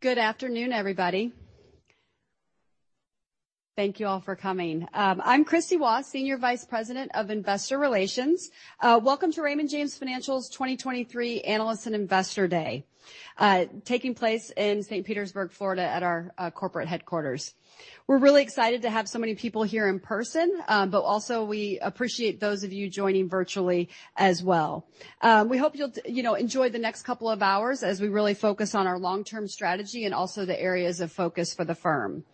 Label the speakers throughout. Speaker 1: Good afternoon, everybody. Thank you all for coming. I'm Kristie Wass, Senior Vice President of Investor Relations. Welcome to Raymond James Financial's 2023 Analyst and Investor Day, taking place in St. Petersburg, Florida, at our corporate headquarters. We're really excited to have so many people here in person, but also, we appreciate those of you joining virtually as well. We hope you'll you know, enjoy the next couple of hours as we really focus on our long-term strategy and also the areas of focus for the firm.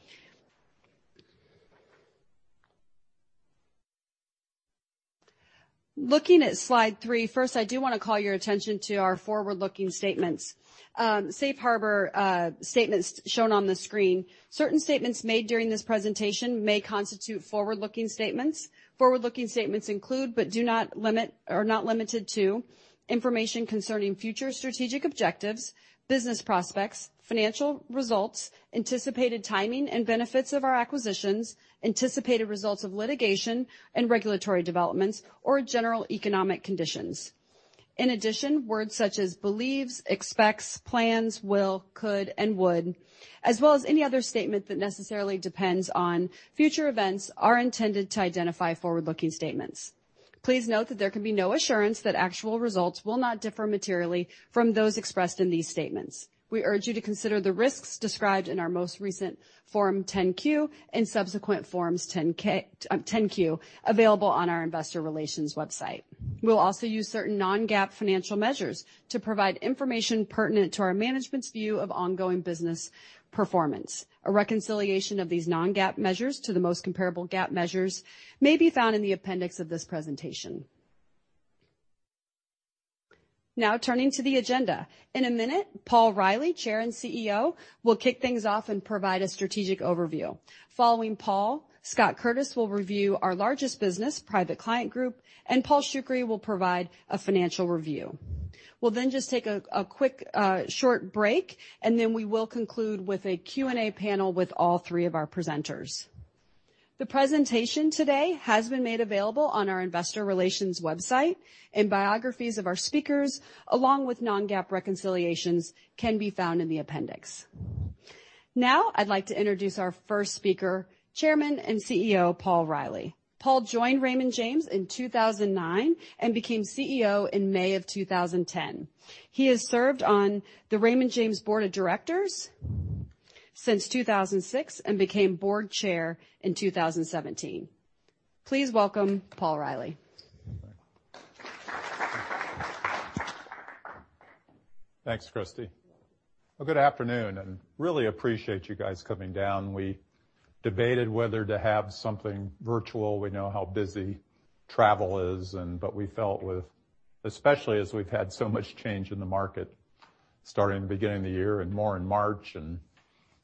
Speaker 1: Looking at Slide 3, first, I do want to call your attention to our forward-looking statements. Safe harbor statements shown on the screen. Certain statements made during this presentation may constitute forward-looking statements. Forward-looking statements include, but do not limit are not limited to, information concerning future strategic objectives, business prospects, financial results, anticipated timing and benefits of our acquisitions, anticipated results of litigation and regulatory developments or general economic conditions. In addition, words such as believes, expects, plans, will, could, and would, as well as any other statement that necessarily depends on future events, are intended to identify forward-looking statements. Please note that there can be no assurance that actual results will not differ materially from those expressed in these statements. We urge you to consider the risks described in our most recent Form 10-Q and subsequent Form 10-K, 10-Q, available on our investor relations website. We'll also use certain non-GAAP financial measures to provide information pertinent to our management's view of ongoing business performance. A reconciliation of these non-GAAP measures to the most comparable GAAP measures may be found in the appendix of this presentation. Turning to the agenda. In a minute, Paul Reilly, Chair and CEO, will kick things off and provide a strategic overview. Following Paul, Scott Curtis will review our largest business, Private Client Group, and Paul Shoukry will provide a financial review. We'll then just take a quick, short break, and then we will conclude with a Q&A panel with all three of our presenters. The presentation today has been made available on our investor relations website, and biographies of our speakers, along with non-GAAP reconciliations, can be found in the appendix. I'd like to introduce our first speaker, Chairman and CEO, Paul Reilly. Paul joined Raymond James in 2009 and became CEO in May of 2010. He has served on the Raymond James Board of Directors since 2006 and became board chair in 2017. Please welcome Paul Reilly.
Speaker 2: Thanks, Kristie. Good afternoon, really appreciate you guys coming down. We debated whether to have something virtual. We know how busy travel is, but we felt with, especially as we've had so much change in the market starting the beginning of the year and more in March, and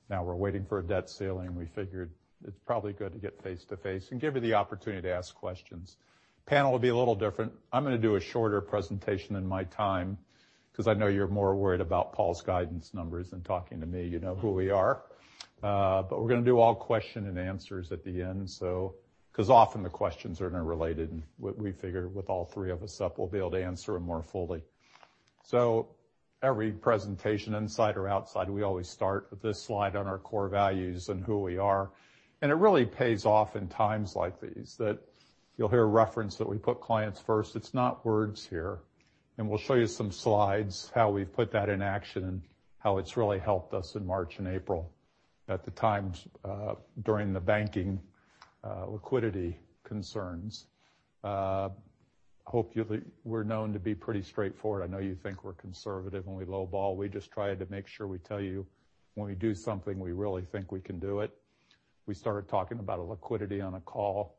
Speaker 2: now we're waiting for a debt ceiling, we figured it's probably good to get face-to-face and give you the opportunity to ask questions. Panel will be a little different. I'm gonna do a shorter presentation in my time because I know you're more worried about Paul's guidance numbers than talking to me. You know who we are. We're gonna do all question and answers at the end. Often the questions are interrelated, and we figure with all three of us up, we'll be able to answer them more fully. Every presentation, inside or outside, we always start with this slide on our core values and who we are. It really pays off in times like these, that you'll hear a reference that we put clients first. It's not words here. We'll show you some slides, how we've put that in action and how it's really helped us in March and April, at the times, during the banking, liquidity concerns. Hopefully, we're known to be pretty straightforward. I know you think we're conservative, and we lowball. We just try to make sure we tell you when we do something, we really think we can do it. We started talking about a liquidity on a call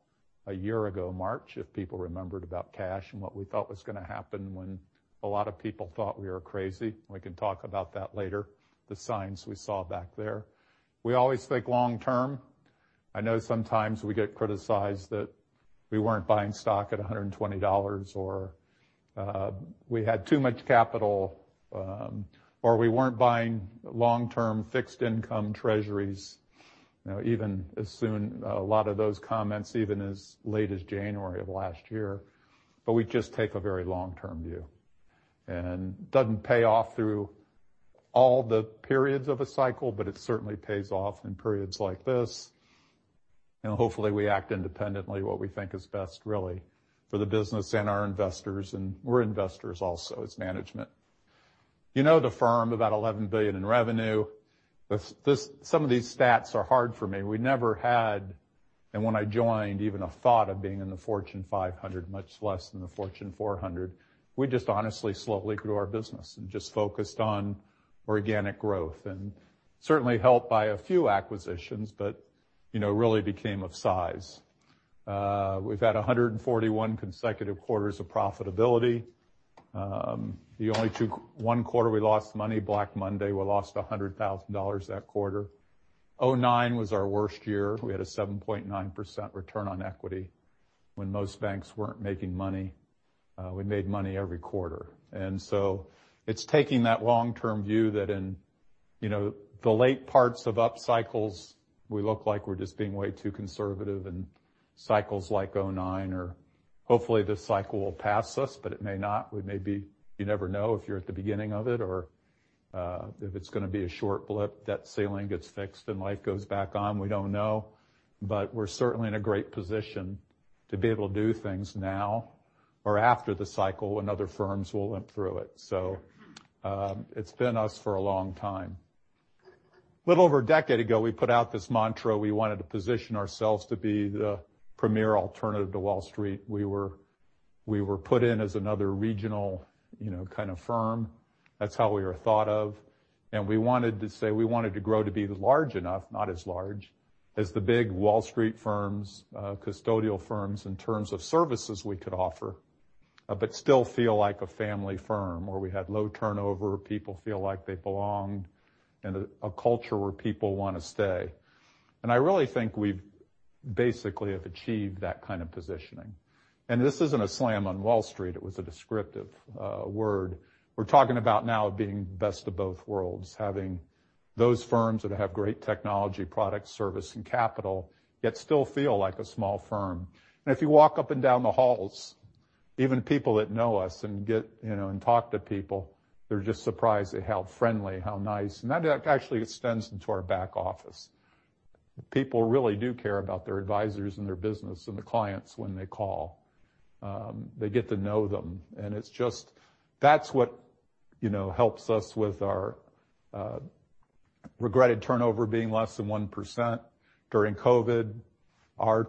Speaker 2: a year ago, March, if people remembered, about cash and what we thought was gonna happen when a lot of people thought we were crazy. We can talk about that later, the signs we saw back there. We always think long term. I know sometimes we get criticized that we weren't buying stock at $120, or we had too much capital, or we weren't buying long-term fixed income treasuries, you know. A lot of those comments, even as late as January of last year. We just take a very long-term view. Doesn't pay off through all the periods of a cycle, but it certainly pays off in periods like this, and hopefully, we act independently, what we think is best, really, for the business and our investors, and we're investors also as management. You know the firm, about $11 billion in revenue. Some of these stats are hard for me. We never had, when I joined, even a thought of being in the Fortune 500, much less in the Fortune 400. We just honestly, slowly grew our business and just focused on organic growth, and certainly helped by a few acquisitions, but, you know, really became of size. We've had 141 consecutive quarters of profitability. The only 1 quarter we lost money, Black Monday. We lost $100,000 that quarter. 2009 was our worst year. We had a 7.9% return on equity. When most banks weren't making money, we made money every quarter. It's taking that long-term view that, you know, the late parts of up cycles, we look like we're just being way too conservative, and cycles like 2009, hopefully, this cycle will pass us, but it may not. You never know if you're at the beginning of it or if it's gonna be a short blip, debt ceiling gets fixed, and life goes back on. We don't know. We're certainly in a great position to be able to do things now or after the cycle, when other firms will limp through it. It's been us for a long time. Little over a decade ago, we put out this mantra. We wanted to position ourselves to be the premier alternative to Wall Street. We were put in as another regional, you know, kind of firm. That's how we were thought of, and we wanted to say we wanted to grow to be large enough, not as large, as the big Wall Street firms, custodial firms, in terms of services we could offer, but still feel like a family firm, where we had low turnover, people feel like they belonged, and a culture where people want to stay. I really think we've basically have achieved that kind of positioning. This isn't a slam on Wall Street. It was a descriptive word. We're talking about now being the best of both worlds, having those firms that have great technology, product, service, and capital, yet still feel like a small firm. If you walk up and down the halls, even people that know us and get. You know, and talk to people, they're just surprised at how friendly, how nice, and that actually extends into our back office. People really do care about their advisors and their business and the clients when they call. They get to know them, and it's just that's what, you know, helps us with our regretted turnover being less than 1%. During COVID, our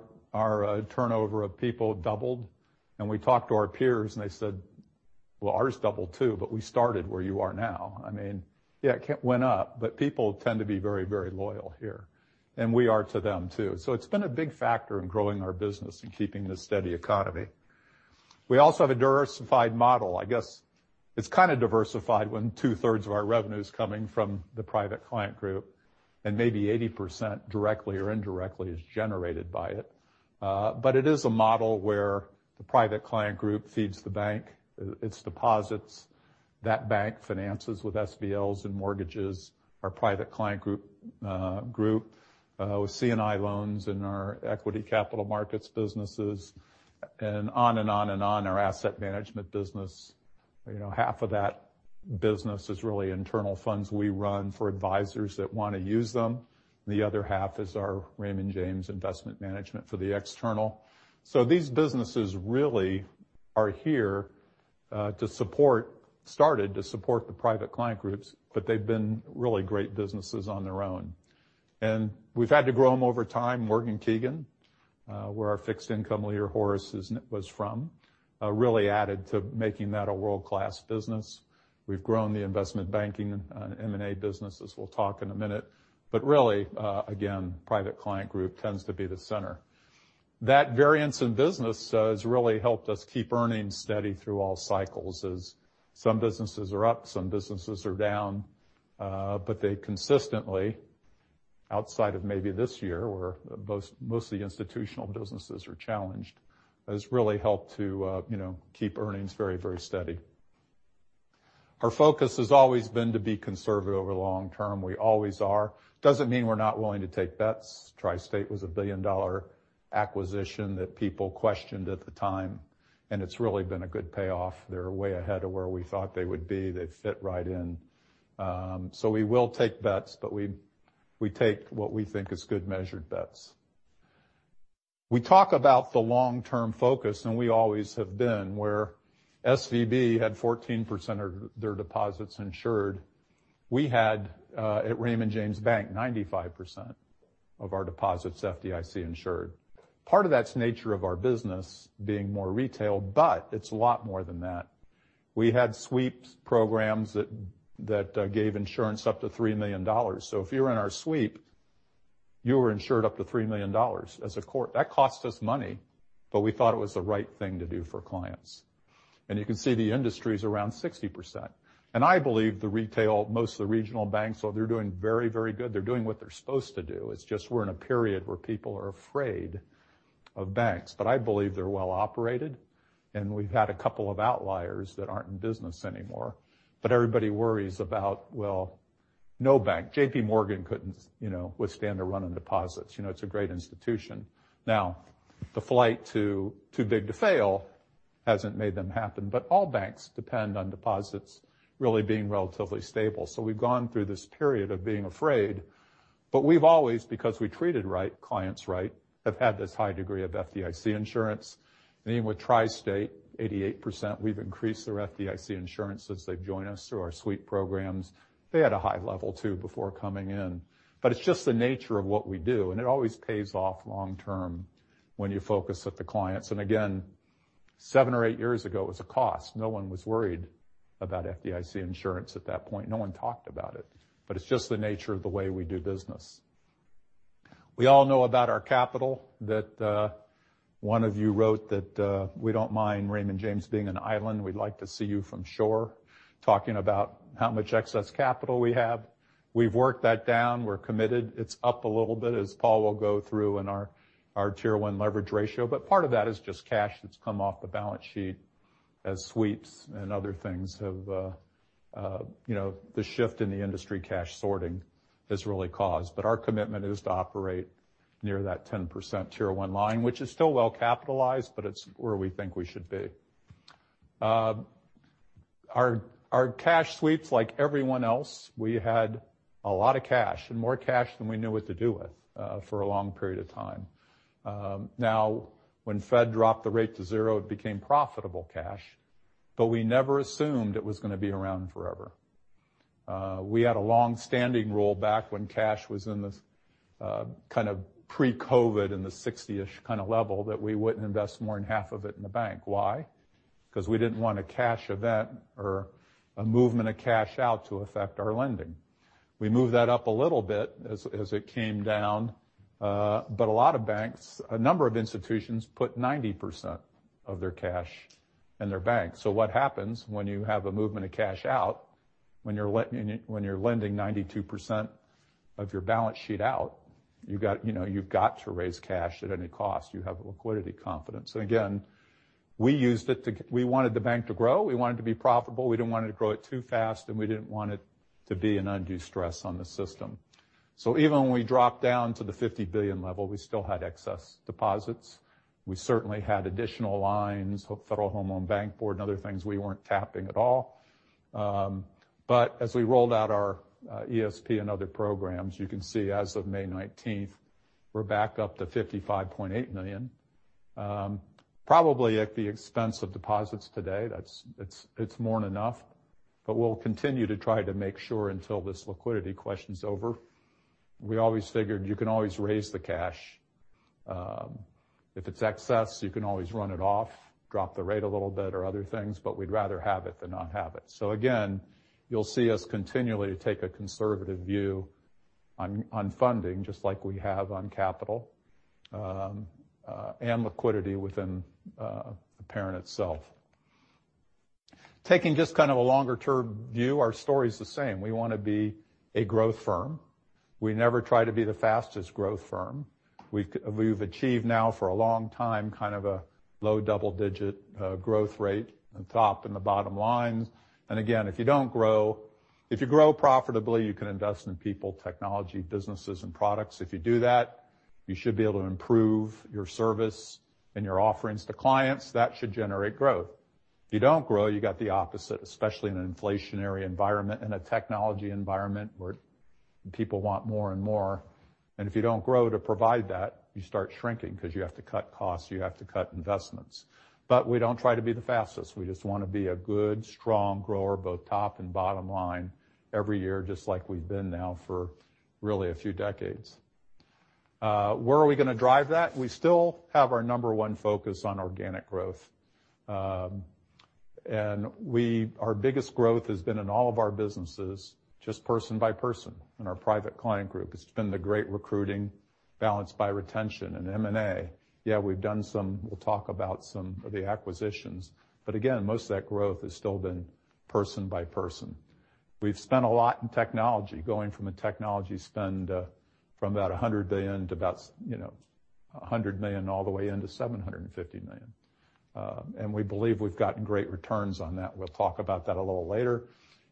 Speaker 2: turnover of people doubled, and we talked to our peers, and they said, "Well, ours doubled, too, but we started where you are now." I mean, yeah, it went up, but people tend to be very, very loyal here, and we are to them, too. It's been a big factor in growing our business and keeping this steady economy. We also have a diversified model. I guess, it's kind of diversified when 2/3 of our revenue is coming from the Private Client Group, and maybe 80%, directly or indirectly, is generated by it. But it is a model where the Private Client Group feeds the bank, its deposits. That bank finances with SBLs and mortgages, our Private Client Group, with C&I loans and our equity capital markets businesses, and on and on and on, our asset management business. You know, 1/2 of that business is really internal funds we run for advisors that want to use them. The other 1/2 is our Raymond James Investment Management for the external. These businesses really are here started to support the Private Client Groups, but they've been really great businesses on their own. We've had to grow them over time. Morgan Keegan, where our fixed income leader, Horace, was from, really added to making that a world-class business. We've grown the investment banking and M&A businesses. We'll talk in a minute. Really, again, Private Client Group tends to be the center. That variance in business has really helped us keep earnings steady through all cycles, as some businesses are up, some businesses are down, but they consistently, outside of maybe this year, where most of the institutional businesses are challenged, has really helped to, you know, keep earnings very, very steady. Our focus has always been to be conservative over the long term. We always are. Doesn't mean we're not willing to take bets. TriState was a billion-dollar acquisition that people questioned at the time, and it's really been a good payoff. They're way ahead of where we thought they would be. They fit right in. We will take bets, but we take what we think is good, measured bets. We talk about the long-term focus, we always have been, where SVB had 14% of their deposits insured. We had at Raymond James Bank, 95% of our deposits FDIC insured. Part of that's the nature of our business being more retail, but it's a lot more than that. We had sweeps programs that gave insurance up to $3 million. If you were in our sweep, you were insured up to $3 million. That cost us money, but we thought it was the right thing to do for clients. You can see the industry is around 60%. I believe the retail, most of the regional banks, so they're doing very, very good. They're doing what they're supposed to do. It's just we're in a period where people are afraid of banks, but I believe they're well-operated, and we've had a couple of outliers that aren't in business anymore. Everybody worries about, well, no bank. JP Morgan couldn't, you know, withstand a run on deposits. You know, it's a great institution. The flight to too-big-to-fail hasn't made them happen, but all banks depend on deposits really being relatively stable. We've gone through this period of being afraid, but we've always, because we treated right, clients right, have had this high degree of FDIC insurance. Even with TriState, 88%, we've increased their FDIC insurance since they've joined us through our sweep programs. They had a high level, too, before coming in. It's just the nature of what we do, and it always pays off long term when you focus at the clients. Again, seven or eight years ago, it was a cost. No one was worried about FDIC insurance at that point. No one talked about it, but it's just the nature of the way we do business. We all know about our capital, that one of you wrote that "We don't mind Raymond James being an island. We'd like to see you from shore," talking about how much excess capital we have. We've worked that down. We're committed. It's up a little bit, as Paul will go through in our Tier 1 leverage ratio, but part of that is just cash that's come off the balance sheet. as sweeps and other things have, you know, the shift in the industry cash sorting has really caused. Our commitment is to operate near that 10% Tier 1 line, which is still well capitalized, but it's where we think we should be. Our cash sweeps, like everyone else, we had a lot of cash and more cash than we knew what to do with, for a long period of time. Now, when Fed dropped the rate to 0, it became profitable cash, but we never assumed it was gonna be around forever. We had a long-standing rule back when cash was in this, kind of pre-COVID, in the 60-ish kind of level, that we wouldn't invest more than half of it in the bank. Why? We didn't want a cash event or a movement of cash out to affect our lending. We moved that up a little bit as it came down, but a lot of banks, a number of institutions, put 90% of their cash in their bank. What happens when you have a movement of cash out, when you're when you're lending 92% of your balance sheet out, you've got, you know, you've got to raise cash at any cost. You have liquidity confidence. Again, we used it to we wanted the bank to grow, we wanted to be profitable. We didn't want to grow it too fast, and we didn't want it to be an undue stress on the system. Even when we dropped down to the $50 billion level, we still had excess deposits. We certainly had additional lines, with Federal Home Loan Bank Board and other things we weren't tapping at all. As we rolled out our ESP and other programs, you can see, as of May 19th, we're back up to $55.8 million, probably at the expense of deposits today. That's it's more than enough, but we'll continue to try to make sure until this liquidity question's over. We always figured you can always raise the cash. If it's excess, you can always run it off, drop the rate a little bit or other things, but we'd rather have it than not have it. Again, you'll see us continually take a conservative view on funding, just like we have on capital and liquidity within the parent itself. Taking just kind of a longer-term view, our story's the same. We want to be a growth firm. We never try to be the fastest growth firm. We've achieved now for a long time, kind of a low double-digit growth rate on top and the bottom line. Again, if you don't grow. If you grow profitably, you can invest in people, technology, businesses, and products. If you do that, you should be able to improve your service and your offerings to clients. That should generate growth. If you don't grow, you got the opposite, especially in an inflationary environment and a technology environment, where people want more and more. If you don't grow to provide that, you start shrinking because you have to cut costs, you have to cut investments. We don't try to be the fastest. We just want to be a good, strong grower, both top and bottom line, every year, just like we've been now for really a few decades. Where are we gonna drive that? We still have our number one focus on organic growth. Our biggest growth has been in all of our businesses, just person by person, in our Private Client Group. It's been the great recruiting, balanced by retention and M&A. We've done some. We'll talk about some of the acquisitions, but again, most of that growth has still been person by person. We've spent a lot in technology, going from a technology spend, from about $100 million to about, you know, $100 million, all the way into $750 million. We believe we've gotten great returns on that. We'll talk about that a little later.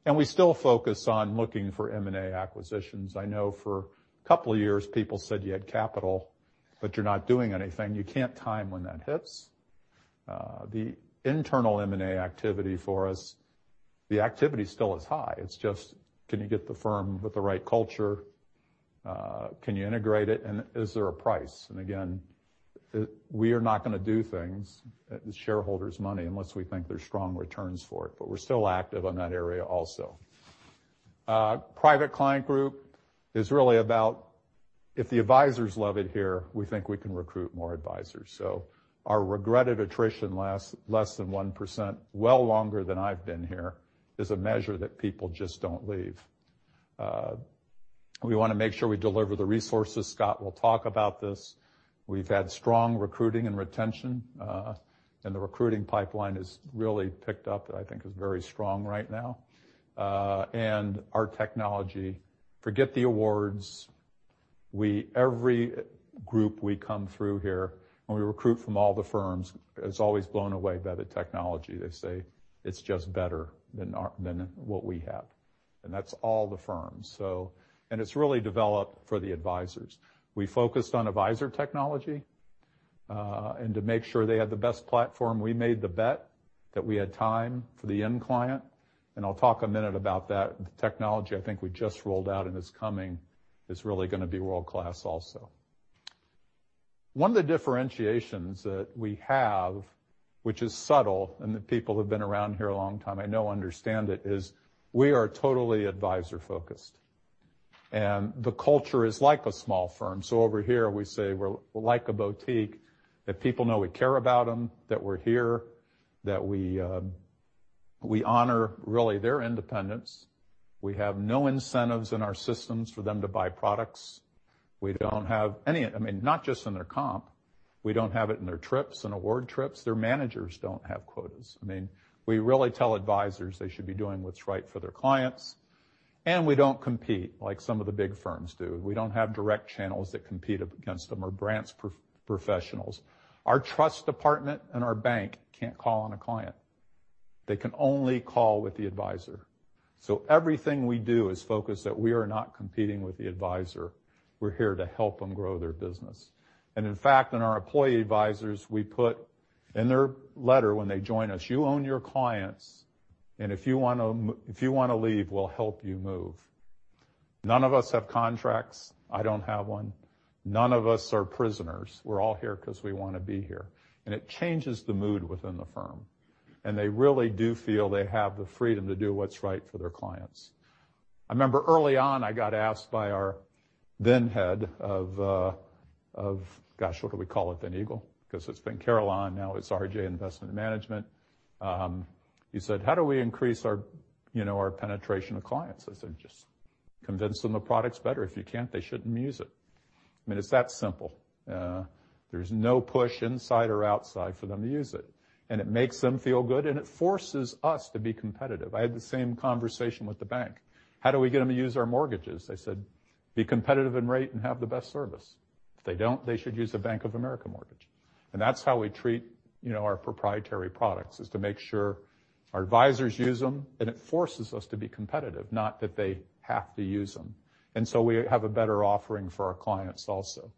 Speaker 2: We still focus on looking for M&A acquisitions. I know for a couple of years, people said, "You had capital, but you're not doing anything." You can't time when that hits. The internal M&A activity for us, the activity still is high. It's just, can you get the firm with the right culture? Can you integrate it? Is there a price? Again, we are not gonna do things, it's shareholders' money, unless we think there's strong returns for it, but we're still active in that area also. Private Client Group is really about if the advisors love it here, we think we can recruit more advisors. Our regretted attrition lasts less than 1%, well longer than I've been here, is a measure that people just don't leave. We wanna make sure we deliver the resources. Scott will talk about this. We've had strong recruiting and retention, the recruiting pipeline has really picked up. I think it's very strong right now. Our technology, forget the awards. Every group we come through here, when we recruit from all the firms, is always blown away by the technology. They say it's just better than what we have, and that's all the firms. It's really developed for the advisors. We focused on advisor technology, and to make sure they had the best platform, we made the bet that we had time for the end client, and I'll talk a minute about that. The technology I think we just rolled out, and it's coming, is really gonna be world-class also. One of the differentiations that we have, which is subtle, and the people who've been around here a long time, I know, understand it, is we are totally advisor-focused, and the culture is like a small firm. Over here, we say we're like a boutique, that people know we care about them, that we're here, that we honor really their independence. We have no incentives in our systems for them to buy products. We don't have any. I mean, not just in their comp. We don't have it in their trips and award trips. Their managers don't have quotas. I mean, we really tell advisors they should be doing what's right for their clients. We don't compete like some of the big firms do. We don't have direct channels that compete up against them or brands pro-professionals. Our trust department and our bank can't call on a client. They can only call with the advisor. Everything we do is focused that we are not competing with the advisor. We're here to help them grow their business. In fact, in our employee advisors, we put in their letter when they join us, "You own your clients, and if you want to leave, we'll help you move." None of us have contracts. I don't have one. None of us are prisoners. We're all here because we want to be here, and it changes the mood within the firm, and they really do feel they have the freedom to do what's right for their clients. I remember early on, I got asked by our then head of, gosh, what did we call it then, Eagle? Because it's been Carillon, now it's RJ Investment Management. He said, "How do we increase our, you know, our penetration of clients?" I said, "Just convince them the product's better. If you can't, they shouldn't use it." I mean, it's that simple. There's no push inside or outside for them to use it, and it makes them feel good, and it forces us to be competitive. I had the same conversation with the bank: "How do we get them to use our mortgages?" I said, "Be competitive in rate and have the best service. If they don't, they should use a Bank of America mortgage." That's how we treat, you know, our proprietary products, is to make sure our advisors use them, and it forces us to be competitive, not that they have to use them. So we have a better offering for our clients also.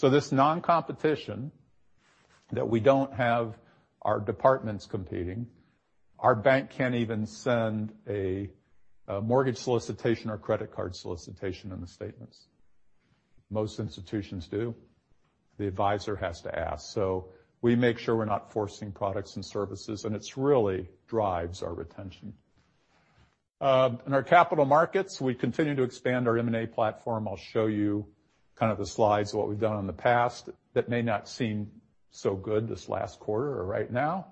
Speaker 2: This non-competition, that we don't have our departments competing, our bank can't even send a mortgage solicitation or credit card solicitation in the statements. Most institutions do. The advisor has to ask. We make sure we're not forcing products and services, and it's really drives our retention. In our capital markets, we continue to expand our M&A platform. I'll show you kind of the slides of what we've done in the past. That may not seem so good this last quarter or right now,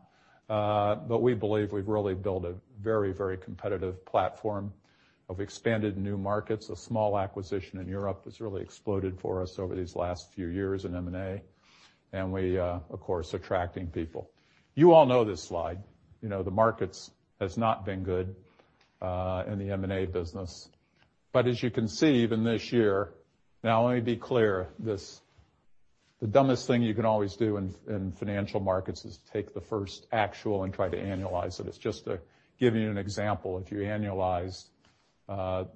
Speaker 2: but we believe we've really built a very, very competitive platform of expanded new markets. A small acquisition in Europe that's really exploded for us over these last few years in M&A, and we, of course, attracting people. You all know this slide. You know, the markets has not been good in the M&A business. As you can see, even this year. Now, let me be clear, the dumbest thing you can always do in financial markets is take the first actual and try to annualize it. It's just to give you an example, if you annualize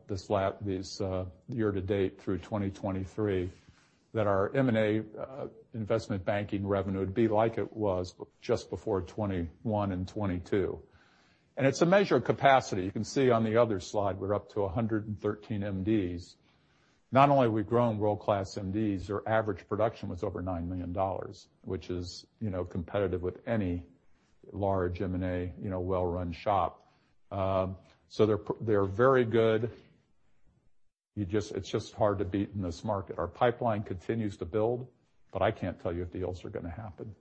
Speaker 2: this lap, this year-to-date through 2023, that our M&A investment banking revenue would be like it was just before 2021 and 2022. It's a measure of capacity. You can see on the other slide, we're up to 113 MDs. Not only we've grown world-class MDs, their average production was over $9 million, which is, you know, competitive with any large M&A, you know, well-run shop. So they're very good. It's just hard to beat in this market. Our pipeline continues to build, but I can't tell you if deals are going to happen,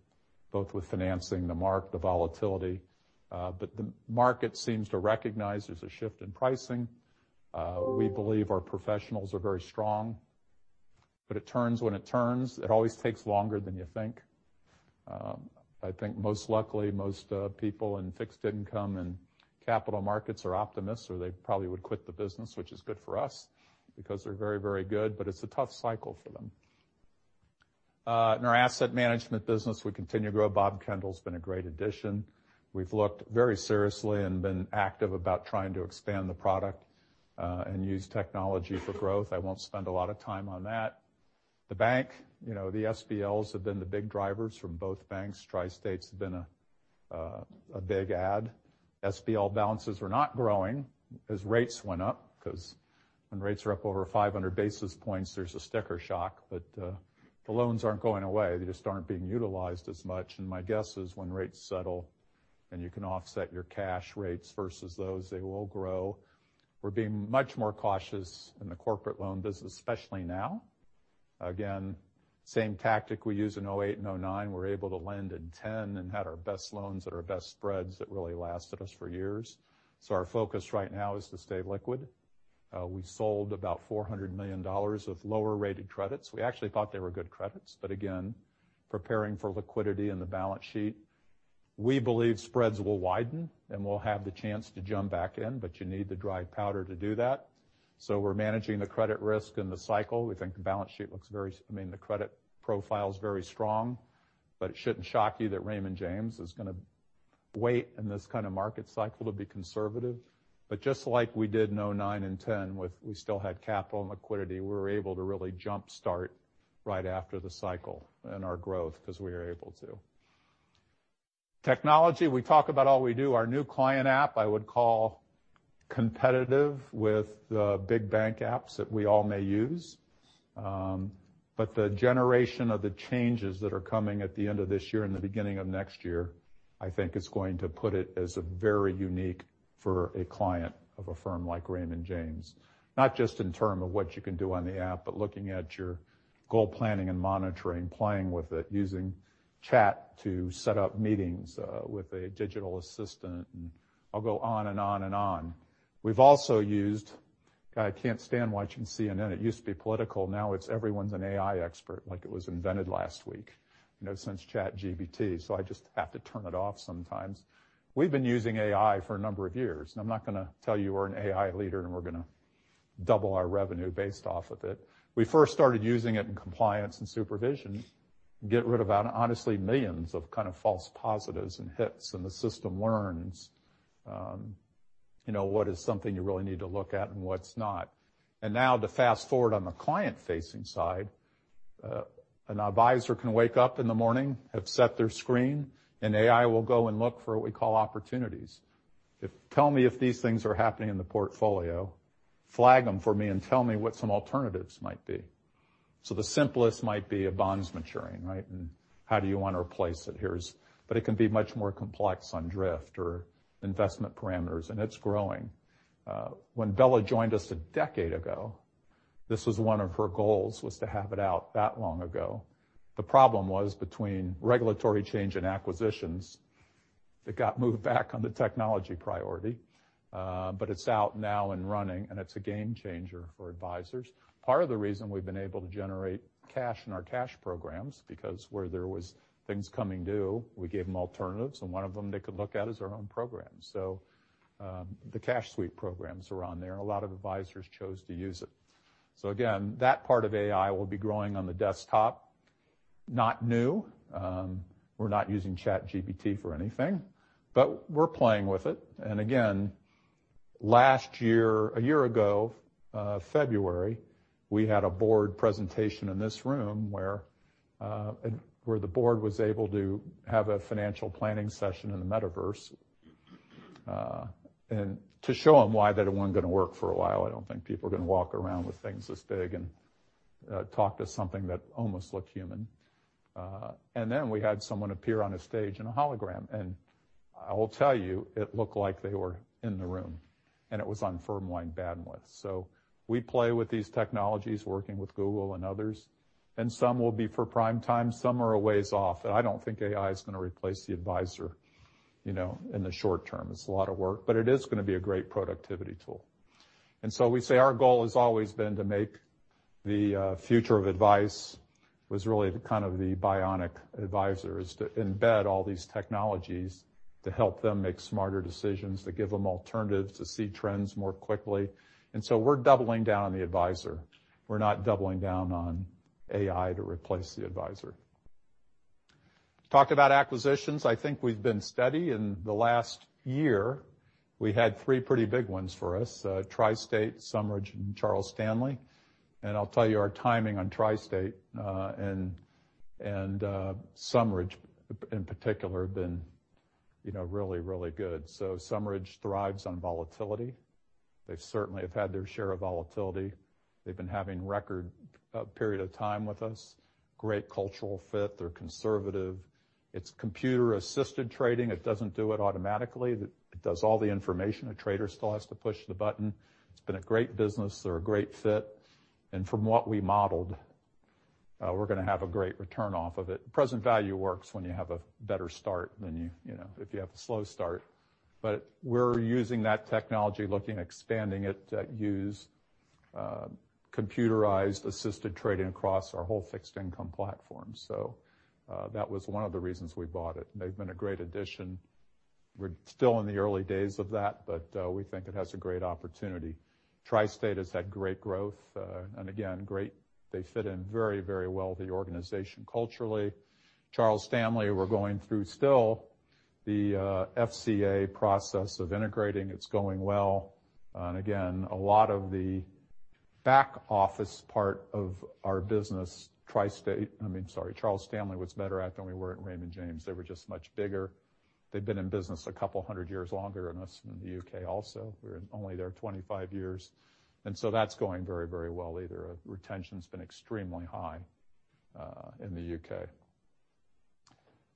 Speaker 2: both with financing the market, the volatility, but the market seems to recognize there's a shift in pricing. We believe our professionals are very strong, but it turns when it turns. It always takes longer than you think. I think most luckily, most people in fixed income and capital markets are optimists, or they probably would quit the business, which is good for us because they're very, very good, but it's a tough cycle for them. In our asset management business, we continue to grow. Bob Kendall's been a great addition. We've looked very seriously and been active about trying to expand the product, and use technology for growth. I won't spend a lot of time on that. The bank, you know, the SBLs have been the big drivers from both banks. TriState have been a big add. SBL balances are not growing as rates went up, because when rates are up over 500 basis points, there's a sticker shock, but the loans aren't going away. They just aren't being utilized as much. My guess is when rates settle and you can offset your cash rates versus those, they will grow. We're being much more cautious in the corporate loan business, especially now. Again, same tactic we used in 2008 and 2009. We're able to lend in 2010 and had our best loans at our best spreads that really lasted us for years. Our focus right now is to stay liquid. We sold about $400 million of lower-rated credits. We actually thought they were good credits, again, preparing for liquidity in the balance sheet. We believe spreads will widen, and we'll have the chance to jump back in, but you need the dry powder to do that. We're managing the credit risk in the cycle. We think the balance sheet looks I mean, the credit profile is very strong, but it shouldn't shock you that Raymond James is going to wait in this kind of market cycle to be conservative. Just like we did in 2009 and 2010, we still had capital and liquidity, we were able to really jump-start right after the cycle and our growth because we were able to. Technology, we talk about all we do. Our new client app, I would call competitive with the big bank apps that we all may use. The generation of the changes that are coming at the end of this year and the beginning of next year, I think is going to put it as a very unique for a client of a firm like Raymond James. Not just in term of what you can do on the app, but looking at your goal planning and monitoring, playing with it, using chat to set up meetings, with a digital assistant, and I'll go on and on and on. I can't stand watching CNN. It used to be political, now it's everyone's an AI expert, like it was invented last week, you know, since ChatGPT, so I just have to turn it off sometimes. We've been using AI for a number of years, and I'm not going to tell you we're an AI leader. double our revenue based off of it. We first started using it in compliance and supervision, get rid of, honestly, millions of kind of false positives and hits, and the system learns, you know, what is something you really need to look at and what's not. Now to fast-forward on the client-facing side, an advisor can wake up in the morning, have set their screen, and AI will go and look for what we call opportunities. Tell me if these things are happening in the portfolio, flag them for me, and tell me what some alternatives might be. The simplest might be a bonds maturing, right? How do you want to replace it? It can be much more complex on drift or investment parameters, and it's growing. When Bella joined us a decade ago, this was 1 of her goals, was to have it out that long ago. The problem was, between regulatory change and acquisitions, it got moved back on the technology priority. It's out now and running, and it's a game changer for advisors. Part of the reason we've been able to generate cash in our cash programs, because where there was things coming due, we gave them alternatives, and 1 of them they could look at is our own program. The cash suite programs are on there. A lot of advisors chose to use it. That part of AI will be growing on the desktop. Not new, we're not using ChatGPT for anything, but we're playing with it. Last year, a year ago, February, we had a board presentation in this room where the board was able to have a financial planning session in the metaverse. To show them why that it wasn't gonna work for a while, I don't think people are gonna walk around with things this big and talk to something that almost looked human. Then we had someone appear on a stage in a hologram, and I will tell you, it looked like they were in the room, and it was on firm line bandwidth. We play with these technologies, working with Google and others, and some will be for prime time. Some are a ways off, and I don't think AI is gonna replace the advisor, you know, in the short term. It's a lot of work, but it is gonna be a great productivity tool. We say our goal has always been to make the future of advice, was really the kind of the bionic advisors, to embed all these technologies to help them make smarter decisions, to give them alternatives, to see trends more quickly. We're doubling down on the advisor. We're not doubling down on AI to replace the advisor. Talk about acquisitions, I think we've been steady in the last year. We had three pretty big ones for us, TriState, Sumridge, and Charles Stanley. I'll tell you, our timing on TriState, and Sumridge, in particular, have been, you know, really, really good. Sumridge thrives on volatility. They certainly have had their share of volatility. They've been having record period of time with us. Great cultural fit. They're conservative. It's computer-assisted trading. It doesn't do it automatically. It does all the information. A trader still has to push the button. It's been a great business. They're a great fit, and from what we modeled, we're gonna have a great return off of it. Present value works when you have a better start than you know, if you have a slow start. we're using that technology, looking at expanding it, to use computerized assisted trading across our whole Fixed Income platform. That was one of the reasons we bought it. They've been a great addition. We're still in the early days of that, but we think it has a great opportunity. TriState has had great growth, and again, great. They fit in very, very well, the organization culturally. Charles Stanley, we're going through still, the FCA process of integrating. It's going well. Again, a lot of the back office part of our business, TriState, I mean, sorry, Charles Stanley, was better at than we were at Raymond James. They were just much bigger. They've been in business a couple hundred years longer than us in the U.K. also. We're only there 25 years, that's going very, very well either. Retention's been extremely high in the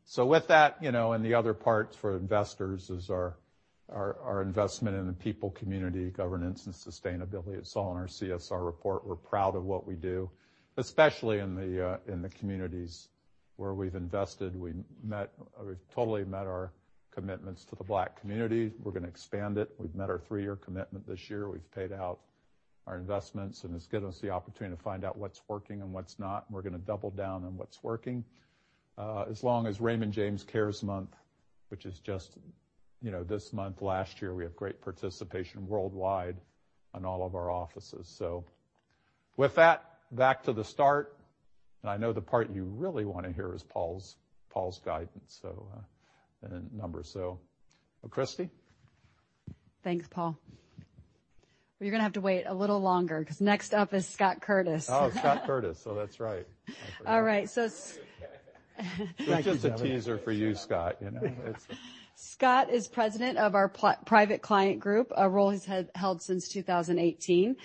Speaker 2: U.K. With that, you know, the other parts for investors is our investment in the people, community, governance, and sustainability. It's all in our CSR report. We're proud of what we do, especially in the communities where we've invested. We've totally met our commitments to the Black community. We're gonna expand it. We've met our 3-year commitment this year. We've paid out our investments, and it's given us the opportunity to find out what's working and what's not, and we're gonna double down on what's working. As long as Raymond James Cares Month, which is just, you know, this month last year, we have great participation worldwide in all of our offices. With that, back to the start, and I know the part you really want to hear is Paul's guidance, and then numbers. Kristie?
Speaker 1: Thanks, Paul. You're gonna have to wait a little longer because next up is Scott Curtis.
Speaker 2: Oh, Scott Curtis. That's right.
Speaker 1: All right.
Speaker 2: It's just a teaser for you, Scott, you know.
Speaker 1: Scott is president of our Private Client Group, a role he's held since 2018.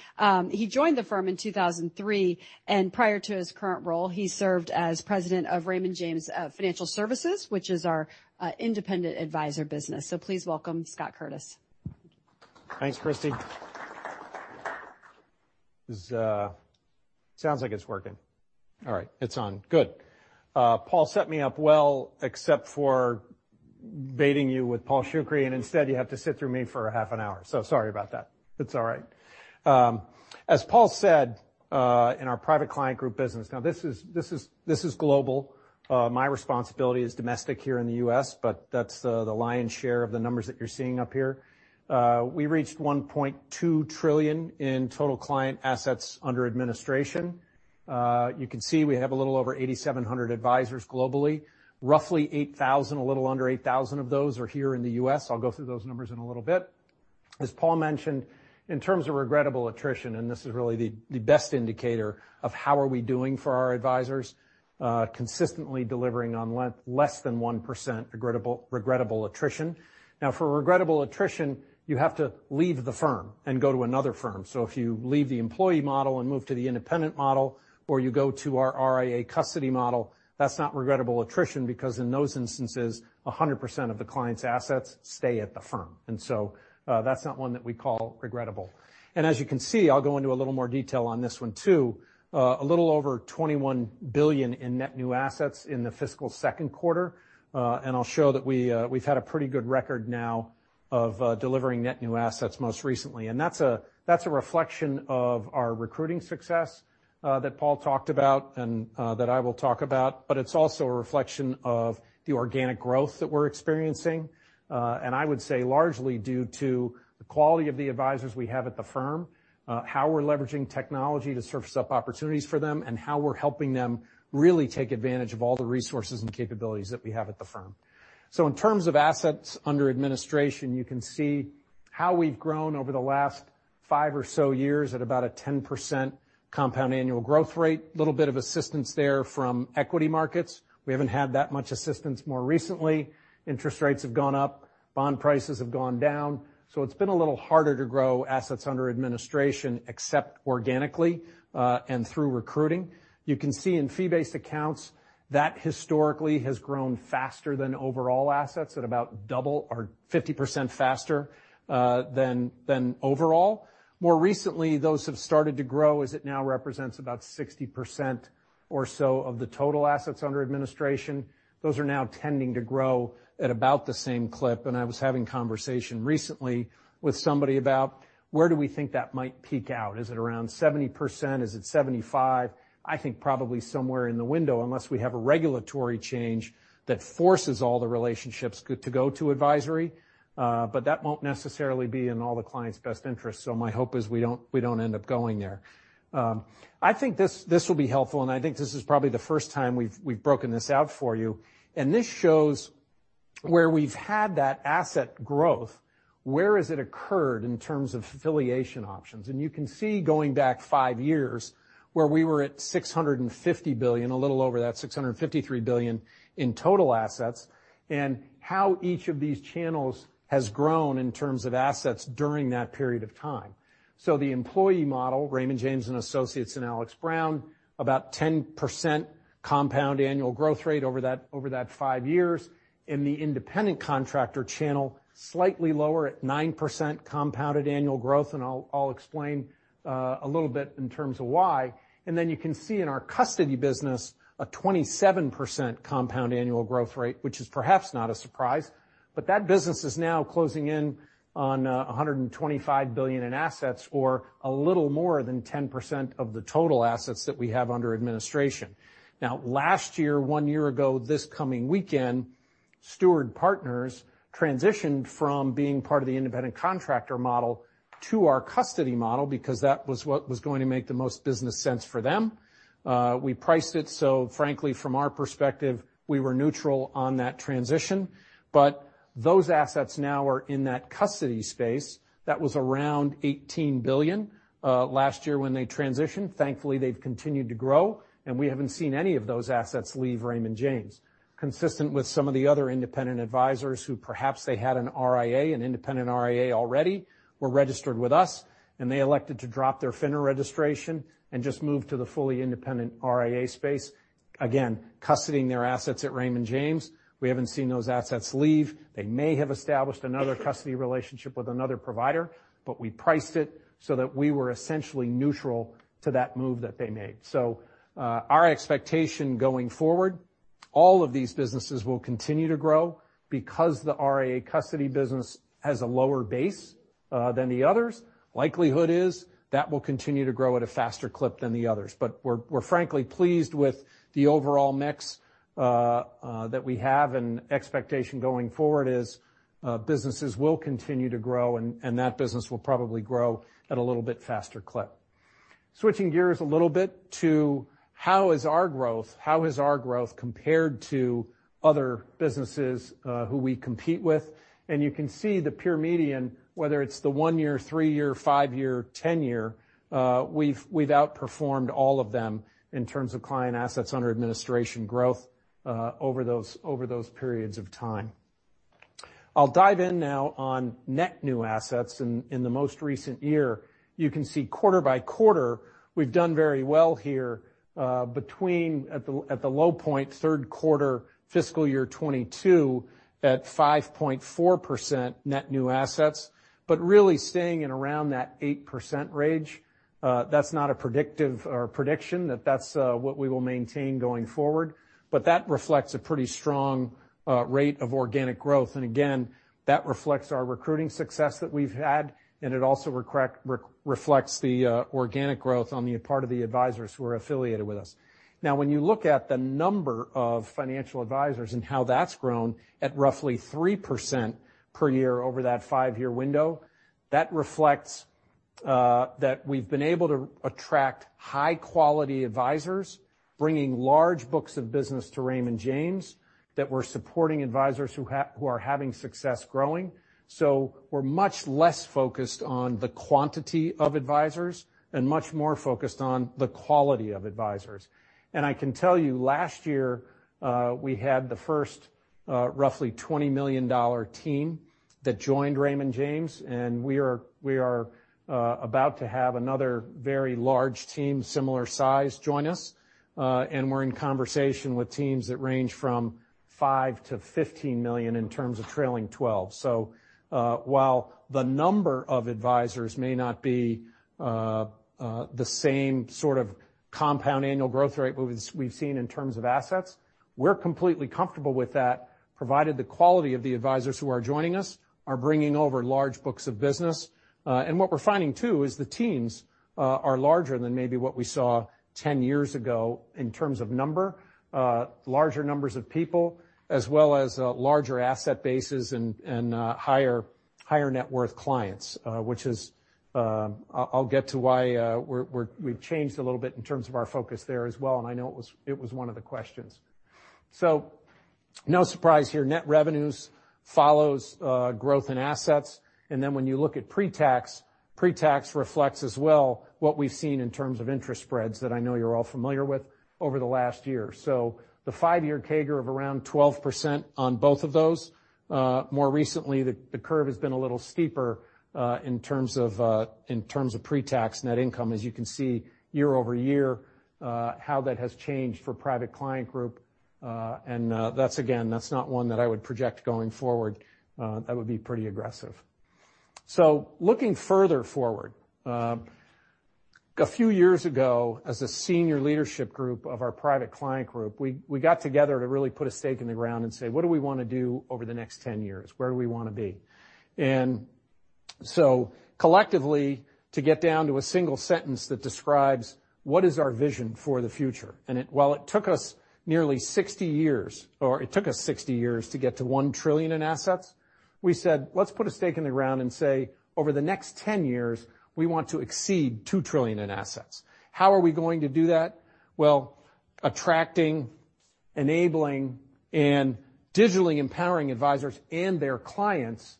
Speaker 1: He joined the firm in 2003, and prior to his current role, he served as president of Raymond James Financial Services, which is our independent advisor business. Please welcome Scott Curtis.
Speaker 3: Thanks, Kristie. This sounds like it's working. All right, it's on. Good. Paul set me up well, except for baiting you with Paul Shoukry. Instead, you have to sit through me for a half an hour. Sorry about that. It's all right. As Paul said, in our Private Client Group business. This is global. My responsibility is domestic here in the U.S., that's the lion's share of the numbers that you're seeing up here. We reached $1.2 trillion in total client assets under administration. You can see we have a little over 8,700 advisors globally. Roughly 8,000, a little under 8,000 of those are here in the U.S. I'll go through those numbers in a little bit. As Paul mentioned, in terms of regrettable attrition, this is really the best indicator of how are we doing for our advisors, consistently delivering on less than 1% regrettable attrition. Now, for regrettable attrition, you have to leave the firm and go to another firm. If you leave the employee model and move to the independent model, or you go to our RIA custody model, that's not regrettable attrition, because in those instances, 100% of the client's assets stay at the firm. That's not one that we call regrettable. As you can see, I'll go into a little more detail on this one, too. A little over $21 billion in net new assets in the fiscal second quarter, and I'll show that we've had a pretty good record now of delivering net new assets most recently. That's a, that's a reflection of our recruiting success that Paul talked about and that I will talk about, but it's also a reflection of the organic growth that we're experiencing. And I would say largely due to the quality of the advisors we have at the firm, how we're leveraging technology to surface up opportunities for them, and how we're helping them really take advantage of all the resources and capabilities that we have at the firm. In terms of assets under administration, you can see how we've grown over the last five or so years at about a 10% compound annual growth rate. Little bit of assistance there from equity markets. We haven't had that much assistance more recently. Interest rates have gone up, bond prices have gone down, so it's been a little harder to grow assets under administration, except organically and through recruiting. You can see in fee-based accounts, that historically has grown faster than overall assets at about double or 50% faster than overall. More recently, those have started to grow, as it now represents about 60% or so of the total assets under administration. Those are now tending to grow at about the same clip. I was having a conversation recently with somebody about where do we think that might peak out? Is it around 70%? Is it 75%? I think probably somewhere in the window, unless we have a regulatory change that forces all the relationships to go to advisory, but that won't necessarily be in all the clients' best interests. My hope is we don't end up going there. I think this will be helpful, and I think this is probably the first time we've broken this out for you. This shows where we've had that asset growth, where has it occurred in terms of affiliation options? You can see, going back five years, where we were at $650 billion, a little over that, $653 billion in total assets, and how each of these channels has grown in terms of assets during that period of time. The employee model, Raymond James & Associates and Alex. Brown, about 10% compound annual growth rate over that 5 years. In the independent contractor channel, slightly lower at 9% compounded annual growth, and I'll explain a little bit in terms of why. You can see in our custody business, a 27% compound annual growth rate, which is perhaps not a surprise. That business is now closing in on $125 billion in assets, or a little more than 10% of the total assets that we have under administration. Last year, one year ago, this coming weekend, Steward Partners transitioned from being part of the independent contractor model to our custody model, because that was what was going to make the most business sense for them. We priced it, so frankly, from our perspective, we were neutral on that transition. Those assets now are in that custody space. That was around $18 billion last year when they transitioned. Thankfully, they've continued to grow, and we haven't seen any of those assets leave Raymond James. Consistent with some of the other independent advisors who, perhaps they had an RIA, an independent RIA already, were registered with us, and they elected to drop their FINRA registration and just move to the fully independent RIA space. Again, custodying their assets at Raymond James, we haven't seen those assets leave. They may have established another custody relationship with another provider, but we priced it so that we were essentially neutral to that move that they made. Our expectation going forward, all of these businesses will continue to grow. Because the RIA custody business has a lower base than the others, likelihood is that will continue to grow at a faster clip than the others. But we're frankly pleased with the overall mix that we have, and expectation going forward is businesses will continue to grow and that business will probably grow at a little bit faster clip. Switching gears a little bit to how is our growth compared to other businesses who we compete with? You can see the pure median, whether it's the 1-year, 3-year, 5-year, 10-year, we've outperformed all of them in terms of client assets under administration growth over those periods of time. I'll dive in now on net new assets in the most recent year. You can see quarter by quarter, we've done very well here, between at the, at the low point, third quarter, fiscal year 2022, at 5.4% net new assets, but really staying in around that 8% range. That's not a predictive or prediction, that that's what we will maintain going forward, but that reflects a pretty strong rate of organic growth. Again, that reflects our recruiting success that we've had, and it also reflects the organic growth on the part of the advisors who are affiliated with us. Now, when you look at the number of financial advisors and how that's grown at roughly 3% per year over that 5-year window, that reflects. that we've been able to attract high-quality advisors, bringing large books of business to Raymond James, that we're supporting advisors who are having success growing. We're much less focused on the quantity of advisors and much more focused on the quality of advisors. I can tell you last year, we had the first, roughly $20 million team that joined Raymond James, and we are about to have another very large team, similar size, join us. We're in conversation with teams that range from $5 million-$15 million in terms of trailing twelve. While the number of advisors may not be the same sort of compound annual growth rate we've seen in terms of assets, we're completely comfortable with that, provided the quality of the advisors who are joining us are bringing over large books of business. What we're finding, too, is the teams are larger than maybe what we saw 10 years ago in terms of number. Larger numbers of people, as well as larger asset bases and higher net worth clients, which is, I'll get to why we've changed a little bit in terms of our focus there as well, and I know it was one of the questions. No surprise here. Net revenues follows growth in assets, and then when you look at pre-tax, pre-tax reflects as well what we've seen in terms of interest spreads that I know you're all familiar with over the last year. The 5-year CAGR of around 12% on both of those. More recently, the curve has been a little steeper in terms of pre-tax net income. As you can see, year-over-year, how that has changed for Private Client Group, and that's, again, that's not one that I would project going forward. That would be pretty aggressive. Looking further forward, a few years ago, as a senior leadership group of our Private Client Group, we got together to really put a stake in the ground and say: What do we wanna do over the next 10 years? Where do we want to be? Collectively, to get down to a single sentence that describes what is our vision for the future, while it took us nearly 60 years, or it took us 60 years to get to $1 trillion in assets, we said, "Let's put a stake in the ground and say, over the next 10 years, we want to exceed $2 trillion in assets." How are we going to do that? Well, attracting, enabling and digitally empowering advisors and their clients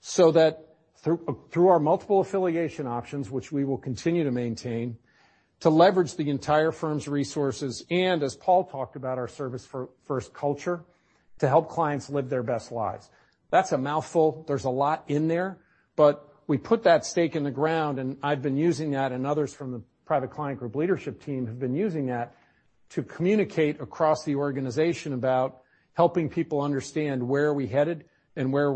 Speaker 3: so that through our multiple affiliation options, which we will continue to maintain, to leverage the entire firm's resources, and as Paul talked about, our service-first culture, to help clients live their best lives. That's a mouthful. There's a lot in there, we put that stake in the ground, and I've been using that, and others from the Private Client Group leadership team have been using that, to communicate across the organization about helping people understand where are we headed and where are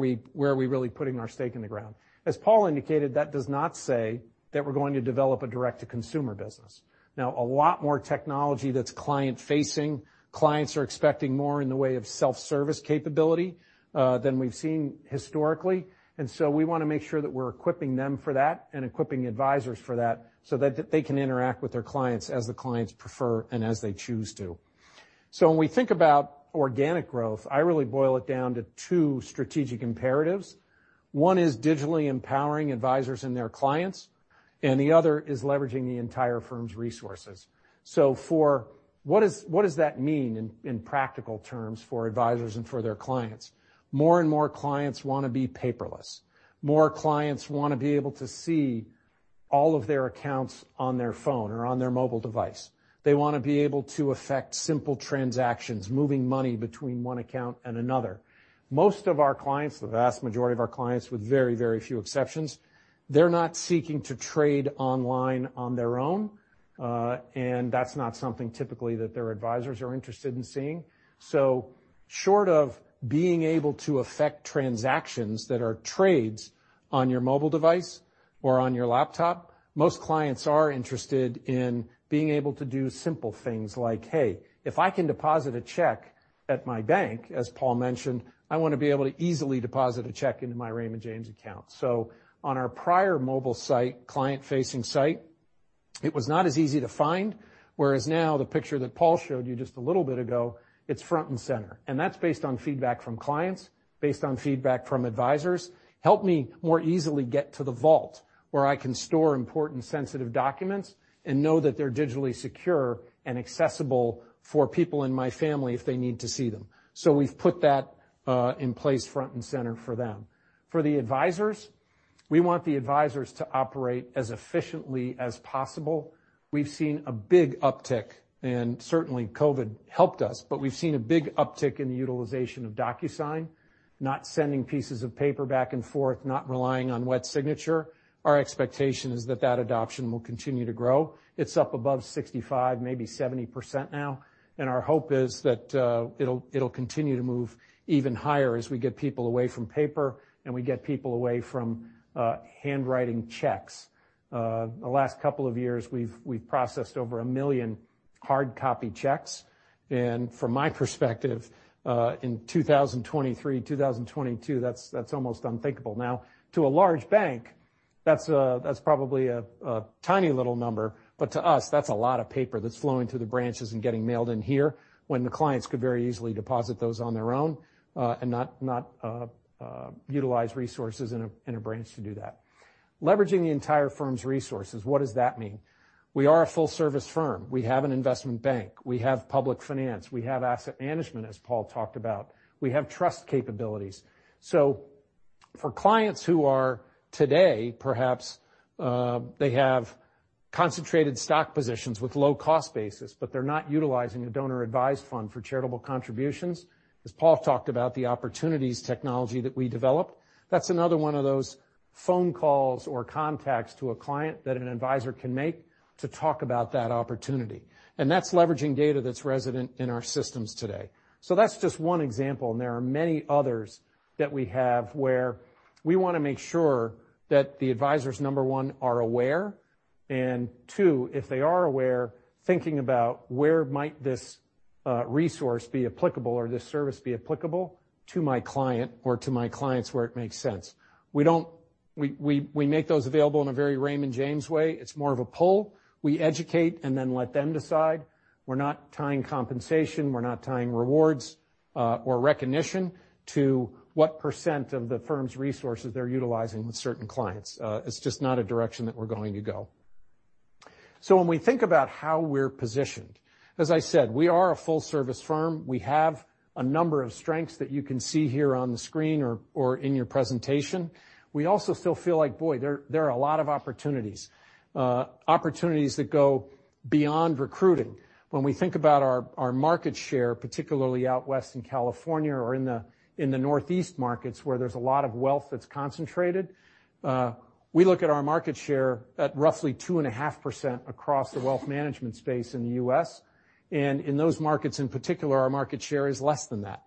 Speaker 3: we really putting our stake in the ground. As Paul indicated, that does not say that we're going to develop a direct-to-consumer business. A lot more technology that's client-facing. Clients are expecting more in the way of self-service capability than we've seen historically, we wanna make sure that we're equipping them for that and equipping advisors for that, so that they can interact with their clients as the clients prefer and as they choose to. When we think about organic growth, I really boil it down to two strategic imperatives. One is digitally empowering advisors and their clients, and the other is leveraging the entire firm's resources. What is, what does that mean in practical terms, for advisors and for their clients? More and more clients want to be paperless. More clients want to be able to see all of their accounts on their phone or on their mobile device. They want to be able to affect simple transactions, moving money between one account and another. Most of our clients, the vast majority of our clients, with very, very few exceptions, they're not seeking to trade online on their own, and that's not something typically that their advisors are interested in seeing. Short of being able to affect transactions that are trades on your mobile device or on your laptop, most clients are interested in being able to do simple things like, "Hey, if I can deposit a check at my bank," as Paul mentioned, "I want to be able to easily deposit a check into my Raymond James account." On our prior mobile site, client-facing site, it was not as easy to find, whereas now, the picture that Paul showed you just a little bit ago, it's front and center, and that's based on feedback from clients, based on feedback from advisors. Help me more easily get to the vault, where I can store important, sensitive documents and know that they're digitally secure and accessible for people in my family if they need to see them. We've put that in place front and center for them. For the advisors, we want the advisors to operate as efficiently as possible. We've seen a big uptick, and certainly, COVID helped us, but we've seen a big uptick in the utilization of DocuSign, not sending pieces of paper back and forth, not relying on wet signature. Our expectation is that that adoption will continue to grow. It's up above 65, maybe 70% now, and our hope is that it'll continue to move even higher as we get people away from paper and we get people away from handwriting checks. The last couple of years, we've processed over 1 million hard copy checks, and from my perspective, in 2023, 2022, that's almost unthinkable. Now, to a large bank, that's probably a tiny little number, but to us, that's a lot of paper that's flowing through the branches and getting mailed in here when the clients could very easily deposit those on their own and not utilize resources in a, in a branch to do that. Leveraging the entire firm's resources, what does that mean? We are a full-service firm. We have an investment bank, we have public finance, we have asset management, as Paul talked about. We have trust capabilities. For clients who are today, perhaps, they have concentrated stock positions with low-cost basis, but they're not utilizing a donor-advised fund for charitable contributions. As Paul talked about, the opportunities technology that we developed, that's another one of those phone calls or contacts to a client that an advisor can make to talk about that opportunity. That's leveraging data that's resident in our systems today. That's just 1 example, and there are many others that we have, where we wanna make sure that the advisors, number 1, are aware, and 2, if they are aware, thinking about where might this resource be applicable or this service be applicable to my client or to my clients where it makes sense. We make those available in a very Raymond James way. It's more of a pull. We educate and then let them decide. We're not tying compensation, we're not tying rewards or recognition to what % of the firm's resources they're utilizing with certain clients. It's just not a direction that we're going to go. When we think about how we're positioned, as I said, we are a full-service firm. We have a number of strengths that you can see here on the screen or in your presentation. We also still feel like, boy, there are a lot of opportunities that go beyond recruiting. When we think about our market share, particularly out west in California or in the Northeast markets, where there's a lot of wealth that's concentrated, we look at our market share at roughly 2.5% across the wealth management space in the U.S. In those markets, in particular, our market share is less than that.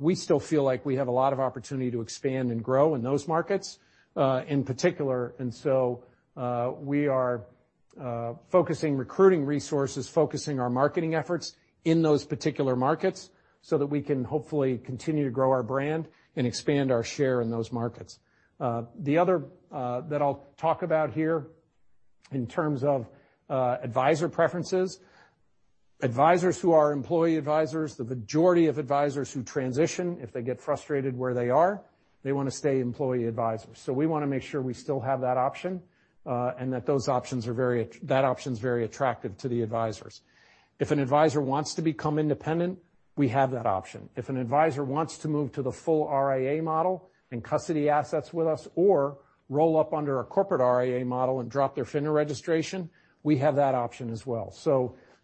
Speaker 3: We still feel like we have a lot of opportunity to expand and grow in those markets in particular. We are focusing recruiting resources, focusing our marketing efforts in those particular markets so that we can hopefully continue to grow our brand and expand our share in those markets. The other that I'll talk about here in terms of advisor preferences, advisors who are employee advisors, the majority of advisors who transition, if they get frustrated where they are, they wanna stay employee advisors. We wanna make sure we still have that option, and that option is very attractive to the advisors. If an advisor wants to become independent, we have that option. If an advisor wants to move to the full RIA model and custody assets with us or roll up under a corporate RIA model and drop their FINRA registration, we have that option as well.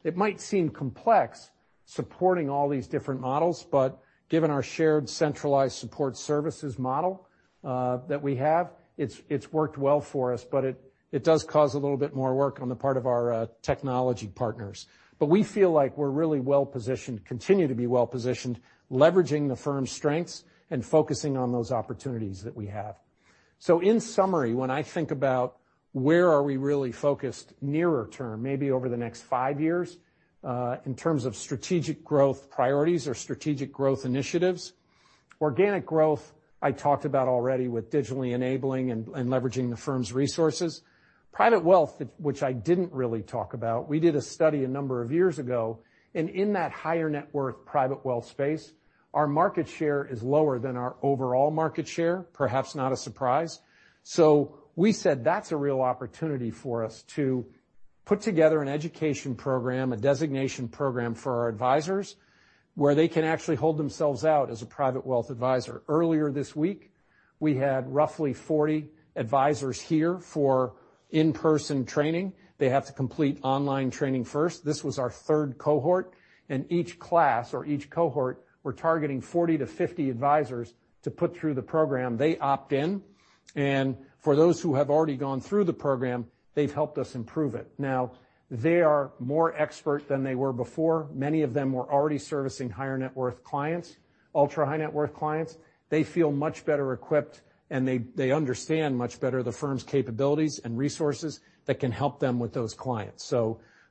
Speaker 3: It might seem complex supporting all these different models, but given our shared centralized support services model that we have, it's worked well for us, but it does cause a little bit more work on the part of our technology partners. We feel like we're really well-positioned, continue to be well-positioned, leveraging the firm's strengths and focusing on those opportunities that we have. In summary, when I think about where are we really focused nearer term, maybe over the next 5 years in terms of strategic growth priorities or strategic growth initiatives, organic growth, I talked about already with digitally enabling and leveraging the firm's resources. Private wealth, which I didn't really talk about, we did a study a number of years ago. In that higher net worth private wealth space, our market share is lower than our overall market share. Perhaps not a surprise. We said that's a real opportunity for us to put together an education program, a designation program for our advisors, where they can actually hold themselves out as a private wealth advisor. Earlier this week, we had roughly 40 advisors here for in-person training. They have to complete online training first. This was our third cohort. Each class or each cohort, we're targeting 40-50 advisors to put through the program. They opt in. For those who have already gone through the program, they've helped us improve it. Now, they are more expert than they were before. Many of them were already servicing higher net worth clients, ultra-high net worth clients. They feel much better equipped, and they understand much better the firm's capabilities and resources that can help them with those clients.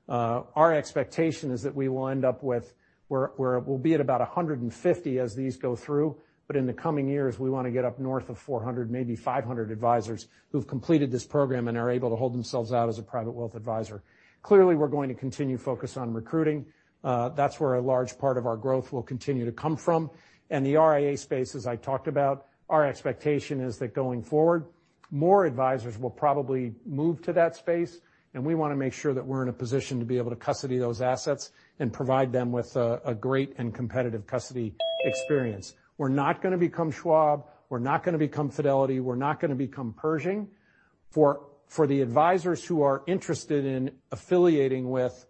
Speaker 3: Our expectation is that we will end up with we'll be at about 150 as these go through, but in the coming years, we wanna get up north of 400, maybe 500 advisors who've completed this program and are able to hold themselves out as a private wealth advisor. Clearly, we're going to continue to focus on recruiting. That's where a large part of our growth will continue to come from. The RIA space, as I talked about, our expectation is that going forward, more advisors will probably move to that space, and we wanna make sure that we're in a position to be able to custody those assets and provide them with a great and competitive custody experience. We're not gonna become Schwab, we're not gonna become Fidelity, we're not gonna become Pershing. For the advisors who are interested in affiliating with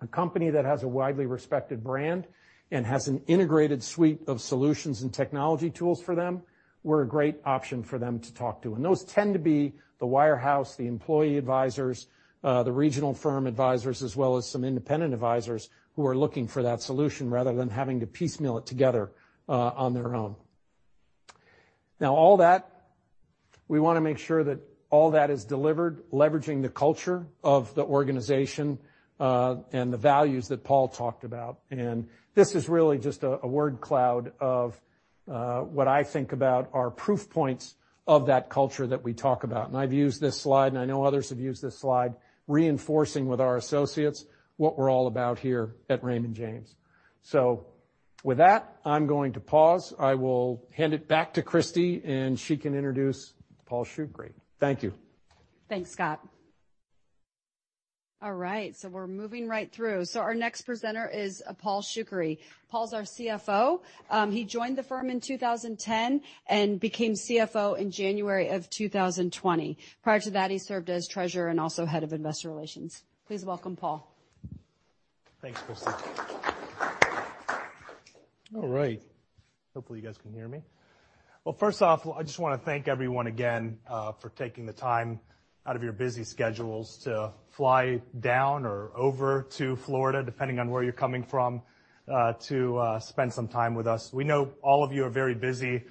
Speaker 3: a company that has a widely respected brand and has an integrated suite of solutions and technology tools for them, we're a great option for them to talk to. Those tend to be the wirehouse, the employee advisors, the regional firm advisors, as well as some independent advisors who are looking for that solution rather than having to piecemeal it together on their own. All that, we wanna make sure that all that is delivered, leveraging the culture of the organization, and the values that Paul talked about. This is really just a word cloud of, what I think about our proof points of that culture that we talk about. I've used this slide, and I know others have used this slide, reinforcing with our associates what we're all about here at Raymond James. With that, I'm going to pause. I will hand it back to Kristie, and she can introduce Paul Shoukry. Great. Thank you.
Speaker 1: Thanks, Scott. All right, we're moving right through. Our next presenter is Paul Shoukry. Paul's our CFO. He joined the firm in 2010 and became CFO in January of 2020. Prior to that, he served as treasurer and also head of investor relations. Please welcome Paul.
Speaker 4: Thanks, Kristie. All right. Hopefully, you guys can hear me. Well, first off, I just want to thank everyone again for taking the time out of your busy schedules to fly down or over to Florida, depending on where you're coming from, to spend some time with us. We know all of you are very busy.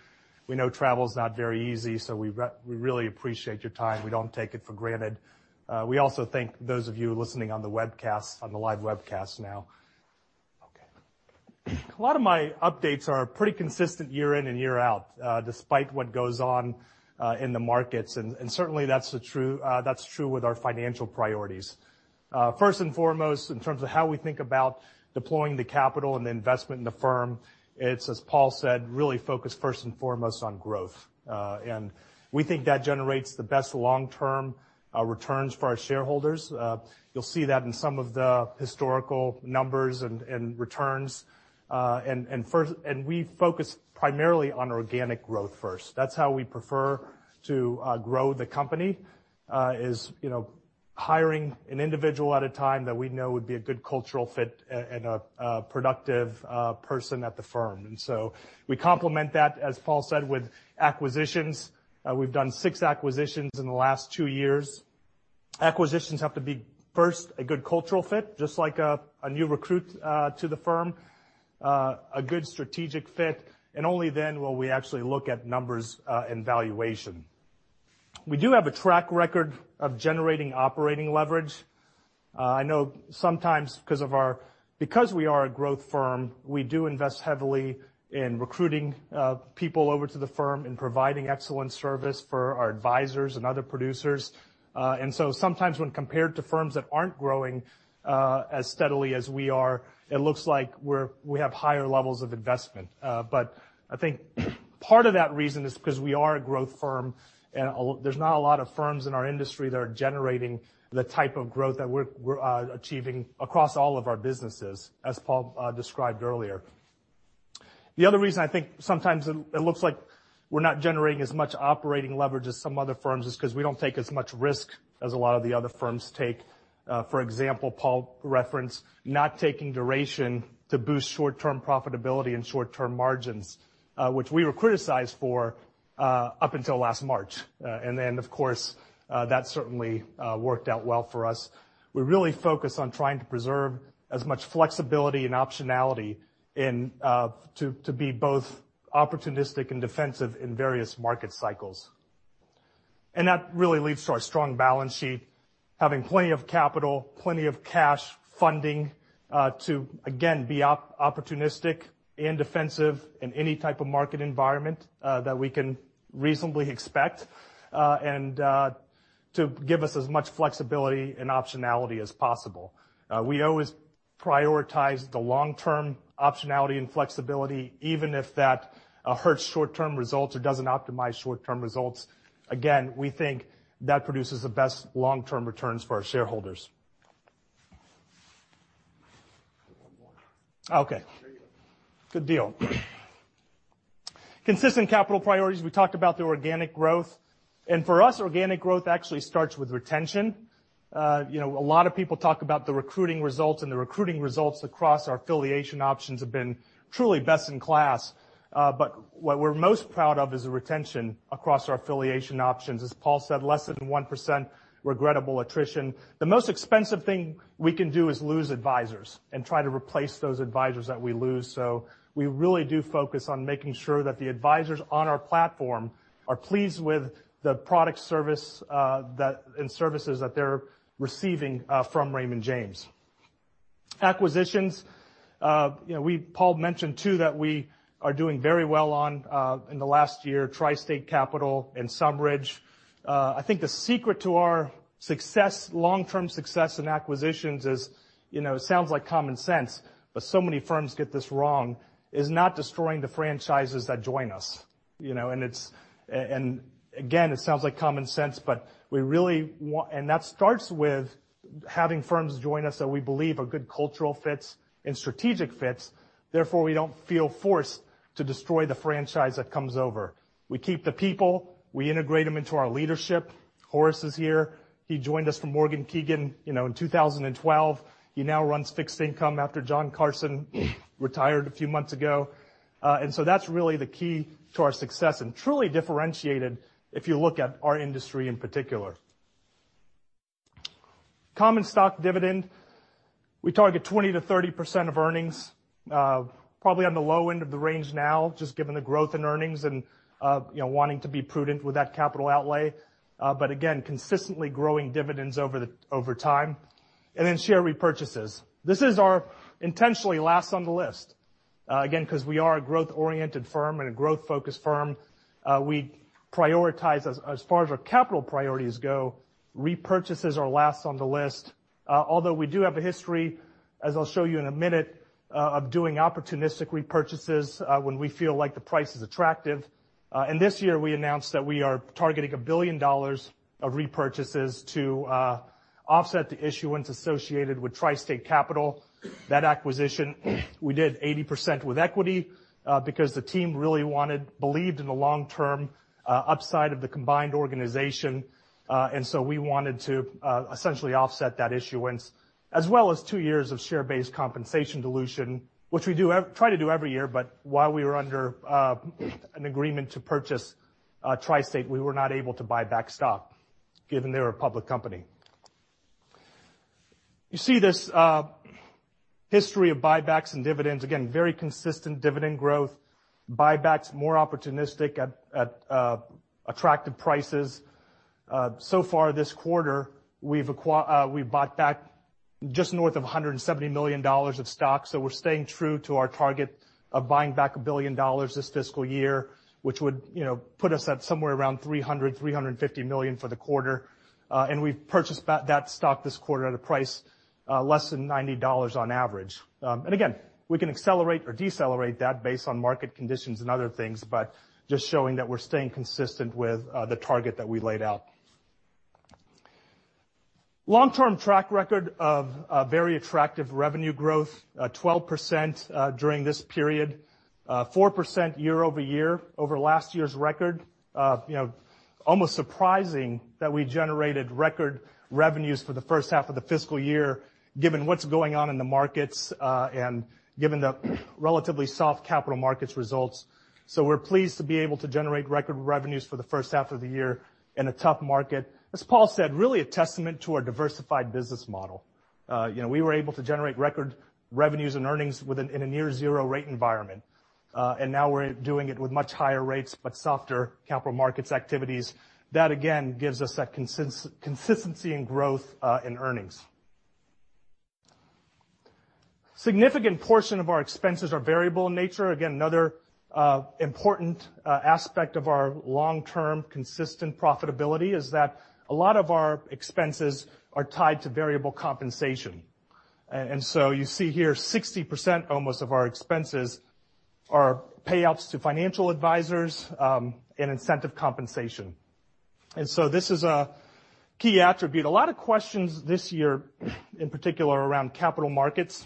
Speaker 4: We know travel is not very easy, so we really appreciate your time. We don't take it for granted. We also thank those of you listening on the live webcast now. Okay. A lot of my updates are pretty consistent year in and year out, despite what goes on in the markets, and certainly that's true with our financial priorities. First and foremost, in terms of how we think about deploying the capital and the investment in the firm, it's, as Paul said, really focused first and foremost on growth. We think that generates the best long-term returns for our shareholders. We focus primarily on organic growth first. That's how we prefer to grow the company, you know, hiring an individual at a time that we know would be a good cultural fit and a productive person at the firm. We complement that, as Paul said, with acquisitions. We've done six acquisitions in the last two years. Acquisitions have to be, first, a good cultural fit, just like a new recruit to the firm, a good strategic fit. Only then will we actually look at numbers and valuation. We do have a track record of generating operating leverage. I know sometimes because we are a growth firm, we do invest heavily in recruiting people over to the firm and providing excellent service for our advisors and other producers. Sometimes when compared to firms that aren't growing as steadily as we are, it looks like we have higher levels of investment. I think part of that reason is because we are a growth firm, and there's not a lot of firms in our industry that are generating the type of growth that we're achieving across all of our businesses, as Paul described earlier. The other reason, I think, sometimes it looks like we're not generating as much operating leverage as some other firms, is because we don't take as much risk as a lot of the other firms take. For example, Paul referenced not taking duration to boost short-term profitability and short-term margins, which we were criticized for, up until last March. Of course, that certainly worked out well for us. We're really focused on trying to preserve as much flexibility and optionality in to be both opportunistic and defensive in various market cycles. That really leads to our strong balance sheet, having plenty of capital, plenty of cash, funding to again, be opportunistic and defensive in any type of market environment that we can reasonably expect and to give us as much flexibility and optionality as possible. We always prioritize the long-term optionality and flexibility, even if that hurts short-term results or doesn't optimize short-term results. Again, we think that produces the best long-term returns for our shareholders. Okay. Good deal. Consistent capital priorities, we talked about the organic growth. For us, organic growth actually starts with retention. You know, a lot of people talk about the recruiting results, and the recruiting results across our affiliation options have been truly best in class. What we're most proud of is the retention across our affiliation options. As Paul said, less than 1% regrettable attrition. The most expensive thing we can do is lose advisors and try to replace those advisors that we lose. We really do focus on making sure that the advisors on our platform are pleased with the product, service, and services that they're receiving from Raymond James. Acquisitions, you know, Paul mentioned, too, that we are doing very well on in the last year, TriState Capital and SumRidge. I think the secret to our success, long-term success in acquisitions is, you know, it sounds like common sense, so many firms get this wrong, is not destroying the franchises that join us. You know, again, it sounds like common sense, that starts with having firms join us that we believe are good cultural fits and strategic fits. We don't feel forced to destroy the franchise that comes over. We keep the people, we integrate them into our leadership. Horace is here. He joined us from Morgan Keegan, you know, in 2012. He now runs fixed income after John Carson retired a few months ago. That's really the key to our success and truly differentiated if you look at our industry in particular. Common stock dividend. We target 20% to 30% of earnings, probably on the low end of the range now, just given the growth in earnings and, you know, wanting to be prudent with that capital outlay. Again, consistently growing dividends over time. Share repurchases. This is our intentionally last on the list, again, because we are a growth-oriented firm and a growth-focused firm. We prioritize, as far as our capital priorities go, repurchases are last on the list. Although we do have a history, as I'll show you in a minute, of doing opportunistic repurchases, when we feel like the price is attractive. This year, we announced that we are targeting $1 billion of repurchases to offset the issuance associated with TriState Capital. That acquisition, we did 80% with equity, because the team really believed in the long-term upside of the combined organization. We wanted to essentially offset that issuance as well as 2 years of share-based compensation dilution, which we do try to do every year. While we were under an agreement to purchase TriState, we were not able to buy back stock, given they were a public company. You see this history of buybacks and dividends. Again, very consistent dividend growth. Buybacks, more opportunistic at attractive prices. So far this quarter, we've bought back just north of $170 million of stock. We're staying true to our target of buying back $1 billion this fiscal year, which would, you know, put us at somewhere around $300 million-$350 million for the quarter. We've purchased back that stock this quarter at a price less than $90 on average. Again, we can accelerate or decelerate that based on market conditions and other things, but just showing that we're staying consistent with the target that we laid out. Long-term track record of very attractive revenue growth, 12% during this period, 4% year-over-year, over last year's record. You know, almost surprising that we generated record revenues for the first half of the fiscal year, given what's going on in the markets, and given the relatively soft capital markets results. We're pleased to be able to generate record revenues for the first half of the year in a tough market. As Paul said, really a testament to our diversified business model. You know, we were able to generate record revenues and earnings in a near zero rate environment. Now we're doing it with much higher rates, but softer capital markets activities. That, again, gives us that consistency in growth in earnings. Significant portion of our expenses are variable in nature. Again, another important aspect of our long-term, consistent profitability is that a lot of our expenses are tied to variable compensation. You see here, 60% almost of our expenses are payouts to financial advisors and incentive compensation. This is a key attribute. A lot of questions this year, in particular, around capital markets.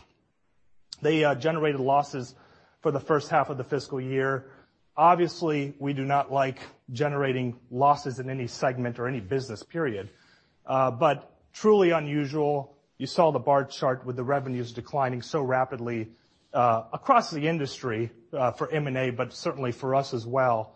Speaker 4: They generated losses for the first half of the fiscal year. Obviously, we do not like generating losses in any segment or any business period, but truly unusual. You saw the bar chart with the revenues declining so rapidly across the industry for M&A, but certainly for us as well.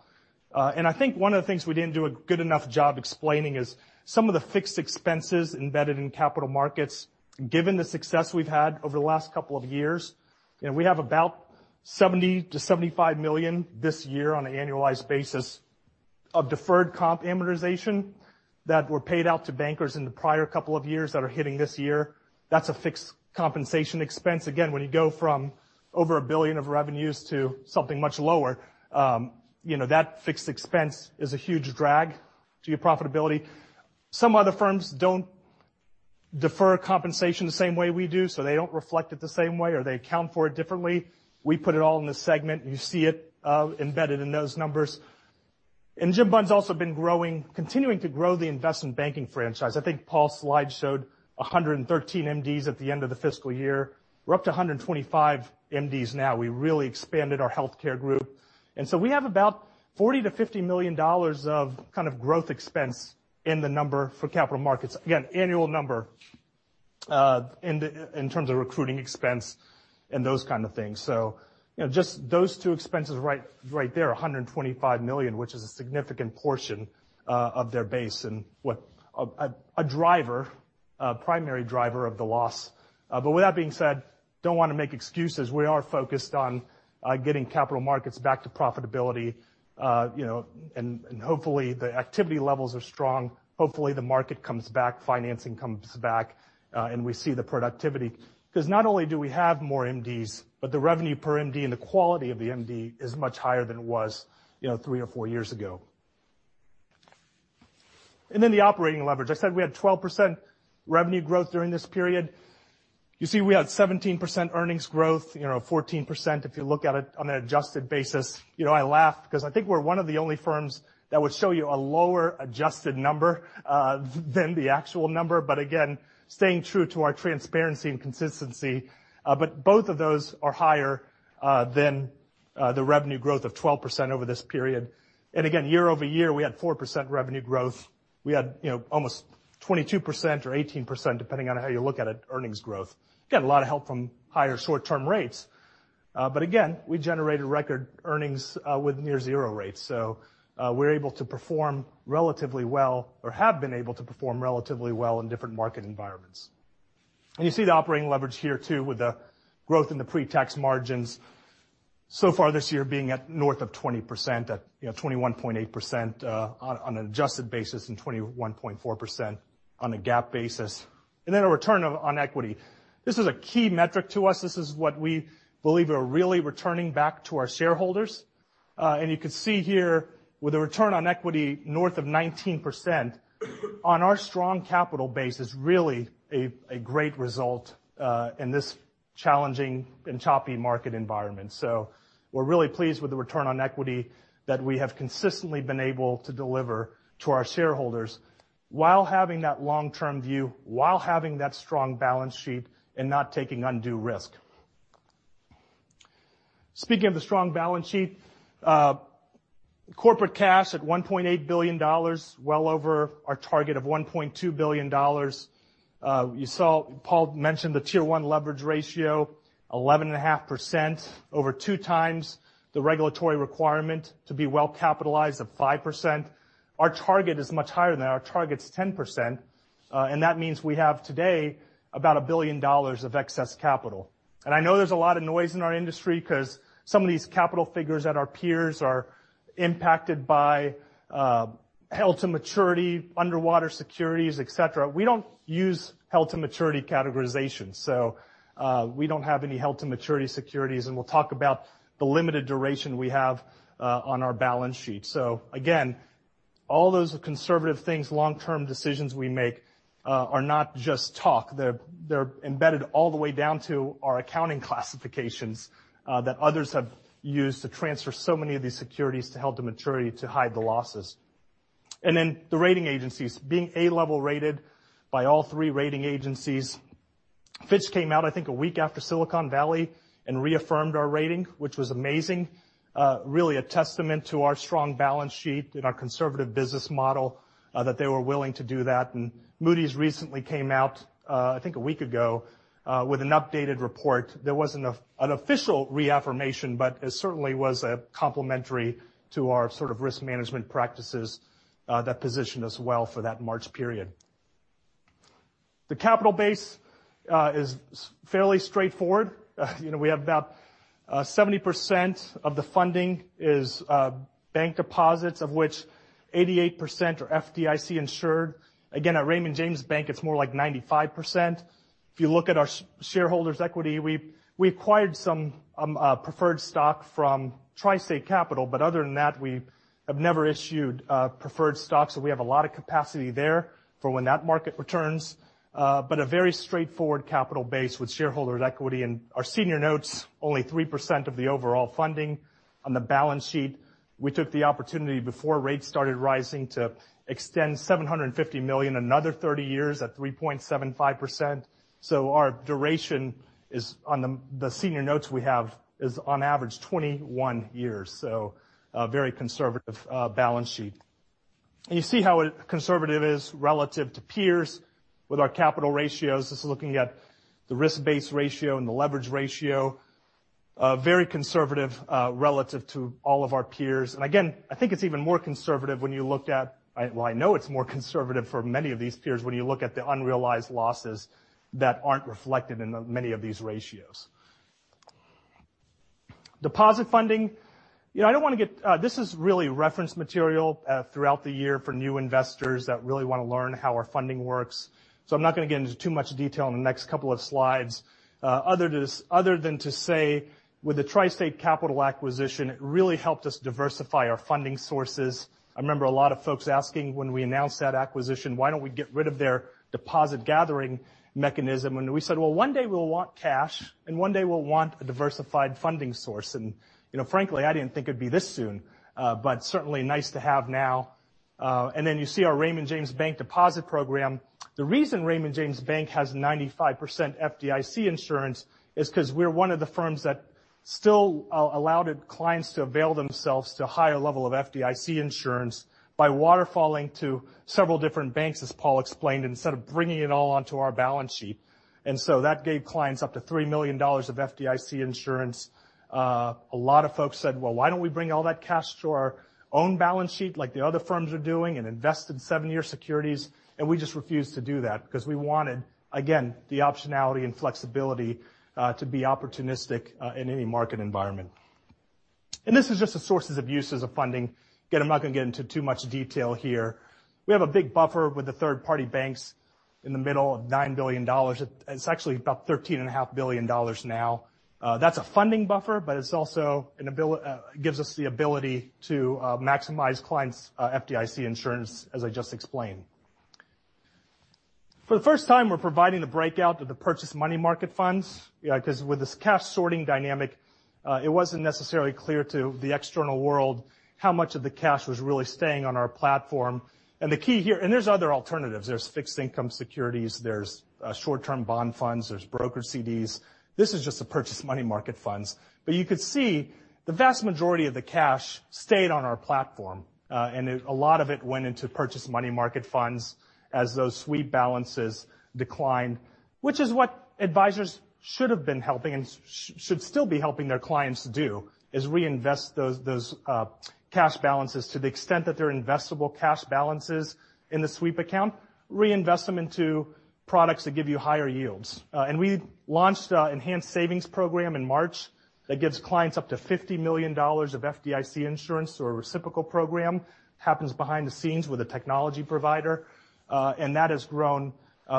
Speaker 4: I think one of the things we didn't do a good enough job explaining is some of the fixed expenses embedded in capital markets. Given the success we've had over the last couple of years, and we have about $70 million-$75 million this year on an annualized basis of deferred comp amortization that were paid out to bankers in the prior couple of years that are hitting this year. That's a fixed compensation expense. When you go from over $1 billion of revenues to something much lower, you know, that fixed expense is a huge drag to your profitability. Some other firms don't defer compensation the same way we do, so they don't reflect it the same way or they account for it differently. We put it all in the segment, you see it embedded in those numbers. Jim Bunn has also been continuing to grow the investment banking franchise. I think Paul's slide showed 113 MDs at the end of the fiscal year. We're up to 125 MDs now. We really expanded our healthcare group. We have about $40 million-$50 million of kind of growth expense in the number for capital markets. Annual number, in terms of recruiting expense and those kind of things. You know, just those two expenses right there, $125 million, which is a significant portion of their base and a primary driver of the loss. With that being said, don't wanna make excuses. We are focused on getting capital markets back to profitability, you know, and hopefully, the activity levels are strong. Hopefully, the market comes back, financing comes back, and we see the productivity. 'Cause not only do we have more MDs, but the revenue per MD and the quality of the MD is much higher than it was, you know, three or four years ago. Then the operating leverage. I said we had 12% revenue growth during this period. You see, we had 17% earnings growth, you know, 14%, if you look at it on an adjusted basis. You know, I laugh because I think we're one of the only firms that would show you a lower adjusted number than the actual number, again, staying true to our transparency and consistency. Both of those are higher than the revenue growth of 12% over this period. Again, year-over-year, we had 4% revenue growth. We had, you know, almost 22% or 18%, depending on how you look at it, earnings growth. Got a lot of help from higher short-term rates. Again, we generated record earnings with near zero rates. We're able to perform relatively well or have been able to perform relatively well in different market environments. You see the operating leverage here, too, with the growth in the pre-tax margins so far this year being at north of 20%, at, you know, 21.8%, on an adjusted basis and 21.4% on a GAAP basis. Then a return on equity. This is a key metric to us. This is what we believe are really returning back to our shareholders. You can see here with a return on equity north of 19%, on our strong capital base is really a great result in this challenging and choppy market environment. We're really pleased with the return on equity that we have consistently been able to deliver to our shareholders while having that long-term view, while having that strong balance sheet and not taking undue risk. Speaking of the strong balance sheet, corporate cash at $1.8 billion, well over our target of $1.2 billion. You saw Paul mention the Tier 1 leverage ratio, 11.5%, over 2 times the regulatory requirement to be well capitalized at 5%. Our target is much higher than that. Our target is 10%, and that means we have today about $1 billion of excess capital. I know there's a lot of noise in our industry because some of these capital figures at our peers are impacted by held-to-maturity, underwater securities, et cetera. We don't use held-to-maturity categorizations, so we don't have any held-to-maturity securities, and we'll talk about the limited duration we have on our balance sheet. Again, all those conservative things, long-term decisions we make, are not just talk. They're embedded all the way down to our accounting classifications that others have used to transfer so many of these securities to held-to-maturity to hide the losses. Then the rating agencies. Being A-level rated by all three rating agencies. Fitch came out, I think, a week after Silicon Valley and reaffirmed our rating, which was amazing. Really a testament to our strong balance sheet and our conservative business model that they were willing to do that. Moody's recently came out, I think a week ago, with an updated report. There wasn't an official reaffirmation, but it certainly was a complementary to our sort of risk management practices that positioned us well for that March period. The capital base is fairly straightforward. You know, we have about 70% of the funding is bank deposits, of which 88% are FDIC insured. Again, at Raymond James Bank, it's more like 95%. If you look at our shareholders' equity, we acquired some preferred stock from TriState Capital, but other than that, we have never issued preferred stock. We have a lot of capacity there for when that market returns. A very straightforward capital base with shareholders' equity and our senior notes, only 3% of the overall funding. On the balance sheet, we took the opportunity before rates started rising to extend $750 million, another 30 years at 3.75%. Our duration is on the senior notes we have is on average 21 years. A very conservative balance sheet. You see how conservative it is relative to peers with our capital ratios. This is looking at the risk-based ratio and the leverage ratio. Very conservative relative to all of our peers. Again, I think it's even more conservative when you look at Well, I know it's more conservative for many of these peers, when you look at the unrealized losses that aren't reflected in the many of these ratios. Deposit funding. You know, I don't want to get, this is really reference material throughout the year for new investors that really want to learn how our funding works. I'm not going to get into too much detail in the next couple of slides. Other than to say, with the TriState Capital acquisition, it really helped us diversify our funding sources. I remember a lot of folks asking when we announced that acquisition, "Why don't we get rid of their deposit gathering mechanism?" We said, "Well, one day we'll want cash, and one day we'll want a diversified funding source." You know, frankly, I didn't think it'd be this soon, but certainly nice to have now. You see our Raymond James Bank deposit program. The reason Raymond James Bank has 95% FDIC insurance is because we're one of the firms that still allow the clients to avail themselves to a higher level of FDIC insurance by waterfalling to several different banks, as Paul explained, instead of bringing it all onto our balance sheet. That gave clients up to $3 million of FDIC insurance. A lot of folks said, "Well, why don't we bring all that cash to our own balance sheet like the other firms are doing and invest in seven-year securities?" We just refused to do that because we wanted, again, the optionality and flexibility, to be opportunistic, in any market environment. This is just the sources of uses of funding. Again, I'm not going to get into too much detail here. We have a big buffer with the third-party banks in the middle of $9 billion. It's actually about $13.5 billion now. That's a funding buffer, but it also gives us the ability to maximize clients', FDIC insurance, as I just explained. For the first time, we're providing the breakout to the purchase money market funds, because with this cash sorting dynamic, it wasn't necessarily clear to the external world how much of the cash was really staying on our platform. The key here. There's other alternatives. There's fixed income securities, there's short-term bond funds, there's broker CDs. This is just a purchase money market funds. You could see the vast majority of the cash stayed on our platform. A lot of it went into purchase money market funds as those sweep balances declined, which is what advisors should have been helping and should still be helping their clients do, is reinvest those cash balances to the extent that they're investable cash balances in the sweep account, reinvest them into products that give you higher yields. We launched an Enhanced Savings Program in March that gives clients up to $50 million of FDIC insurance through a reciprocal program. Happens behind the scenes with a technology provider, that has grown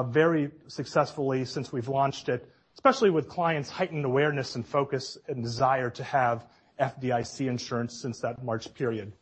Speaker 4: very successfully since we've launched it, especially with clients' heightened awareness and focus and desire to have FDIC insurance since that March period.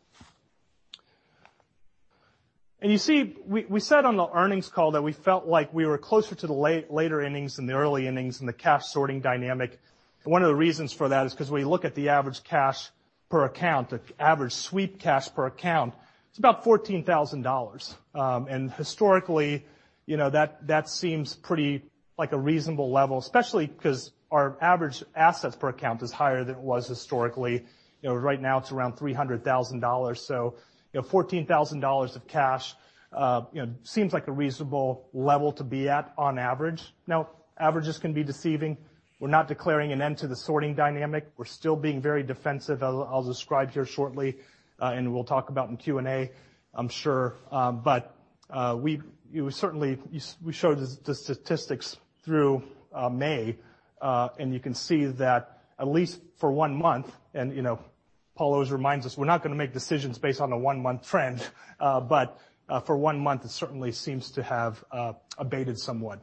Speaker 4: You see, we said on the earnings call that we felt like we were closer to the later innings than the early innings in the cash sorting dynamic. One of the reasons for that is because when you look at the average cash per account, the average sweep cash per account, it's about $14,000. Historically, you know, that seems pretty, like a reasonable level, especially because our average assets per account is higher than it was historically. You know, right now it's around $300,000. You know, $14,000 of cash, you know, seems like a reasonable level to be at on average. Now, averages can be deceiving. We're not declaring an end to the sorting dynamic. We're still being very defensive. I'll describe here shortly, and we'll talk about in Q&A, I'm sure. We showed the statistics through May, and you can see that at least for one month, and, you know, Paul always reminds us, we're not going to make decisions based on a one-month trend, for one month, it certainly seems to have abated somewhat.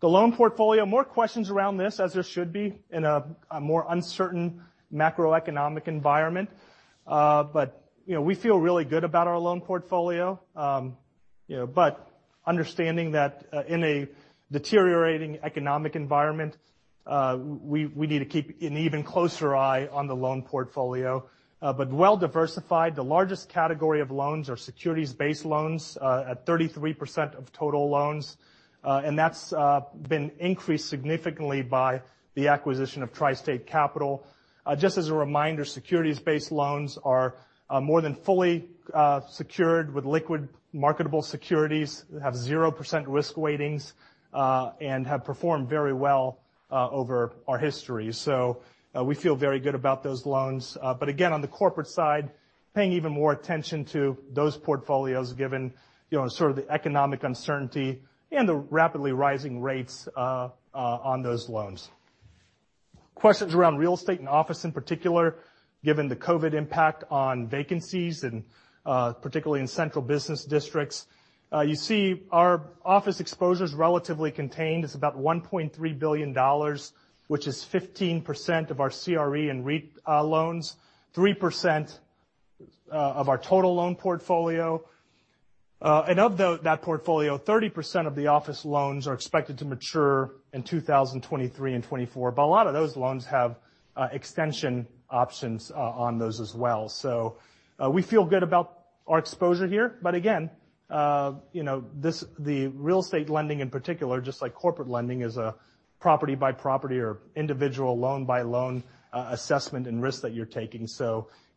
Speaker 4: The loan portfolio, more questions around this, as there should be in a more uncertain macroeconomic environment. You know, we feel really good about our loan portfolio. You know, but understanding that in a deteriorating economic environment, we need to keep an even closer eye on the loan portfolio. Well-diversified, the largest category of loans are securities-based loans, at 33% of total loans. That's been increased significantly by the acquisition of TriState Capital. Just as a reminder, securities-based loans are more than fully secured with liquid marketable securities, have 0% risk weightings, and have performed very well over our history. We feel very good about those loans. Again, on the corporate side, paying even more attention to those portfolios, given, you know, sort of the economic uncertainty and the rapidly rising rates on those loans. Questions around real estate and office in particular, given the COVID impact on vacancies and particularly in central business districts. You see our office exposure is relatively contained. It's about $1.3 billion, which is 15% of our CRE and REIT loans, 3% of our total loan portfolio. Of that portfolio, 30% of the office loans are expected to mature in 2023 and 2024, but a lot of those loans have extension options on those as well. We feel good about our exposure here. Again, you know, the real estate lending in particular, just like corporate lending, is a property-by-property or individual loan-by-loan assessment and risk that you're taking.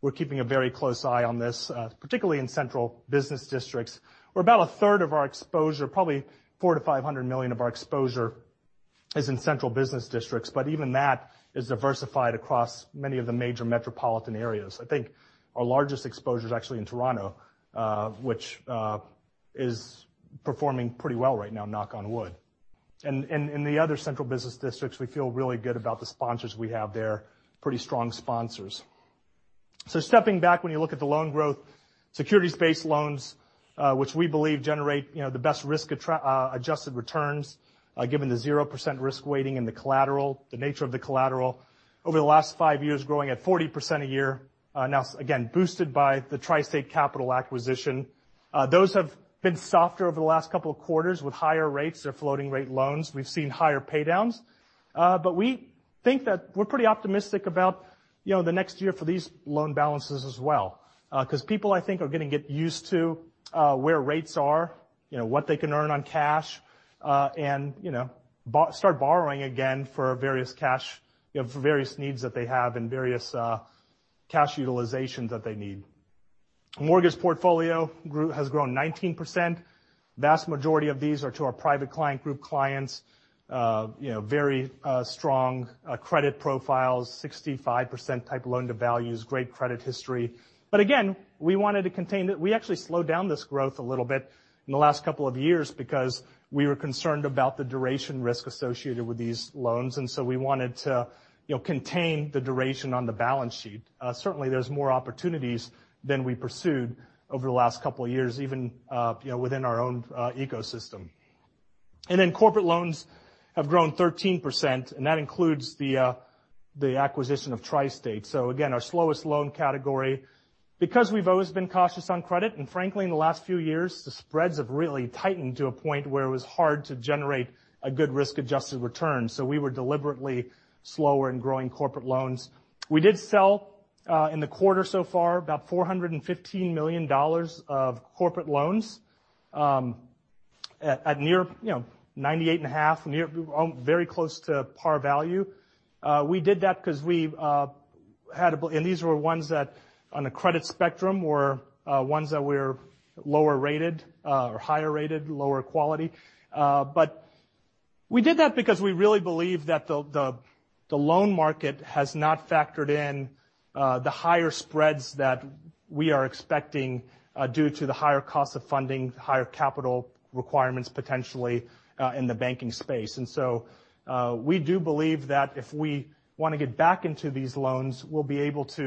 Speaker 4: We're keeping a very close eye on this, particularly in central business districts. We're about a third of our exposure. Probably $400 million-$500 million of our exposure is in central business districts, even that is diversified across many of the major metropolitan areas. I think our largest exposure is actually in Toronto, which is performing pretty well right now, knock on wood. In the other central business districts, we feel really good about the sponsors we have there, pretty strong sponsors. Stepping back, when you look at the loan growth, securities-based loans, which we believe generate, you know, the best risk adjusted returns, given the 0% risk weighting and the collateral, the nature of the collateral, over the last five years, growing at 40% a year. Again, boosted by the TriState Capital acquisition. Those have been softer over the last couple of quarters with higher rates. They're floating-rate loans. We've seen higher pay downs. We think that we're pretty optimistic about, you know, the next year for these loan balances as well. because people, I think, are going to get used to, where rates are, you know, what they can earn on cash, and, you know, start borrowing again for various cash, you know, for various needs that they have and various cash utilizations that they need. Mortgage portfolio has grown 19%. Vast majority of these are to our Private Client Group clients. you know, very strong credit profiles, 65% type loan-to-values, great credit history. Again, we wanted to contain it. We actually slowed down this growth a little bit in the last couple of years because we were concerned about the duration risk associated with these loans. We wanted to, you know, contain the duration on the balance sheet. Certainly there's more opportunities than we pursued over the last couple of years, even, you know, within our own ecosystem. Corporate loans have grown 13%, and that includes the acquisition of TriState. Again, our slowest loan category, because we've always been cautious on credit, and frankly, in the last few years the spreads have really tightened to a point where it was hard to generate a good risk-adjusted return. We were deliberately slower in growing corporate loans. We did sell, in the quarter so far, about $415 million of corporate loans, at near, you know, 98.5, near, very close to par value. We did that because we've had a and these were ones that, on a credit spectrum, were ones that were lower rated, or higher rated, lower quality. We did that because we really believe that the loan market has not factored in the higher spreads that we are expecting due to the higher cost of funding, the higher capital requirements, potentially, in the banking space. We do believe that if we want to get back into these loans, we'll be able to,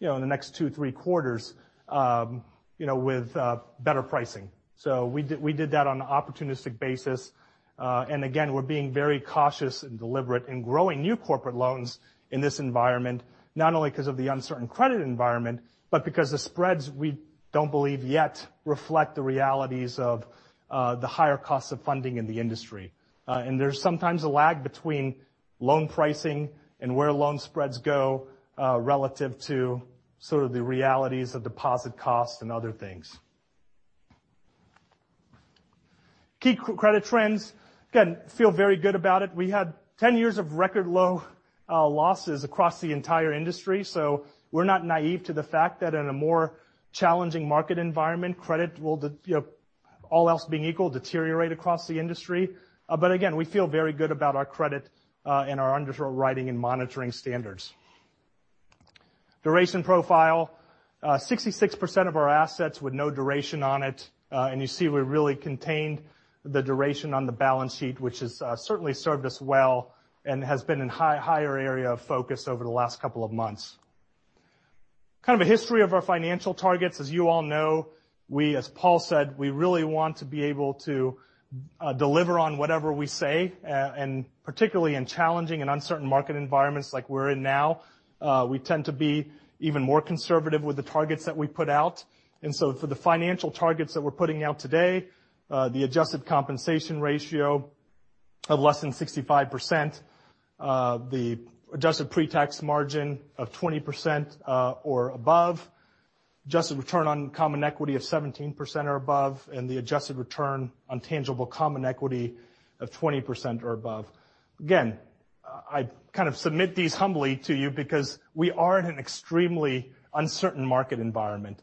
Speaker 4: you know, in the next two, three quarters, you know, with better pricing. We did that on an opportunistic basis. Again, we're being very cautious and deliberate in growing new corporate loans in this environment, not only because of the uncertain credit environment, but because the spreads, we don't believe yet reflect the realities of the higher costs of funding in the industry. There's sometimes a lag between loan pricing and where loan spreads go relative to sort of the realities of deposit costs and other things. Key credit trends. Again, feel very good about it. We had 10 years of record low losses across the entire industry. We're not naive to the fact that in a more challenging market environment, credit will, you know, all else being equal, deteriorate across the industry. Again, we feel very good about our credit and our underwriting and monitoring standards. Duration profile, 66% of our assets with no duration on it. You see we really contained the duration on the balance sheet, which has certainly served us well and has been in higher area of focus over the last couple of months. Kind of a history of our financial targets. As you all know, we, as Paul said, we really want to be able to deliver on whatever we say, and particularly in challenging and uncertain market environments like we're in now, we tend to be even more conservative with the targets that we put out. For the financial targets that we're putting out today, the adjusted compensation ratio of less than 65%, the adjusted pretax margin of 20% or above, adjusted return on common equity of 17% or above, and the adjusted return on tangible common equity of 20% or above. Again, I kind of submit these humbly to you because we are in an extremely uncertain market environment.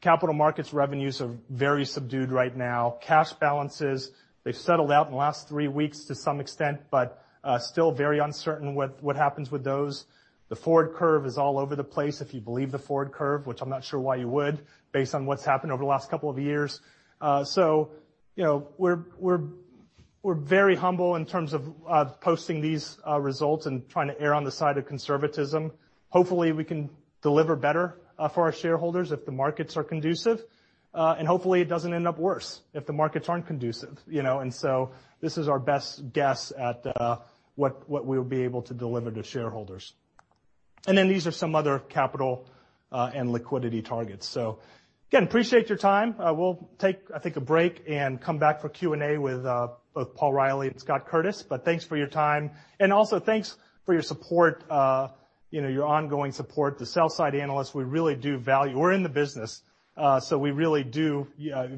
Speaker 4: Capital markets revenues are very subdued right now. Cash balances, they've settled out in the last 3 weeks to some extent, but still very uncertain with what happens with those. The forward curve is all over the place. If you believe the forward curve, which I'm not sure why you would, based on what's happened over the last 2 years. You know, we're very humble in terms of posting these results and trying to err on the side of conservatism. Hopefully, we can deliver better for our shareholders if the markets are conducive. Hopefully, it doesn't end up worse if the markets aren't conducive, you know? This is our best guess at what we'll be able to deliver to shareholders. These are some other capital and liquidity targets. Again, appreciate your time. We'll take, I think, a break and come back for Q&A with both Paul Reilly and Scott Curtis. Thanks for your time, and also thanks for your support, you know, your ongoing support. The sell side analysts, we really do value. We're in the business, so we really do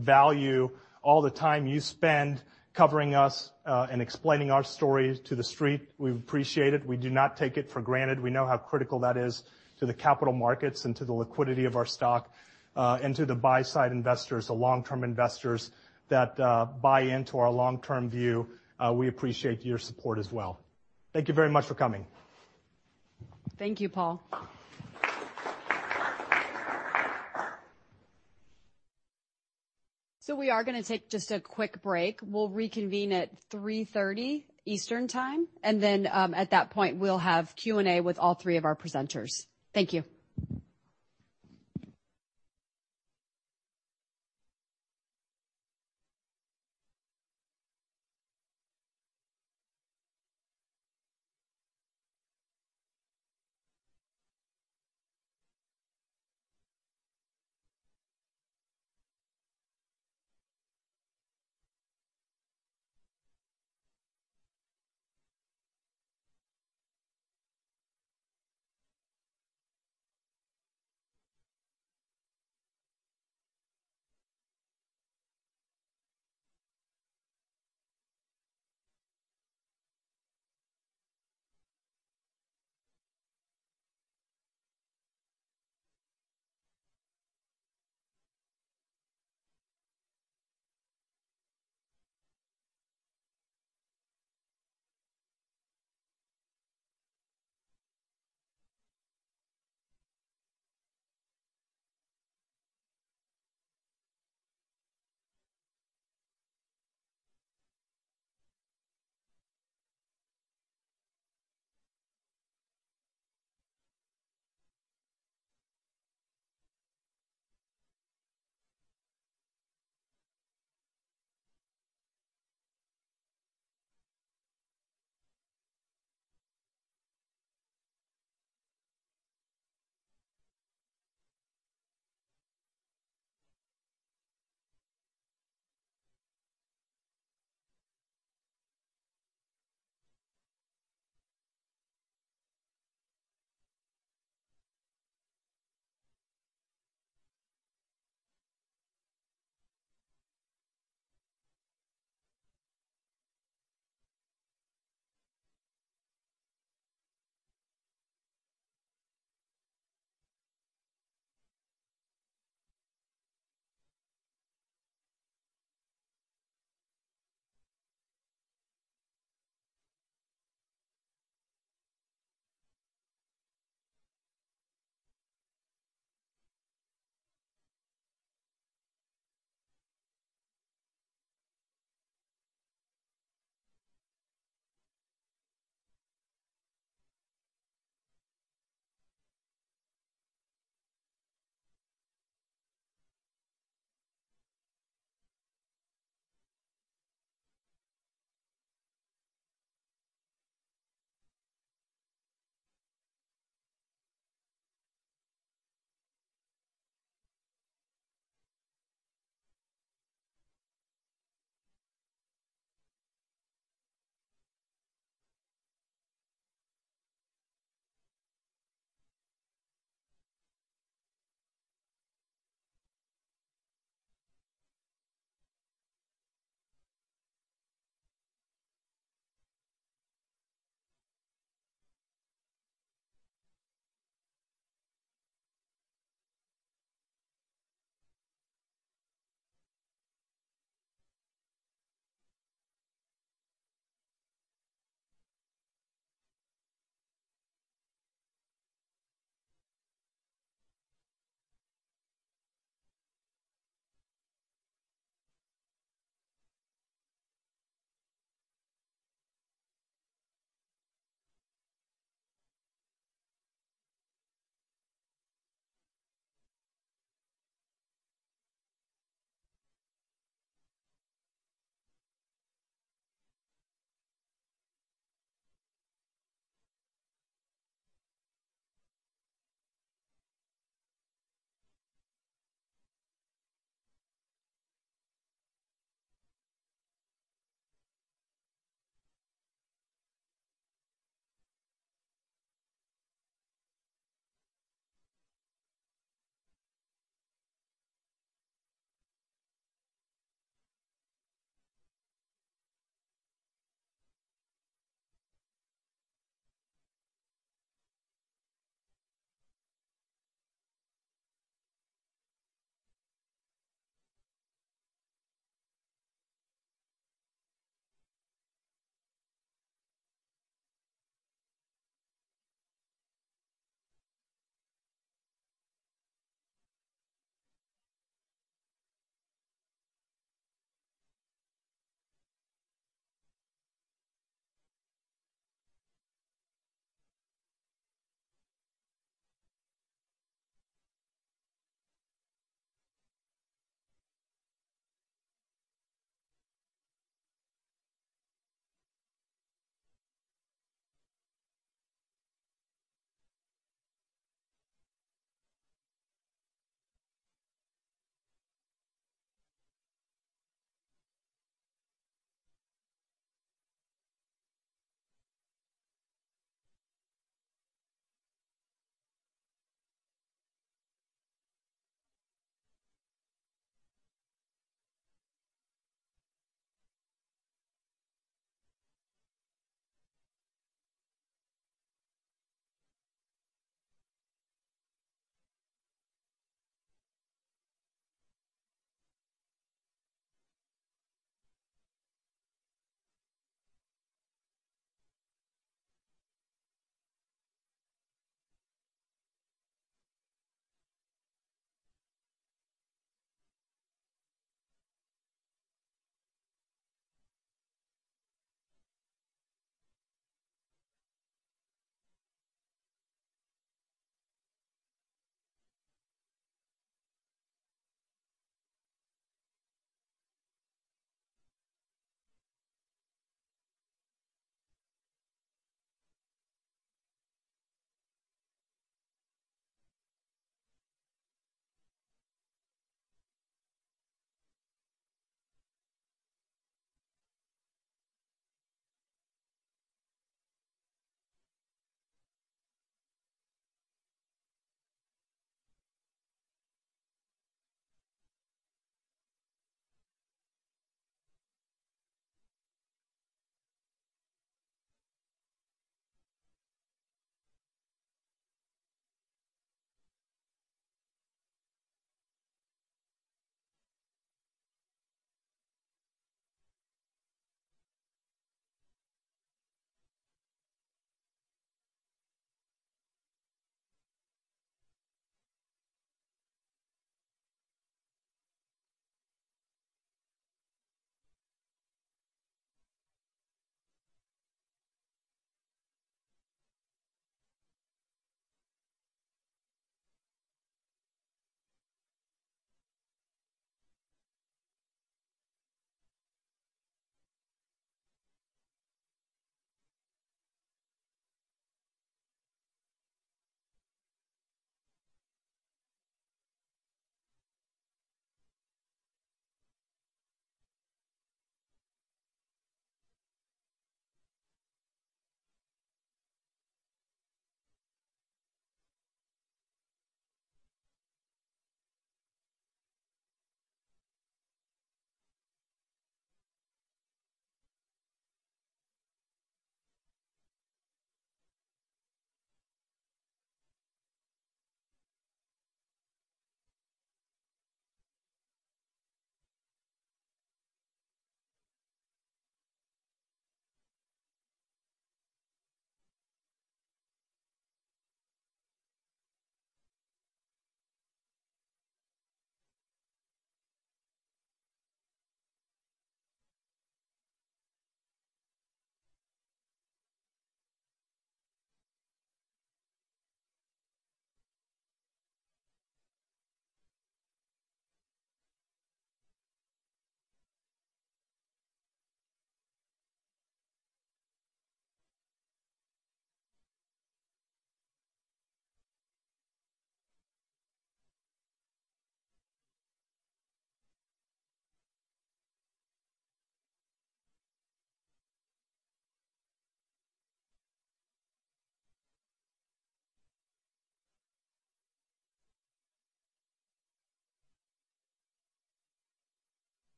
Speaker 4: value all the time you spend covering us and explaining our story to The Street. We appreciate it. We do not take it for granted. We know how critical that is to the capital markets and to the liquidity of our stock and to the buy side investors, the long-term investors that buy into our long-term view. We appreciate your support as well. Thank you very much for coming.
Speaker 5: Thank you, Paul. We are going to take just a quick break. We'll reconvene at 3:30 P.M. Eastern Time. At that point, we'll have Q&A with all three of our presenters. Thank you.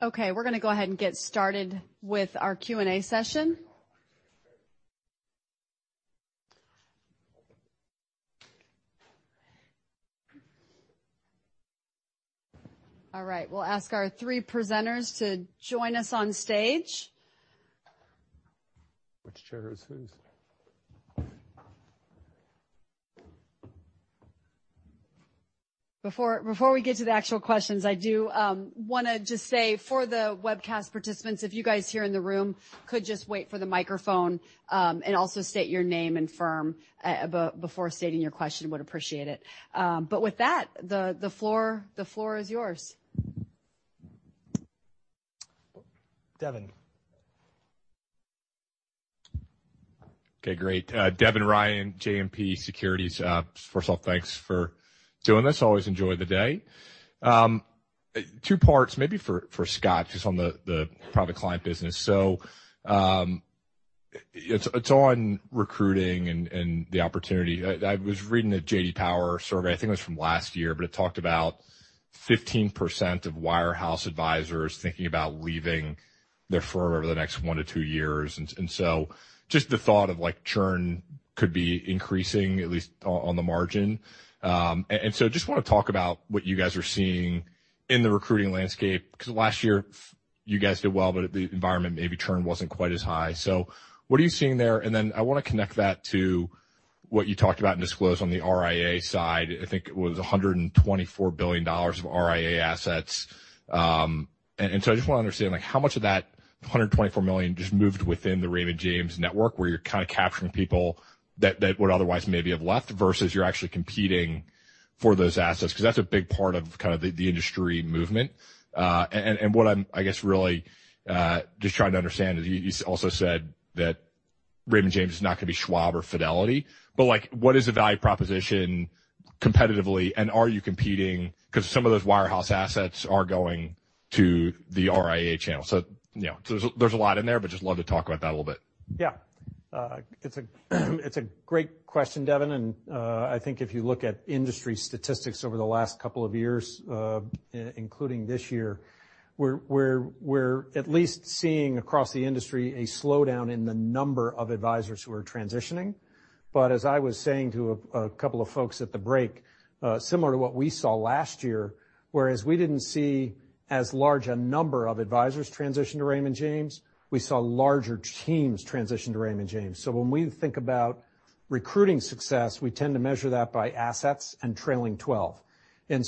Speaker 1: We're gonna go ahead and get started with our Q&A session. We'll ask our three presenters to join us on stage.
Speaker 6: Which chair is whose?
Speaker 1: Before we get to the actual questions, I do wanna just say for the webcast participants, if you guys here in the room could just wait for the microphone, and also state your name and firm, before stating your question, would appreciate it. With that, the floor is yours.
Speaker 6: Devin.
Speaker 7: Okay, great. Devin Ryan, JMP Securities. First of all, thanks for doing this. Always enjoy the day. Two parts, maybe for Scott, just on the private client business. It's on recruiting and the opportunity. I was reading a J.D. Power survey, I think it was from last year, but it talked about 15% of wirehouse advisors thinking about leaving their firm over the next 1-2 years. Just the thought of, like, churn could be increasing, at least on the margin. Just wanna talk about what you guys are seeing in the recruiting landscape, 'cause last year you guys did well, but the environment, maybe churn wasn't quite as high. What are you seeing there? I wanna connect that to what you talked about and disclosed on the RIA side. I think it was $124 billion of RIA assets. And I just wanna understand, like, how much of that $124 million just moved within the Raymond James network, where you're kind of capturing people that would otherwise maybe have left, versus you're actually competing for those assets? 'Cause that's a big part of kind of the industry movement. And what I'm, I guess, really, just trying to understand is, you, you also said that- Raymond James is not going to be Schwab or Fidelity. Like, what is the value proposition competitively? Are you competing? Some of those wirehouse assets are going to the RIA channel. You know, there's a lot in there, but just love to talk about that a little bit.
Speaker 3: It's a great question, Devin. I think if you look at industry statistics over the last couple of years, including this year, we're at least seeing across the industry a slowdown in the number of advisors who are transitioning. As I was saying to a couple of folks at the break, similar to what we saw last year, whereas we didn't see as large a number of advisors transition to Raymond James, we saw larger teams transition to Raymond James. When we think about recruiting success, we tend to measure that by assets and trailing 12.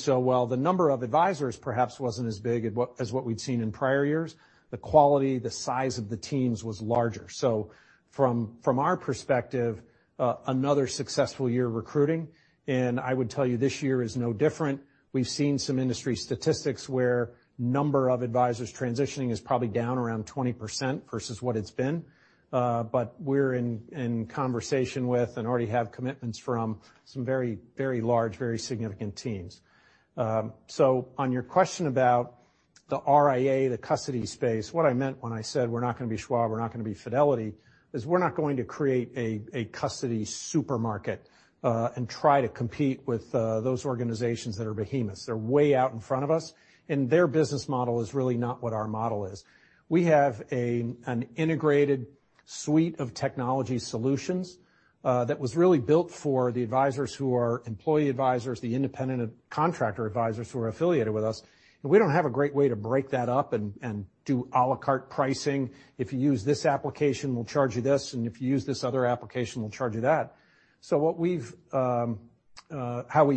Speaker 3: While the number of advisors perhaps wasn't as big as what we'd seen in prior years, the quality, the size of the teams was larger. From our perspective, another successful year of recruiting, and I would tell you this year is no different. We've seen some industry statistics where number of advisors transitioning is probably down around 20% versus what it's been. We're in conversation with and already have commitments from some very large, very significant teams. On your question about the RIA, the custody space, what I meant when I said we're not going to be Schwab, we're not going to be Fidelity, is we're not going to create a custody supermarket, and try to compete with those organizations that are behemoths. They're way out in front of us, and their business model is really not what our model is. We have an integrated suite of technology solutions that was really built for the advisors who are employee advisors, the independent contractor advisors who are affiliated with us. We don't have a great way to break that up and do a la carte pricing. If you use this application, we'll charge you this, and if you use this other application, we'll charge you that. What we've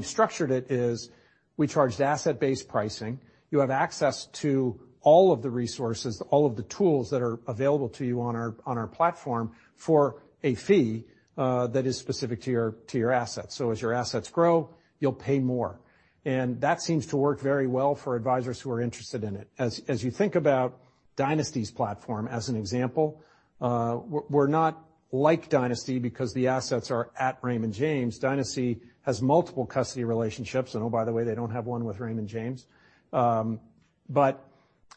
Speaker 3: structured it is we charged asset-based pricing. You have access to all of the resources, all of the tools that are available to you on our platform for a fee that is specific to your assets. As your assets grow, you'll pay more. That seems to work very well for advisors who are interested in it. As you think about Dynasty's platform, as an example, we're not like Dynasty because the assets are at Raymond James. Dynasty has multiple custody relationships, and oh, by the way, they don't have one with Raymond James.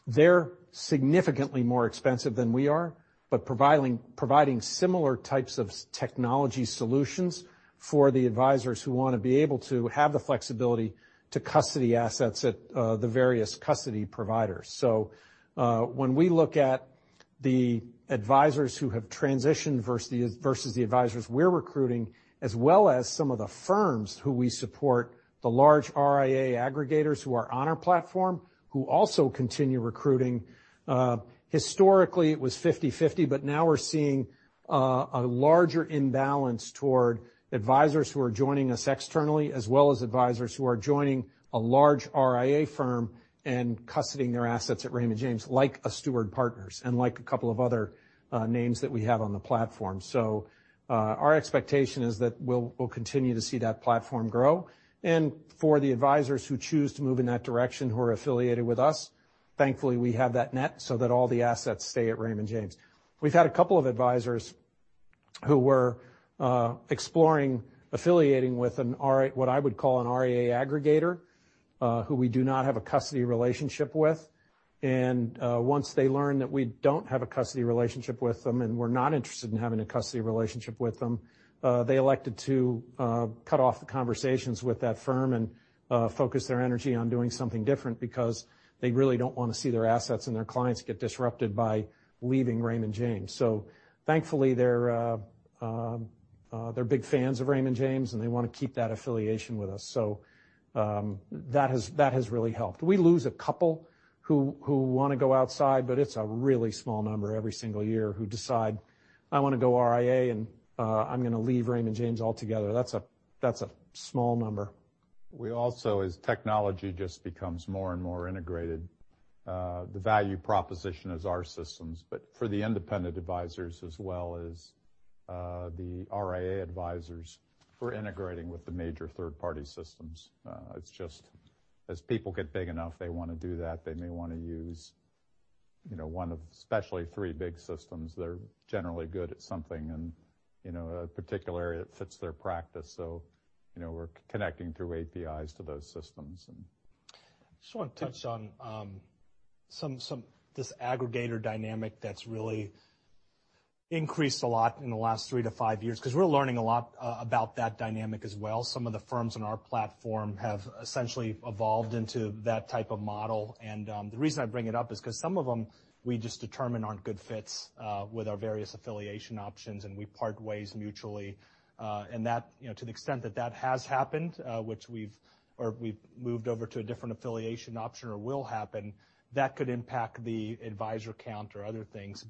Speaker 3: They're significantly more expensive than we are, but providing similar types of technology solutions for the advisors who want to be able to have the flexibility to custody assets at the various custody providers. When we look at the advisors who have transitioned versus the advisors we're recruiting, as well as some of the firms who we support, the large RIA aggregators who are on our platform, who also continue recruiting, historically, it was 50/50, but now we're seeing a larger imbalance toward advisors who are joining us externally, as well as advisors who are joining a large RIA firm and custodying their assets at Raymond James, like a Steward Partners and like a couple of other names that we have on the platform. Our expectation is that we'll continue to see that platform grow. For the advisors who choose to move in that direction, who are affiliated with us, thankfully, we have that net so that all the assets stay at Raymond James. We've had a couple of advisors who were exploring affiliating with an RIA aggregator, who we do not have a custody relationship with. Once they learned that we don't have a custody relationship with them, and we're not interested in having a custody relationship with them, they elected to cut off the conversations with that firm and focus their energy on doing something different because they really don't want to see their assets and their clients get disrupted by leaving Raymond James. Thankfully, they're big fans of Raymond James, and they want to keep that affiliation with us. That has really helped. We lose a couple who want to go outside, but it's a really small number every single year who decide, I want to go RIA, and I'm going to leave Raymond James altogether. That's a small number.
Speaker 2: We also, as technology just becomes more and more integrated, the value proposition is our systems, but for the independent advisors as well as the RIA advisors, we're integrating with the major third-party systems. It's just as people get big enough, they want to do that. They may want to use, you know, one of especially three big systems. They're generally good at something and, you know, a particular area that fits their practice. you know, we're connecting through APIs to those systems.
Speaker 3: I just want to touch on this aggregator dynamic that's really increased a lot in the last 3 to 5 years, because we're learning a lot about that dynamic as well. Some of the firms on our platform have essentially evolved into that type of model. The reason I bring it up is because some of them, we just determine aren't good fits with our various affiliation options, and we part ways mutually. That, you know, to the extent that that has happened, or we've moved over to a different affiliation option or will happen, that could impact the advisor count or other things.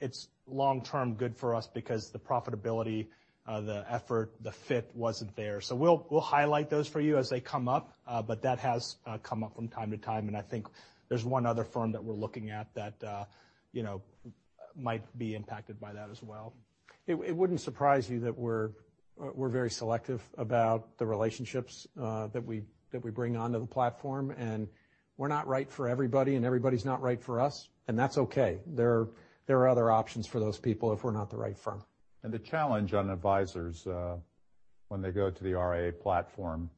Speaker 3: It's long-term good for us because the profitability, the effort, the fit wasn't there. We'll highlight those for you as they come up, but that has come up from time to time, and I think there's one other firm that we're looking at that, you know, might be impacted by that as well.
Speaker 2: It wouldn't surprise you that.
Speaker 3: We're very selective about the relationships, that we bring onto the platform, and we're not right for everybody, and everybody's not right for us, and that's okay. There are other options for those people if we're not the right firm.
Speaker 2: The challenge on advisors, when they go to the RIA platform,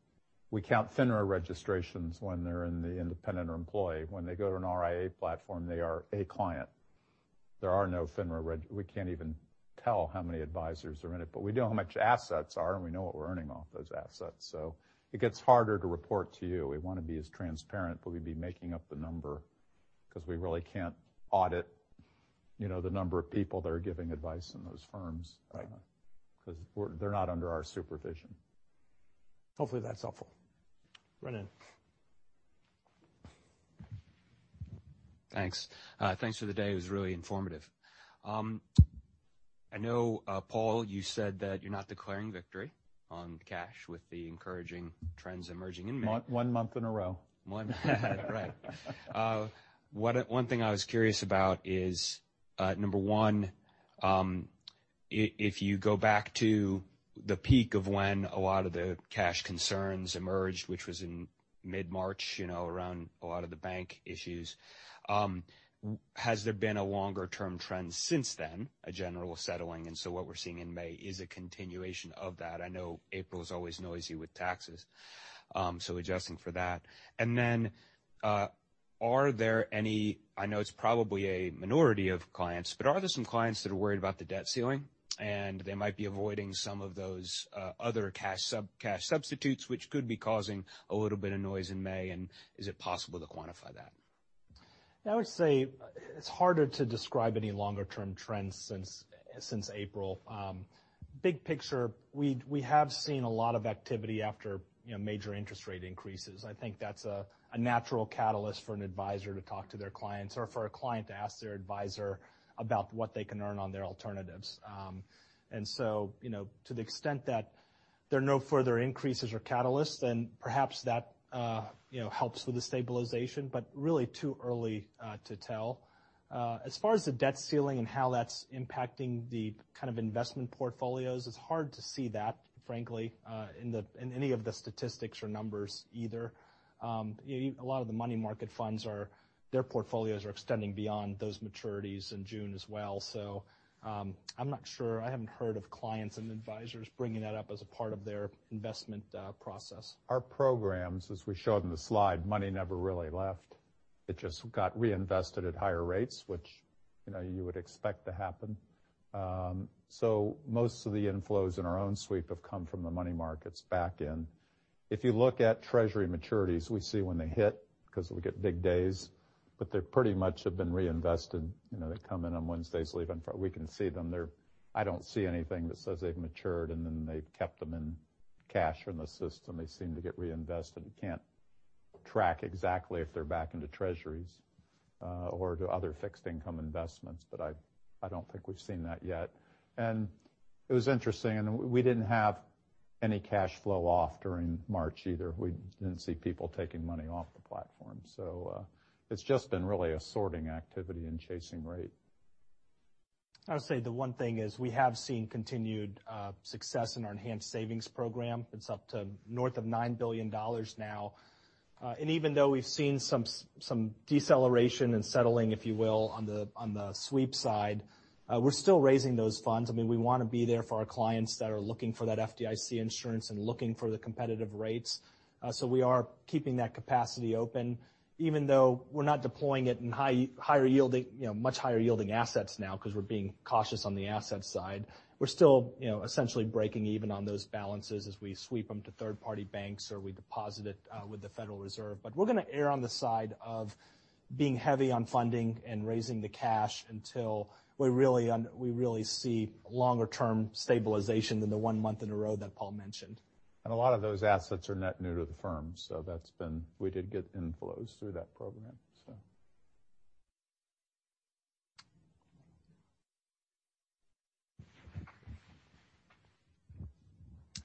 Speaker 2: we count FINRA registrations when they're in the independent or employee. When they go to an RIA platform, they are a client. There are no FINRA reg-- we can't even tell how many advisors are in it, but we know how much assets are, and we know what we're earning off those assets. It gets harder to report to you. We want to be as transparent, but we'd be making up the number 'cause we really can't audit, you know, the number of people that are giving advice in those firms.
Speaker 3: Right.
Speaker 2: Cause they're not under our supervision.
Speaker 3: Hopefully, that's helpful. Ronan.
Speaker 6: Thanks. Thanks for the day. It was really informative. I know, Paul, you said that you're not declaring victory on cash with the encouraging trends emerging in May.
Speaker 2: One month in a row.
Speaker 6: One month, right. One thing I was curious about is, number one, if you go back to the peak of when a lot of the cash concerns emerged, which was in mid-March, you know, around a lot of the bank issues, has there been a longer-term trend since then, a general settling, and so what we're seeing in May is a continuation of that? I know April is always noisy with taxes, so adjusting for that. Then, are there any I know it's probably a minority of clients, but are there some clients that are worried about the debt ceiling, and they might be avoiding some of those, other cash sub-cash substitutes, which could be causing a little bit of noise in May, and is it possible to quantify that?
Speaker 3: I would say it's harder to describe any longer-term trends since April. Big picture, we have seen a lot of activity after, you know, major interest rate increases. I think that's a natural catalyst for an advisor to talk to their clients or for a client to ask their advisor about what they can earn on their alternatives. You know, to the extent that there are no further increases or catalysts, then perhaps that, you know, helps with the stabilization, but really too early to tell. As far as the debt ceiling and how that's impacting the kind of investment portfolios, it's hard to see that, frankly, in any of the statistics or numbers either. A lot of the money market funds are, their portfolios are extending beyond those maturities in June as well. I'm not sure. I haven't heard of clients and advisors bringing that up as a part of their investment process.
Speaker 2: Our programs, as we showed in the slide, money never really left. It just got reinvested at higher rates, which, you know, you would expect to happen. Most of the inflows in our own sweep have come from the money markets back in. If you look at treasury maturities, we see when they hit, 'cause we get big days, but they pretty much have been reinvested. You know, they come in on Wednesdays, leave on. We can see them. I don't see anything that says they've matured, and then they've kept them in cash in the system. They seem to get reinvested. We can't track exactly if they're back into treasuries, or to other fixed income investments, but I don't think we've seen that yet. It was interesting, and we didn't have any cash flow off during March either. We didn't see people taking money off the platform. It's just been really a sorting activity and chasing rate.
Speaker 3: I would say the one thing is we have seen continued success in our Enhanced Savings Program. It's up to north of $9 billion now. Even though we've seen some deceleration and settling, if you will, on the sweep side, we're still raising those funds. I mean, we want to be there for our clients that are looking for that FDIC insurance and looking for the competitive rates. We are keeping that capacity open, even though we're not deploying it in higher-yielding, you know, much higher-yielding assets now, 'cause we're being cautious on the asset side. We're still, you know, essentially breaking even on those balances as we sweep them to third-party banks, or we deposit it with the Federal Reserve. We're gonna err on the side of being heavy on funding and raising the cash until we really see longer-term stabilization than the 1 month in a row that Paul mentioned.
Speaker 2: A lot of those assets are net new to the firm, so that's been. We did get inflows through that program.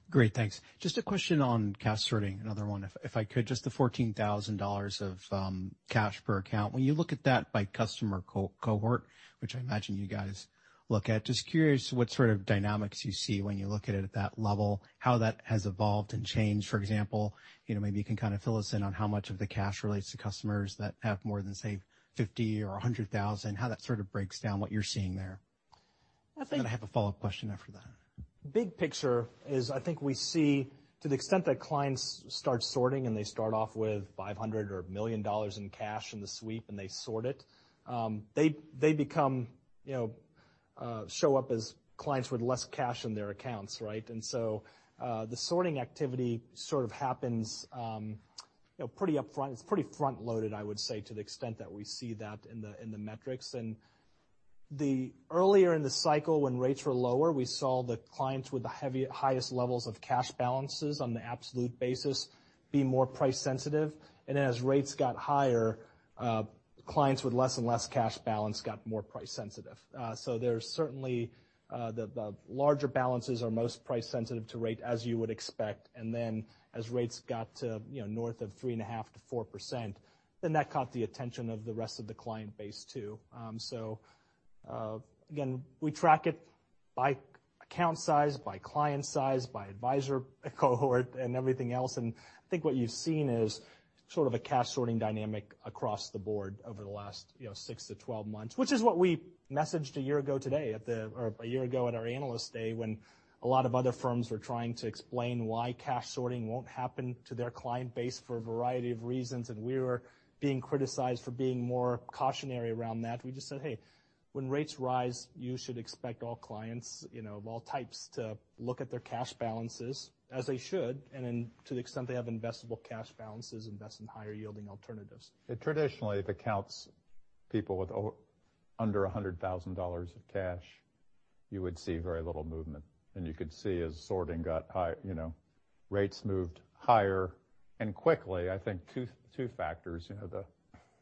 Speaker 6: Great, thanks. Just a question on cash sorting, another one, if I could, just the $14,000 of cash per account. When you look at that by customer co-cohort, which I imagine you guys look at, just curious what sort of dynamics you see when you look at it at that level, how that has evolved and changed. For example, you know, maybe you can kind of fill us in on how much of the cash relates to customers that have more than, say, $50,000 or $100,000, how that sort of breaks down, what you're seeing there.
Speaker 3: I think-
Speaker 6: I have a follow-up question after that.
Speaker 3: Big picture is, I think we see to the extent that clients start sorting, and they start off with $500 or $1 million in cash in the sweep, and they sort it, they become, you know, show up as clients with less cash in their accounts, right? The sorting activity sort of happens, you know, pretty upfront. It's pretty front-loaded, I would say, to the extent that we see that in the, in the metrics. The earlier in the cycle, when rates were lower, we saw the clients with the highest levels of cash balances on the absolute basis be more price-sensitive. As rates got higher, clients with less and less cash balance got more price-sensitive. There's certainly, the larger balances are most price-sensitive to rate, as you would expect, and then as rates got to, you know, north of 3.5%-4%, then that caught the attention of the rest of the client base, too. Again, we track it by account size, by client size, by advisor cohort, and everything else. I think what you've seen is sort of a cash sorting dynamic across the board over the last, you know, 6-12 months. Which is what we messaged a year ago today or a year ago at our Analyst Day, when a lot of other firms were trying to explain why cash sorting won't happen to their client base for a variety of reasons, and we were being criticized for being more cautionary around that. We just said, "Hey, when rates rise, you should expect all clients, you know, of all types, to look at their cash balances, as they should, and then to the extent they have investable cash balances, invest in higher-yielding alternatives.
Speaker 2: Traditionally, the accounts, people with under $100,000 of cash, you would see very little movement. You could see as sorting got high, you know, rates moved higher and quickly. I think two factors, you know,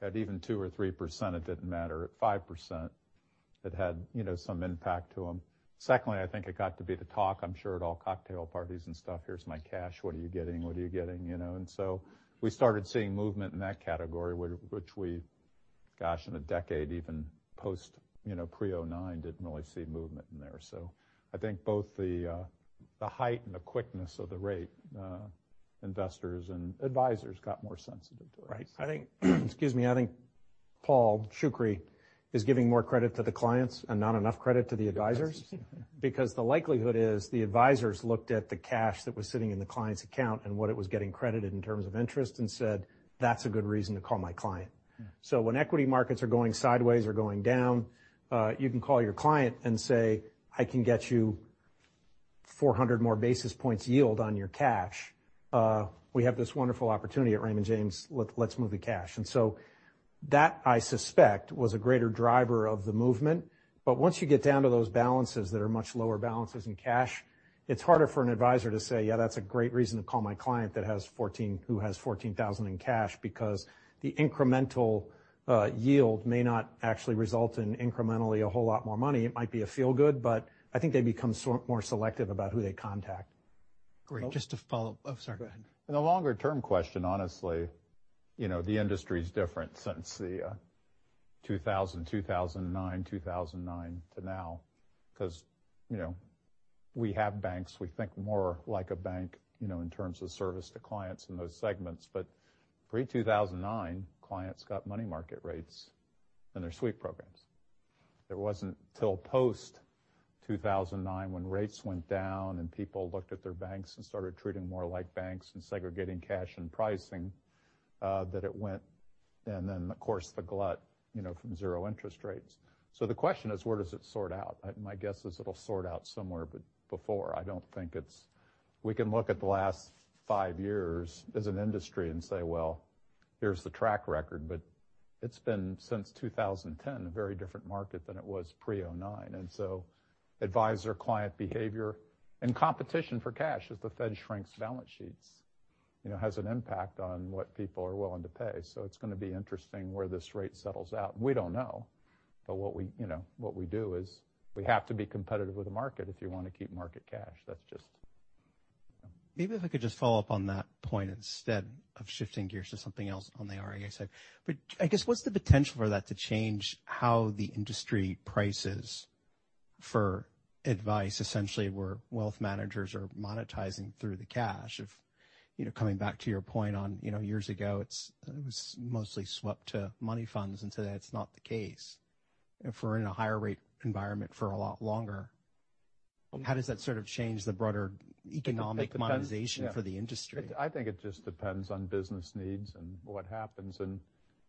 Speaker 2: at even 2% or 3%, it didn't matter. At 5%, it had, you know, some impact to them. Secondly, I think it got to be the talk, I'm sure, at all cocktail parties and stuff, "Here's my cash. What are you getting? What are you getting?" You know. We started seeing movement in that category, which we, gosh, in a decade, even post, you know, pre-2009, didn't really see movement in there. I think both the height and the quickness of the rate, investors and advisors got more sensitive to it.
Speaker 3: Right. I think, excuse me, I think Paul Shoukry is giving more credit to the clients and not enough credit to the advisors.
Speaker 2: Yes.
Speaker 3: The likelihood is, the advisors looked at the cash that was sitting in the client's account and what it was getting credited in terms of interest, and said, "That's a good reason to call my client.
Speaker 2: Mm-hmm.
Speaker 3: When equity markets are going sideways or going down, you can call your client and say, "I can get you 400 more basis points yield on your cash. We have this wonderful opportunity at Raymond James. Let's move the cash." That, I suspect, was a greater driver of the movement. Once you get down to those balances that are much lower balances in cash, it's harder for an advisor to say, "Yeah, that's a great reason to call my client who has 14,000 in cash," because the incremental yield may not actually result in incrementally a whole lot more money. It might be a feel-good, but I think they become more selective about who they contact.
Speaker 6: Great. Just to follow up. Oh, sorry, go ahead.
Speaker 2: The longer-term question, honestly, you know, the industry's different since the 2000, 2009 to now. 'Cause, you know, we have banks, we think more like a bank, you know, in terms of service to clients in those segments. Pre-2009, clients got money market rates in their sweep programs. It wasn't till post-2009, when rates went down and people looked at their banks and started treating more like banks and segregating cash and pricing that it went. Then, of course, the glut, you know, from zero interest rates. The question is: Where does it sort out? My guess is it'll sort out somewhere before. I don't think We can look at the last five years as an industry and say, "Well, here's the track record," but it's been, since 2010, a very different market than it was pre-2009. Advisor-client behavior and competition for cash, as the Fed shrinks balance sheets, you know, has an impact on what people are willing to pay. It's gonna be interesting where this rate settles out. We don't know, but what we do is, we have to be competitive with the market if you want to keep market cash. That's.
Speaker 6: Maybe if I could just follow up on that point instead of shifting gears to something else on the RIA side. I guess, what's the potential for that to change how the industry prices for advice, essentially, where wealth managers are monetizing through the cash? If, you know, coming back to your point on, you know, years ago, it was mostly swept to money funds, and today it's not the case. If we're in a higher rate environment for a lot longer, how does that sort of change the broader economic monetization-
Speaker 2: It depends, yeah.
Speaker 6: for the industry?
Speaker 2: I think it just depends on business needs and what happens. You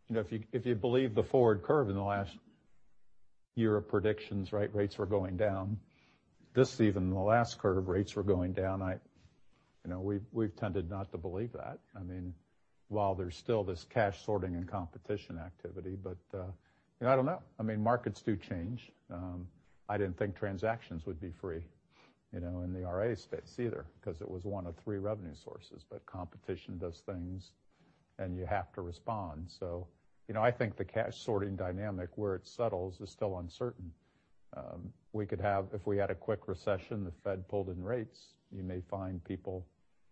Speaker 2: know, if you believe the forward curve in the last year of predictions, right, rates were going down. This season, the last curve, rates were going down. You know, we've tended not to believe that. I mean, while there's still this cash sorting and competition activity, you know, I don't know. I mean, markets do change. I didn't think transactions would be free, you know, in the RIA space either, 'cause it was 1 of 3 revenue sources. Competition does things, and you have to respond. You know, I think the cash sorting dynamic, where it settles, is still uncertain. If we had a quick recession, the Fed pulled in rates, you may find people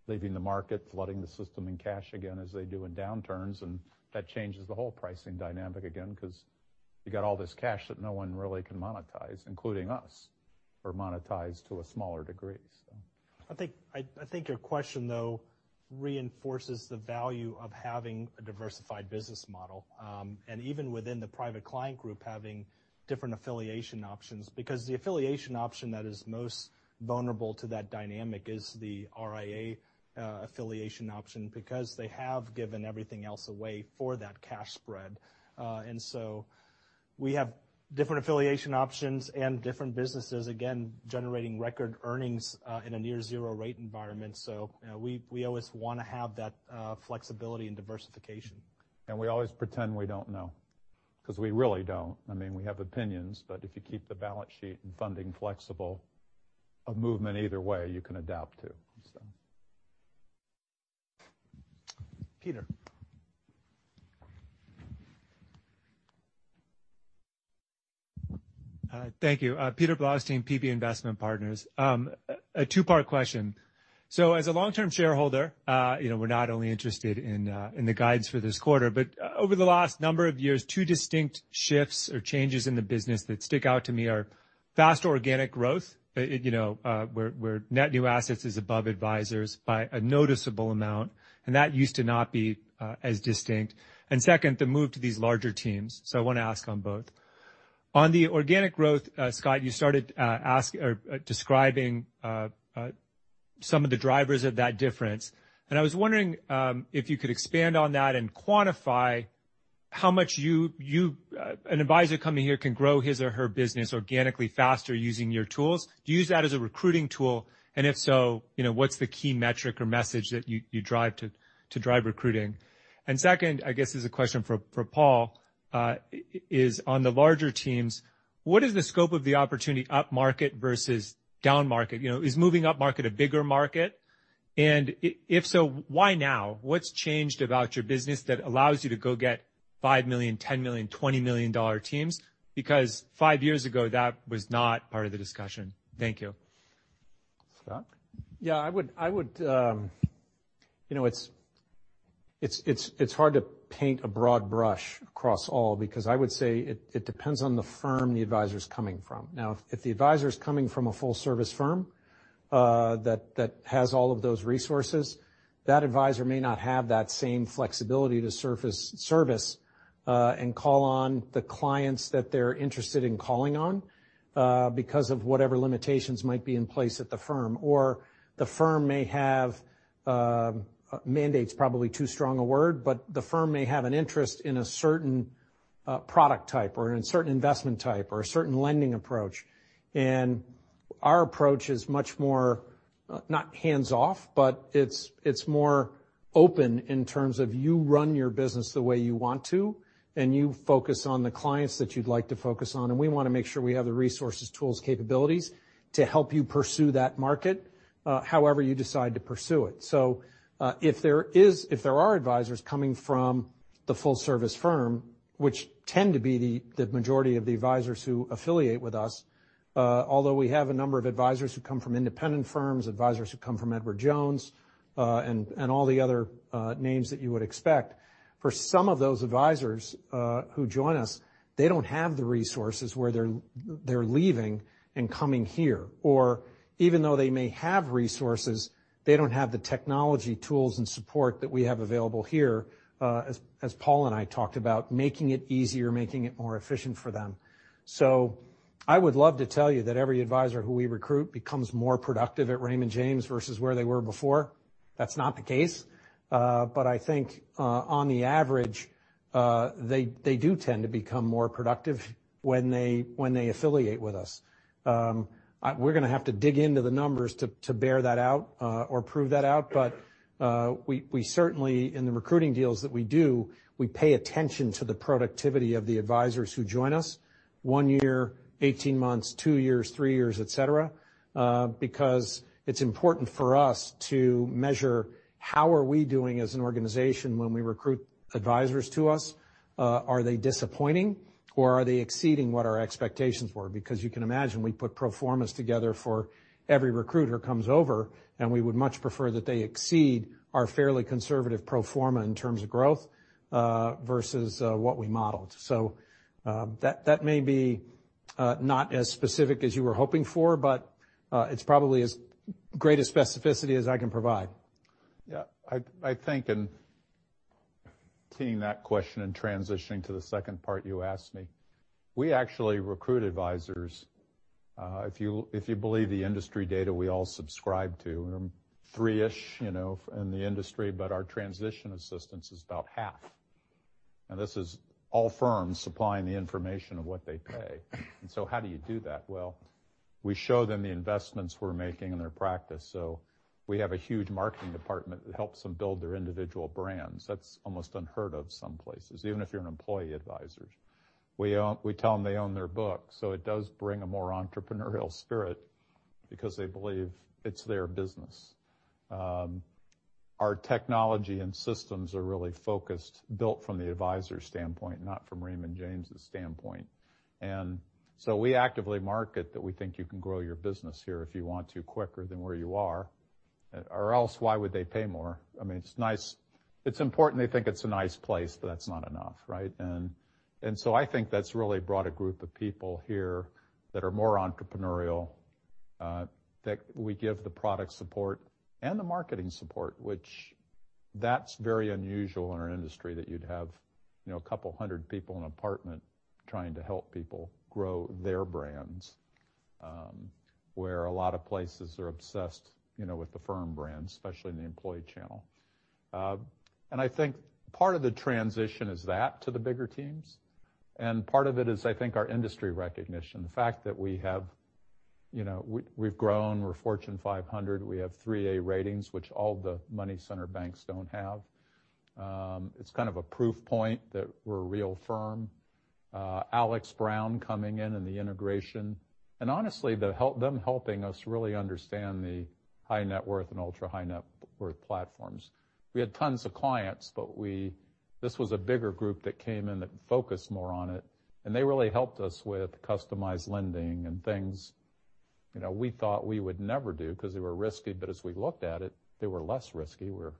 Speaker 2: leaving the market, flooding the system in cash again, as they do in downturns. That changes the whole pricing dynamic again, 'cause you got all this cash that no one really can monetize, including us, or monetize to a smaller degree.
Speaker 3: I think your question, though, reinforces the value of having a diversified business model, and even within the Private Client Group, having different affiliation options. The affiliation option that is most vulnerable to that dynamic is the RIA, affiliation option, because they have given everything else away for that cash spread. We have different affiliation options and different businesses, again, generating record earnings, in a near zero rate environment. You know, we always wanna have that, flexibility and diversification.
Speaker 2: We always pretend we don't know, 'cause we really don't. I mean, we have opinions, but if you keep the balance sheet and funding flexible, a movement either way, you can adapt to, so.
Speaker 6: Peter.
Speaker 8: Thank you. Peter Blaustein, PB Investment Partners. A 2-part question. As a long-term shareholder, you know, we're not only interested in the guides for this quarter, but over the last number of years, 2 distinct shifts or changes in the business that stick out to me are fast organic growth, you know, where net new assets is above advisors by a noticeable amount, and that used to not be as distinct. Second, the move to these larger teams. I want to ask on both. On the organic growth, Scott, you started describing some of the drivers of that difference. I was wondering if you could expand on that and quantify how much you, an advisor coming here can grow his or her business organically faster using your tools. Do you use that as a recruiting tool? If so, you know, what's the key metric or message that you drive to drive recruiting? Second, I guess, is a question for Paul, is on the larger teams, what is the scope of the opportunity upmarket versus downmarket? You know, is moving upmarket a bigger market? If so, why now? What's changed about your business that allows you to go get $5 million, $10 million, $20 million dollar teams? Five years ago, that was not part of the discussion. Thank you.
Speaker 2: Scott?
Speaker 3: Yeah, I would, you know, it's hard to paint a broad brush across all, because I would say it depends on the firm the advisor is coming from. Now, if the advisor is coming from a full-service firm, that has all of those resources, that advisor may not have that same flexibility to surface service, and call on the clients that they're interested in calling on, because of whatever limitations might be in place at the firm, or the firm may have, mandate's probably too strong a word, but the firm may have an interest in a certain product type or in a certain investment type or a certain lending approach. Our approach is much more, not hands-off, but it's more open in terms of you run your business the way you want to, and you focus on the clients that you'd like to focus on, and we want to make sure we have the resources, tools, capabilities to help you pursue that market, however you decide to pursue it. If there are advisors coming from the full service firm, which tend to be the majority of the advisors who affiliate with us, although we have a number of advisors who come from independent firms, advisors who come from Edward Jones, and all the other names that you would expect. For some of those advisors, who join us, they don't have the resources where they're leaving and coming here, or even though they may have resources, they don't have the technology, tools, and support that we have available here, as Paul and I talked about, making it easier, making it more efficient for them. I would love to tell you that every advisor who we recruit becomes more productive at Raymond James versus where they were before. That's not the case. I think, on the average, they do tend to become more productive when they affiliate with us. We're going to have to dig into the numbers to bear that out, or prove that out. We certainly, in the recruiting deals that we do, we pay attention to the productivity of the advisors who join us 1 year, 18 months, 2 years, 3 years, et cetera, because it's important for us to measure how are we doing as an organization when we recruit advisors to us? Are they disappointing, or are they exceeding what our expectations were? Because you can imagine we put pro formas together for every recruiter who comes over, and we would much prefer that they exceed our fairly conservative pro forma in terms of growth, versus what we modeled. That may be not as specific as you were hoping for, but it's probably as great a specificity as I can provide.
Speaker 2: I think in seeing that question and transitioning to the second part you asked me, we actually recruit advisors. If you believe the industry data we all subscribe to, 3-ish, you know, in the industry, our transition assistance is about half. This is all firms supplying the information of what they pay. How do you do that? We show them the investments we're making in their practice. We have a huge marketing department that helps them build their individual brands. That's almost unheard of some places, even if you're an employee advisor. We tell them they own their book, it does bring a more entrepreneurial spirit because they believe it's their business. Our technology and systems are really focused, built from the advisor standpoint, not from Raymond James's standpoint. We actively market that we think you can grow your business here if you want to, quicker than where you are, or else why would they pay more? I mean, it's nice. It's important they think it's a nice place, but that's not enough, right? I think that's really brought a group of people here that are more entrepreneurial, that we give the product support and the marketing support, which that's very unusual in our industry, that you'd have, you know, 200 people in an apartment trying to help people grow their brands, where a lot of places are obsessed, you know, with the firm brand, especially in the employee channel. I think part of the transition is that to the bigger teams, and part of it is, I think, our industry recognition. The fact that we have, you know, we've grown, we're Fortune 500, we have 3 A ratings, which all the money center banks don't have. It's kind of a proof point that we're a real firm. Alex. Brown coming in and the integration, and honestly, them helping us really understand the high net worth and ultra-high net worth platforms. We had tons of clients. This was a bigger group that came in that focused more on it, and they really helped us with customized lending and things. you know, we thought we would never do, because they were risky, but as we looked at it, they were less risky, where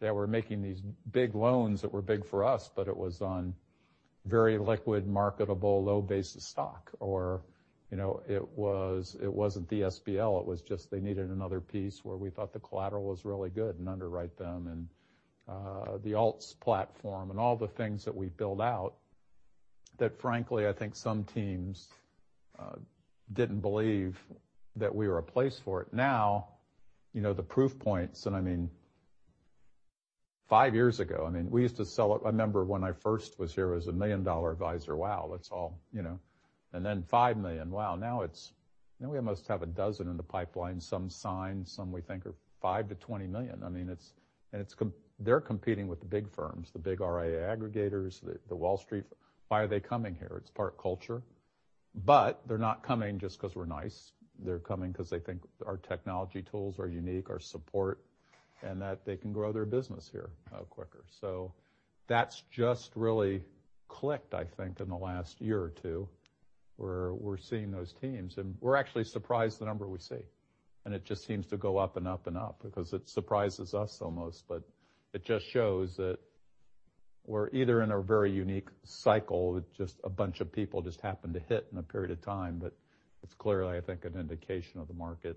Speaker 2: they were making these big loans that were big for us, but it was on very liquid, marketable, low basis stock, or, you know, it was, it wasn't the SBL, it was just they needed another piece where we thought the collateral was really good and underwrite them. The alts platform and all the things that we build out, that frankly, I think some teams didn't believe that we were a place for it. Now, you know, the proof points, and I mean, five years ago, I mean, we used to I remember when I first was here as a million-dollar advisor, wow! That's all, you know. Then $5 million, wow! Now it's, we almost have a dozen in the pipeline, some signed, some we think are $5 million-$20 million. I mean, they're competing with the big firms, the big RIA aggregators, the Wall Street. Why are they coming here? It's part culture. They're not coming just because we're nice. They're coming because they think our technology tools are unique, our support, and that they can grow their business here quicker. That's just really clicked, I think, in the last year or two, where we're seeing those teams, and we're actually surprised the number we see. It just seems to go up and up and up because it surprises us almost, but it just shows that we're either in a very unique cycle with just a bunch of people just happened to hit in a period of time, but it's clearly, I think, an indication of the market.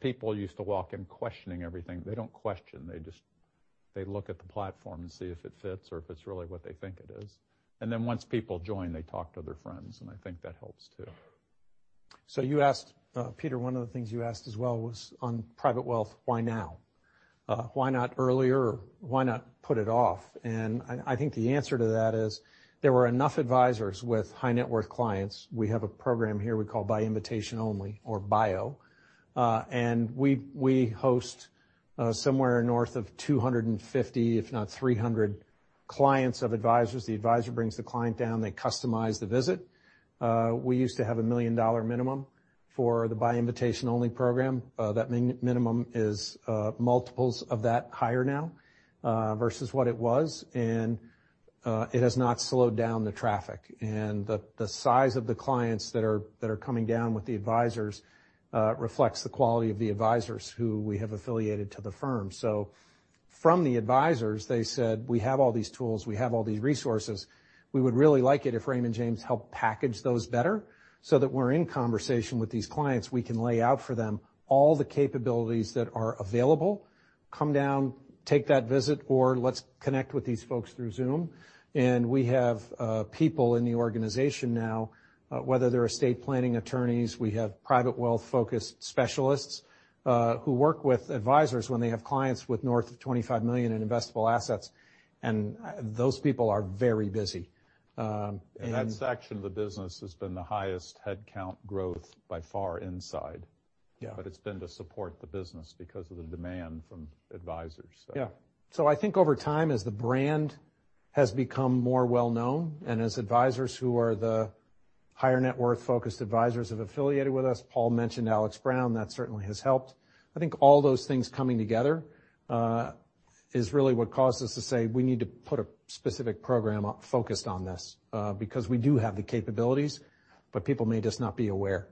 Speaker 2: People used to walk in questioning everything. They don't question, they just, they look at the platform and see if it fits or if it's really what they think it is. Once people join, they talk to their friends, and I think that helps, too.
Speaker 3: You asked, Peter, one of the things you asked as well was on private wealth, why now? Why not earlier? Why not put it off? I think the answer to that is, there were enough advisors with high net worth clients. We have a program here we call By Invitation Only or BIO. We host somewhere north of 250, if not 300 clients of advisors. The advisor brings the client down, they customize the visit. We used to have a $1 million minimum for the By Invitation Only program. That minimum is multiples of that higher now versus what it was, and it has not slowed down the traffic. The size of the clients that are coming down with the advisors reflects the quality of the advisors who we have affiliated to the firm. From the advisors, they said, "We have all these tools, we have all these resources. We would really like it if Raymond James helped package those better so that we're in conversation with these clients, we can lay out for them all the capabilities that are available. Come down, take that visit, or let's connect with these folks through Zoom." We have people in the organization now, whether they're estate planning attorneys, we have private wealth-focused specialists, who work with advisors when they have clients with north of $25 million in investable assets, and those people are very busy.
Speaker 2: That section of the business has been the highest headcount growth by far inside.
Speaker 3: Yeah.
Speaker 2: It's been to support the business because of the demand from advisors, so.
Speaker 3: Yeah. I think over time, as the brand has become more well known, and as advisors who are the higher net worth-focused advisors have affiliated with us, Paul mentioned Alex. Brown, that certainly has helped. I think all those things coming together, is really what caused us to say, "We need to put a specific program up focused on this," because we do have the capabilities, but people may just not be aware.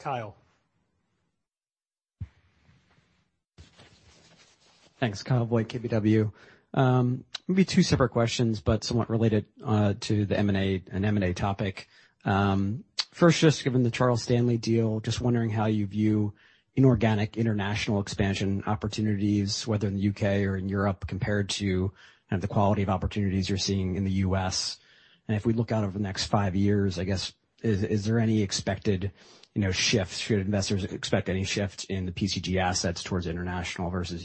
Speaker 3: Kyle?
Speaker 9: Thanks, Kyle Boyd, KBW. Maybe two separate questions, but somewhat related to the M&A and M&A topic. First, just given the Charles Stanley deal, just wondering how you view inorganic international expansion opportunities, whether in the UK or in Europe, compared to the quality of opportunities you're seeing in the US. If we look out over the next five years, I guess, is there any expected, you know, shifts? Should investors expect any shifts in the PCG assets towards international versus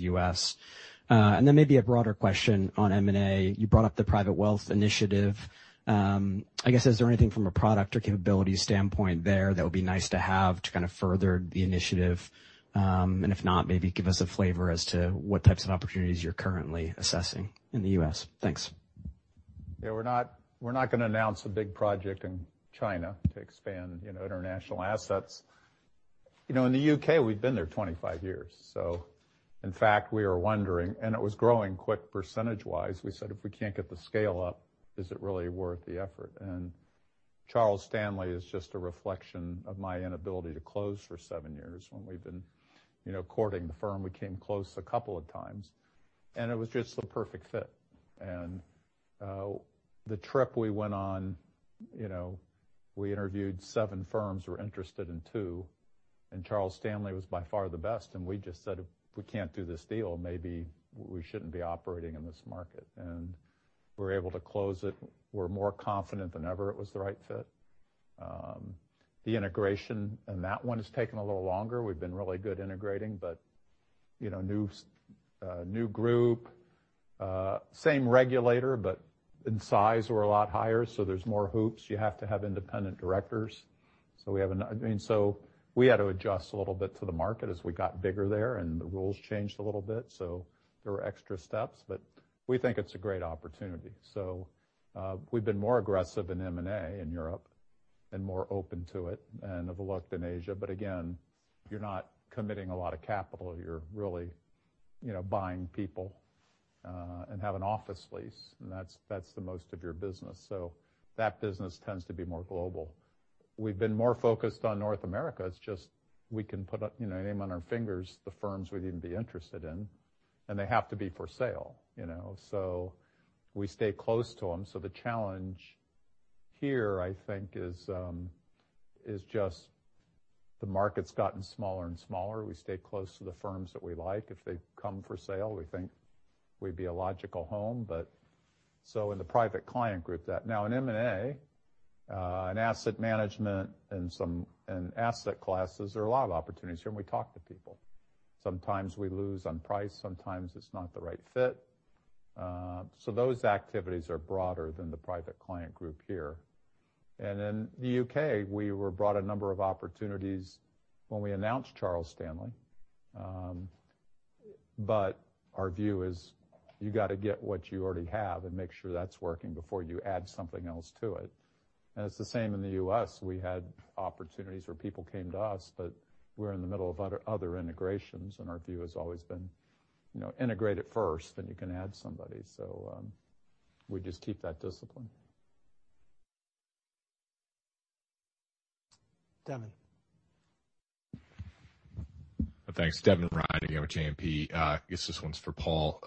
Speaker 9: US? Maybe a broader question on M&A. You brought up the private wealth initiative. I guess, is there anything from a product or capability standpoint there that would be nice to have to kind of further the initiative? If not, maybe give us a flavor as to what types of opportunities you're currently assessing in the US. Thanks.
Speaker 2: Yeah, we're not, we're not gonna announce a big project in China to expand, you know, international assets. You know, in the UK, we've been there 25 years, in fact, we are wondering, and it was growing quick percentage-wise. We said: If we can't get the scale up, is it really worth the effort? Charles Stanley is just a reflection of my inability to close for 7 years when we've been, you know, courting the firm. We came close a couple of times, and it was just the perfect fit. The trip we went on, you know, we interviewed 7 firms, we're interested in 2, and Charles Stanley was by far the best, and we just said, "If we can't do this deal, maybe we shouldn't be operating in this market." We're able to close it. We're more confident than ever it was the right fit. The integration in that one has taken a little longer. We've been really good integrating, but, you know, new group, same regulator, but in size, we're a lot higher, so there's more hoops. You have to have independent directors. I mean, so we had to adjust a little bit to the market as we got bigger there, and the rules changed a little bit, so there were extra steps, but we think it's a great opportunity. We've been more aggressive in M&A in Europe. More open to it and have looked in Asia, but again, you're not committing a lot of capital. You're really, you know, buying people, and have an office lease, and that's the most of your business. That business tends to be more global. We've been more focused on North America. It's just, we can put up, you know, name on our fingers the firms we'd even be interested in, and they have to be for sale, you know. We stay close to them. The challenge here, I think, is just the market's gotten smaller and smaller. We stay close to the firms that we like. If they come for sale, we think we'd be a logical home. In the Private Client Group that. Now, in M&A, in asset management and some, and asset classes, there are a lot of opportunities, and we talk to people. Sometimes we lose on price, sometimes it's not the right fit. Those activities are broader than the Private Client Group here. In the U.K., we were brought a number of opportunities when we announced Charles Stanley. Our view is you gotta get what you already have and make sure that's working before you add something else to it. It's the same in the U.S. We had opportunities where people came to us, but we're in the middle of other integrations, and our view has always been, you know, integrate it first, then you can add somebody. We just keep that discipline.
Speaker 7: Devin. Thanks. Devin Ryan, again, with JMP. I guess, this one's for Paul.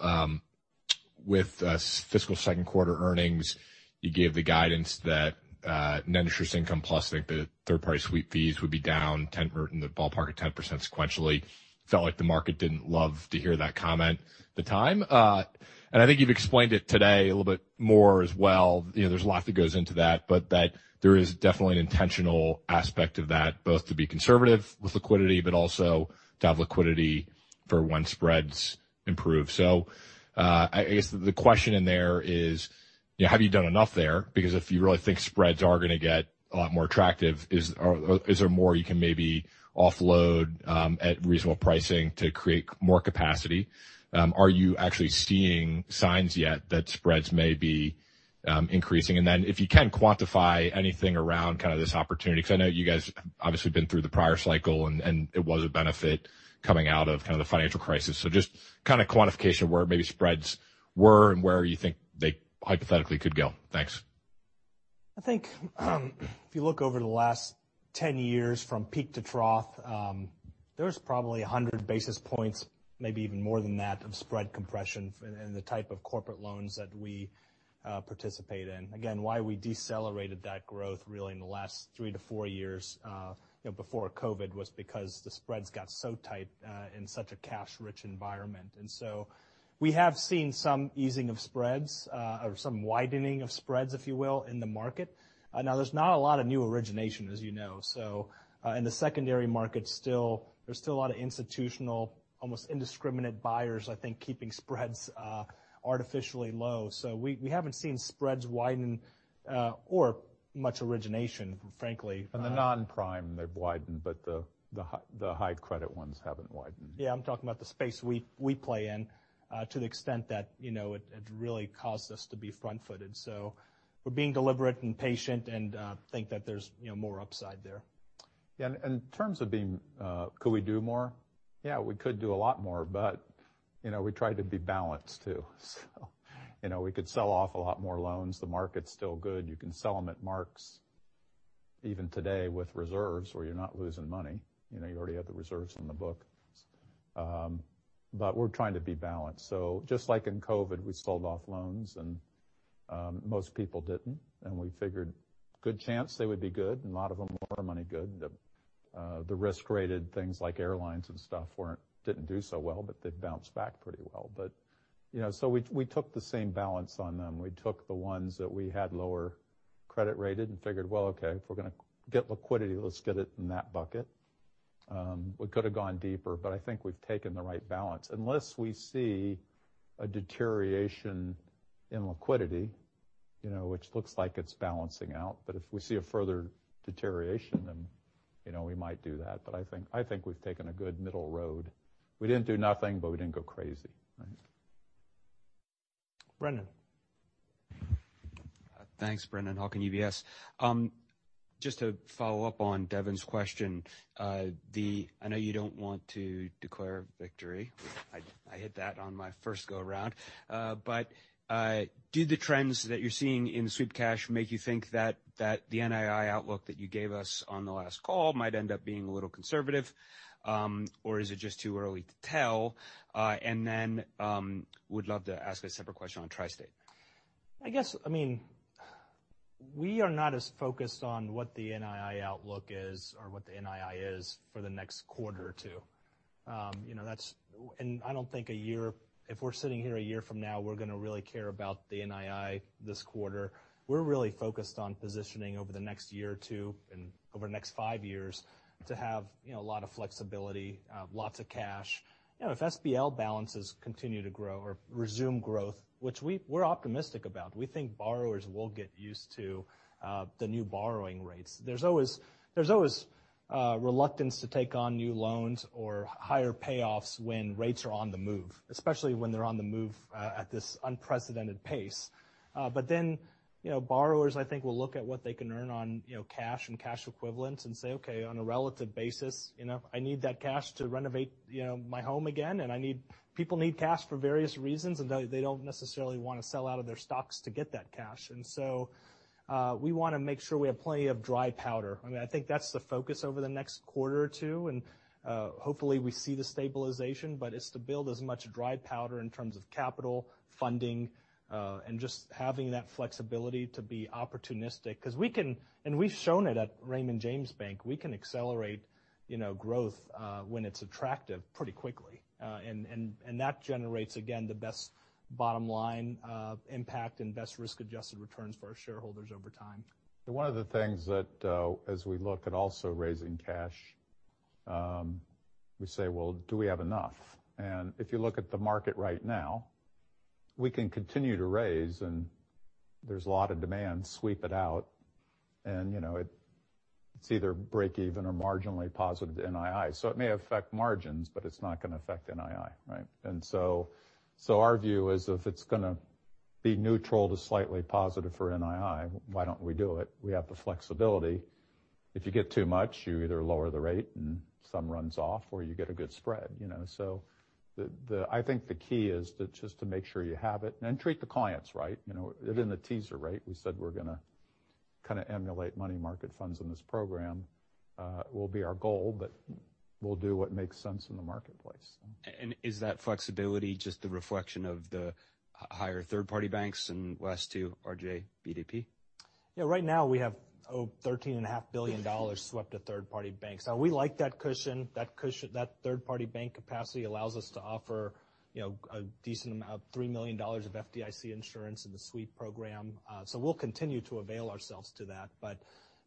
Speaker 7: With fiscal second quarter earnings, you gave the guidance that net interest income, plus, I think, the third-party sweep fees would be down 10%, or in the ballpark of 10% sequentially. Felt like the market didn't love to hear that comment at the time. I think you've explained it today a little bit more as well. You know, there's a lot that goes into that, but that there is definitely an intentional aspect of that, both to be conservative with liquidity, but also to have liquidity for when spreads improve. I guess, the question in there is, you know, have you done enough there? If you really think spreads are gonna get a lot more attractive, is there more you can maybe offload at reasonable pricing to create more capacity? Are you actually seeing signs yet that spreads may be increasing? If you can quantify anything around kinda this opportunity, because I know you guys have obviously been through the prior cycle, and it was a benefit coming out of kinda the financial crisis. Just kinda quantification where maybe spreads were and where you think they hypothetically could go. Thanks.
Speaker 3: I think, if you look over the last 10 years from peak to trough, there's probably 100 basis points, maybe even more than that, of spread compression in the type of corporate loans that we participate in. Again, why we decelerated that growth really in the last 3 to 4 years, you know, before COVID, was because the spreads got so tight in such a cash-rich environment. We have seen some easing of spreads, or some widening of spreads, if you will, in the market. Now, there's not a lot of new origination, as you know, so, in the secondary market, still, there's still a lot of institutional, almost indiscriminate buyers, I think, keeping spreads artificially low. We haven't seen spreads widen, or much origination, frankly.
Speaker 2: In the non-prime, they've widened, but the high credit ones haven't widened.
Speaker 3: Yeah, I'm talking about the space we play in, to the extent that, you know, it really caused us to be front-footed. We're being deliberate and patient and think that there's, you know, more upside there.
Speaker 2: Yeah, in terms of being, could we do more? Yeah, we could do a lot more, but, you know, we try to be balanced, too. You know, we could sell off a lot more loans. The market's still good. You can sell them at marks even today with reserves, where you're not losing money. You know, you already have the reserves on the book. But we're trying to be balanced. Just like in COVID, we sold off loans, and most people didn't, and we figured good chance they would be good, and a lot of them were money good. The risk-rated things like airlines and stuff didn't do so well, but they've bounced back pretty well. You know, we took the same balance on them. We took the ones that we had lower credit-rated and figured, well, okay, if we're gonna get liquidity, let's get it in that bucket. We could have gone deeper, but I think we've taken the right balance. Unless we see a deterioration in liquidity, you know, which looks like it's balancing out, but if we see a further deterioration, then, you know, we might do that. I think we've taken a good middle road. We didn't do nothing, but we didn't go crazy, right?
Speaker 6: Brendan. Thanks, Brendan Hawkin, UBS. Just to follow up on Devin's question, I know you don't want to declare victory. I hit that on my first go-around. Do the trends that you're seeing in sweep cash make you think that the NII outlook that you gave us on the last call might end up being a little conservative, or is it just too early to tell? Would love to ask a separate question on TriState.
Speaker 3: I guess, I mean, we are not as focused on what the NII outlook is or what the NII is for the next quarter or two. You know, that's. I don't think a year, if we're sitting here a year from now, we're gonna really care about the NII this quarter. We're really focused on positioning over the next year or two and over the next five years to have, you know, a lot of flexibility, lots of cash. You know, if SBL balances continue to grow or resume growth, which we're optimistic about, we think borrowers will get used to the new borrowing rates. There's always reluctance to take on new loans or higher payoffs when rates are on the move, especially when they're on the move at this unprecedented pace. You know, borrowers, I think, will look at what they can earn on, you know, cash and cash equivalents and say, "Okay, on a relative basis, you know, I need that cash to renovate, you know, my home again." People need cash for various reasons, and they don't necessarily want to sell out of their stocks to get that cash. We wanna make sure we have plenty of dry powder. I mean, I think that's the focus over the next quarter or two, and, hopefully, we see the stabilization. It's to build as much dry powder in terms of capital, funding, and just having that flexibility to be opportunistic. Cause we can, and we've shown it at Raymond James Bank, we can accelerate, you know, growth, when it's attractive pretty quickly. That generates, again, the best bottom line, impact and best risk-adjusted returns for our shareholders over time.
Speaker 2: One of the things that, as we look at also raising cash, we say, "Well, do we have enough?" If you look at the market right now, we can continue to raise, and there's a lot of demand, sweep it out, and, you know, it's either break even or marginally positive to NII. It may affect margins, but it's not gonna affect NII, right? Our view is, if it's gonna be neutral to slightly positive for NII, why don't we do it? We have the flexibility. If you get too much, you either lower the rate and some runs off, or you get a good spread, you know. I think the key is to just to make sure you have it, and then treat the clients right. You know, it's in the teaser, right? We said we're gonna kinda emulate money market funds in this program, will be our goal, but we'll do what makes sense in the marketplace.
Speaker 6: Is that flexibility just the reflection of the higher third-party banks and sweep 2 RJBDP?
Speaker 3: Right now, we have thirteen and a half billion dollars swept to third-party banks. We like that cushion. That cushion, that third-party bank capacity allows us to offer, you know, a decent amount, $3 million of FDIC insurance in the sweep program. We'll continue to avail ourselves to that.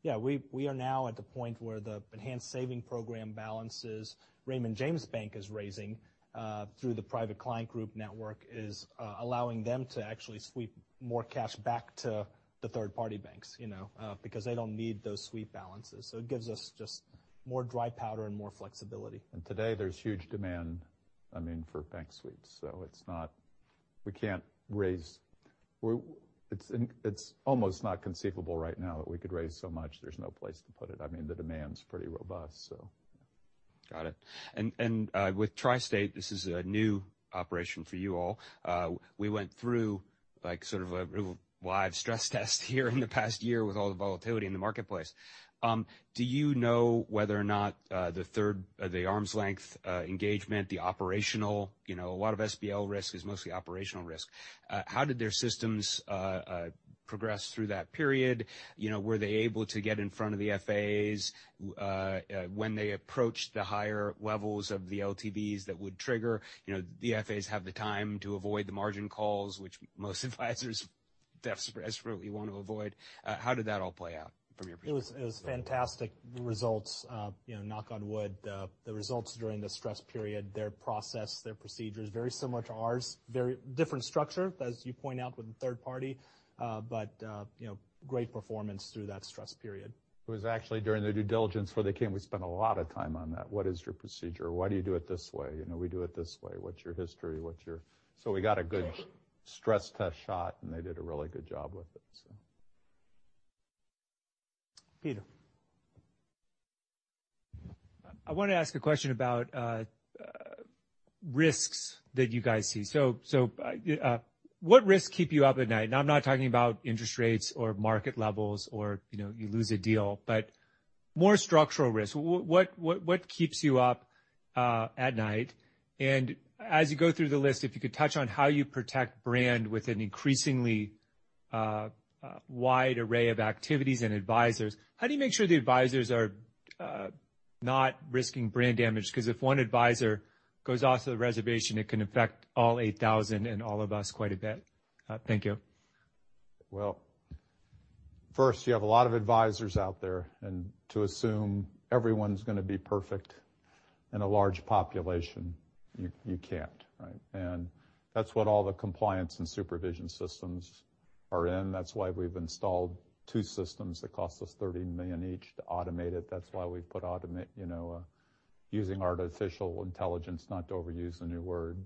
Speaker 3: Yeah, we are now at the point where the Enhanced Savings Program balances Raymond James Bank is raising, through the Private Client Group network, is allowing them to actually sweep more cash back to the third-party banks, you know, because they don't need those sweep balances. It gives us just more dry powder and more flexibility.
Speaker 2: Today there's huge demand, I mean, for bank sweeps, so it's not. We can't raise, It's almost not conceivable right now that we could raise so much. There's no place to put it. I mean, the demand's pretty robust, so.
Speaker 6: Got it. With TriState, this is a new operation for you all. We went through, like, sort of a real live stress test here in the past year, with all the volatility in the marketplace. Do you know whether or not the third, the arm's length, engagement, the operational, you know, a lot of SBL risk is mostly operational risk? How did their systems progress through that period? You know, were they able to get in front of the FAs when they approached the higher levels of the LTVs that would trigger? You know, the FAs have the time to avoid the margin calls, which most advisors desperately want to avoid. How did that all play out from your perspective?
Speaker 3: It was fantastic, the results. You know, knock on wood, the results during the stress period, their process, their procedure is very similar to ours. Very different structure, as you point out, with the third party, you know, great performance through that stress period.
Speaker 2: It was actually during the due diligence, where they came, we spent a lot of time on that. "What is your procedure? Why do you do it this way?" You know, "We do it this way. What's your history? What's your." We got a good stress test shot, and they did a really good job with it, so.
Speaker 3: Peter.
Speaker 8: I want to ask a question about risks that you guys see. What risks keep you up at night? Now, I'm not talking about interest rates or market levels or, you know, you lose a deal, but more structural risks. What keeps you up at night? As you go through the list, if you could touch on how you protect brand with an increasingly wide array of activities and advisors. How do you make sure the advisors are not risking brand damage? Because if one advisor goes off to the reservation, it can affect all 8,000 and all of us quite a bit. Thank you.
Speaker 2: Well, first, you have a lot of advisors out there, and to assume everyone's gonna be perfect in a large population, you can't, right? That's what all the compliance and supervision systems are in. That's why we've installed 2 systems that cost us $30 million each to automate it. That's why we've put automate, you know, using artificial intelligence, not to overuse the new word,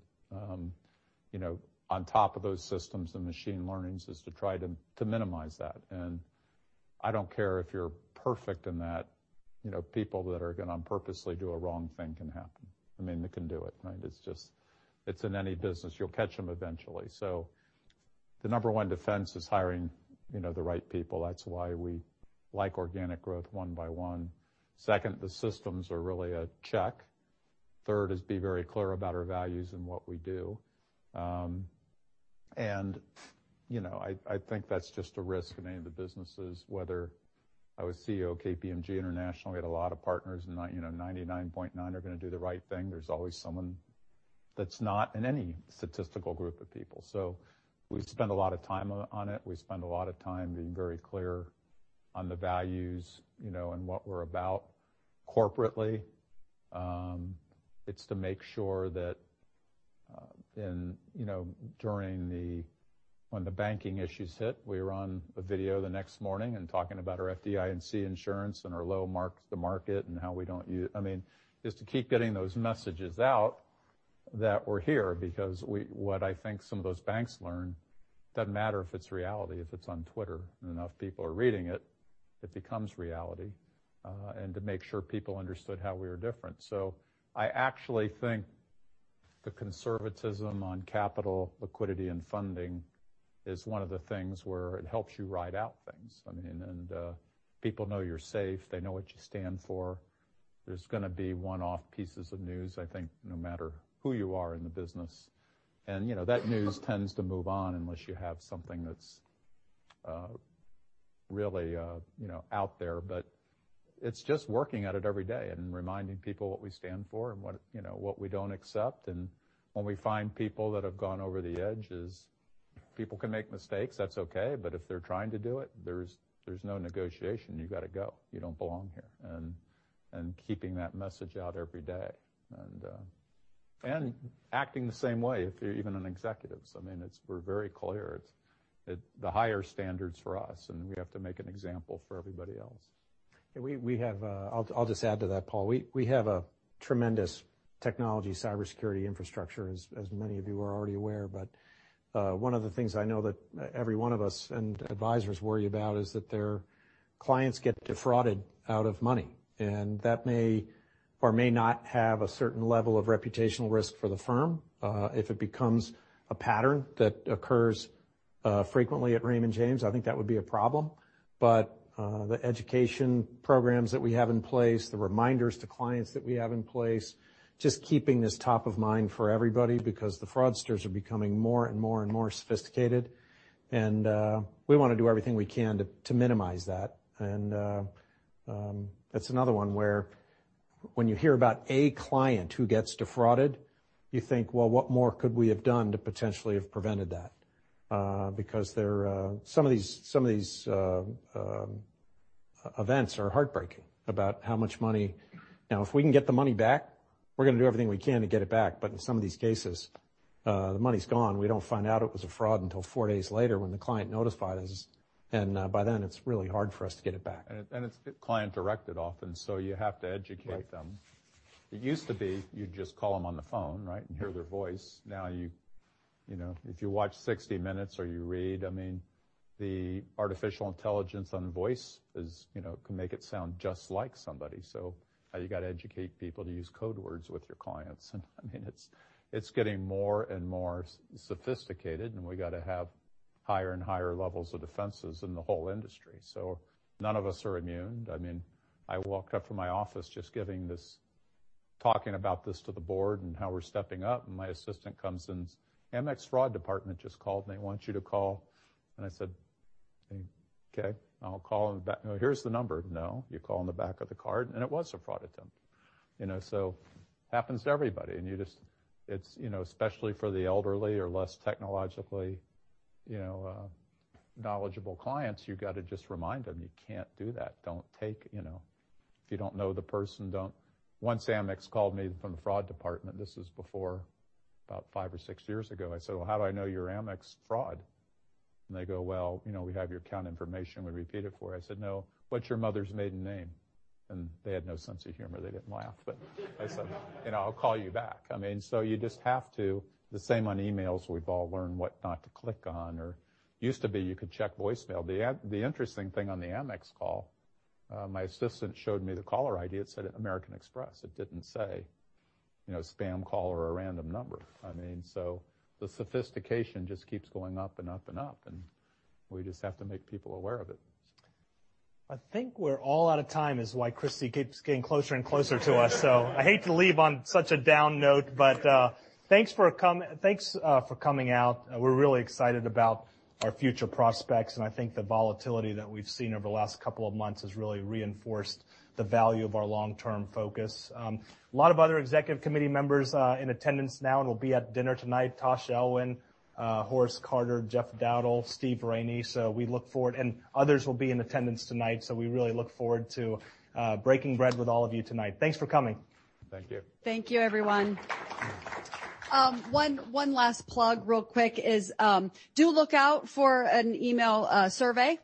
Speaker 2: you know, on top of those systems and machine learnings, is to try to minimize that. I don't care if you're perfect in that, you know, people that are gonna purposely do a wrong thing can happen. I mean, they can do it, right? It's in any business. You'll catch them eventually. The number one defense is hiring, you know, the right people. That's why we like organic growth, one by one. Second, the systems are really a check. Third, is be very clear about our values and what we do. You know, I think that's just a risk in any of the businesses, whether I was CEO of KPMG International, we had a lot of partners, and 99.9 are gonna do the right thing. There's always someone that's not in any statistical group of people. We've spent a lot of time on it. We've spent a lot of time being very clear on the values, you know, and what we're about corporately. It's to make sure that, in, you know, when the banking issues hit, we ran a video the next morning and talking about our FDIC insurance and our low marks to market, and how we don't I mean, just to keep getting those messages out. That we're here, because we, what I think some of those banks learned, doesn't matter if it's reality, if it's on Twitter, and enough people are reading it becomes reality, and to make sure people understood how we are different. I actually think the conservatism on capital, liquidity, and funding is one of the things where it helps you ride out things. I mean, and, people know you're safe. They know what you stand for. There's gonna be one-off pieces of news, I think, no matter who you are in the business. You know, that news tends to move on unless you have something that's really, you know, out there. It's just working at it every day and reminding people what we stand for and what, you know, what we don't accept. When we find people that have gone over the edge is, people can make mistakes, that's okay, but if they're trying to do it, there's no negotiation. You've got to go. You don't belong here. Keeping that message out every day and acting the same way if you're even an executive. I mean, we're very clear. The higher standard's for us, and we have to make an example for everybody else.
Speaker 3: We have, I'll just add to that, Paul. We have a tremendous technology, cybersecurity infrastructure, as many of you are already aware. One of the things I know that every one of us and advisors worry about is that their clients get defrauded out of money, and that may or may not have a certain level of reputational risk for the firm. If it becomes a pattern that occurs frequently at Raymond James, I think that would be a problem. The education programs that we have in place, the reminders to clients that we have in place, just keeping this top of mind for everybody because the fraudsters are becoming more and more sophisticated, and we wanna do everything we can to minimize that. That's another one where when you hear about a client who gets defrauded, you think, "Well, what more could we have done to potentially have prevented that?" Because there, some of these events are heartbreaking about how much money. Now, if we can get the money back, we're gonna do everything we can to get it back. In some of these cases, the money's gone. We don't find out it was a fraud until 4 days later when the client notifies us, by then, it's really hard for us to get it back.
Speaker 2: It's client-directed often, so you have to educate them.
Speaker 3: Right.
Speaker 2: It used to be you'd just call them on the phone, right? Hear their voice. Now you know, if you watch 60 Minutes or you read, I mean, the artificial intelligence on voice is, you know, can make it sound just like somebody. Now you got to educate people to use code words with your clients. I mean, it's getting more and more sophisticated, and we got to have higher and higher levels of defenses in the whole industry. None of us are immune. I mean, I walked up from my office just giving this, talking about this to the board and how we're stepping up, my assistant comes in, "Amex fraud department just called, and they want you to call." I said, "Okay, I'll call them back." "Here's the number." "No, you call in the back of the card," and it was a fraud attempt. You know, so happens to everybody, and you just, it's, you know, especially for the elderly or less technologically, you know, knowledgeable clients, you've got to just remind them, you can't do that. Don't take, you know. If you don't know the person, don't. Once Amex called me from the fraud department, this is before, about 5 or 6 years ago. I said, "Well, how do I know you're Amex Fraud?" They go, "Well, you know, we have your account information. We repeat it for you." I said, "No, what's your mother's maiden name?" They had no sense of humor. They didn't laugh. I said, "You know, I'll call you back." I mean, you just have to. The same on emails. We've all learned what not to click on or used to be, you could check voicemail. The interesting thing on the Amex call, my assistant showed me the caller ID. It said American Express. It didn't say, you know, spam call or a random number. I mean, the sophistication just keeps going up and up and up, and we just have to make people aware of it.
Speaker 4: I think we're all out of time, is why Kristie keeps getting closer and closer to us. I hate to leave on such a down note, but thanks for coming out. We're really excited about our future prospects, and I think the volatility that we've seen over the last couple of months has really reinforced the value of our long-term focus. A lot of other Executive Committee members in attendance now and will be at dinner tonight. Tash Elwyn, Horace Carter, Jeff Dowdle, Steve Rainey. We look forward, and others will be in attendance tonight, so we really look forward to breaking bread with all of you tonight. Thanks for coming.
Speaker 2: Thank you.
Speaker 1: Thank you, everyone. One last plug real quick is, do look out for an email survey.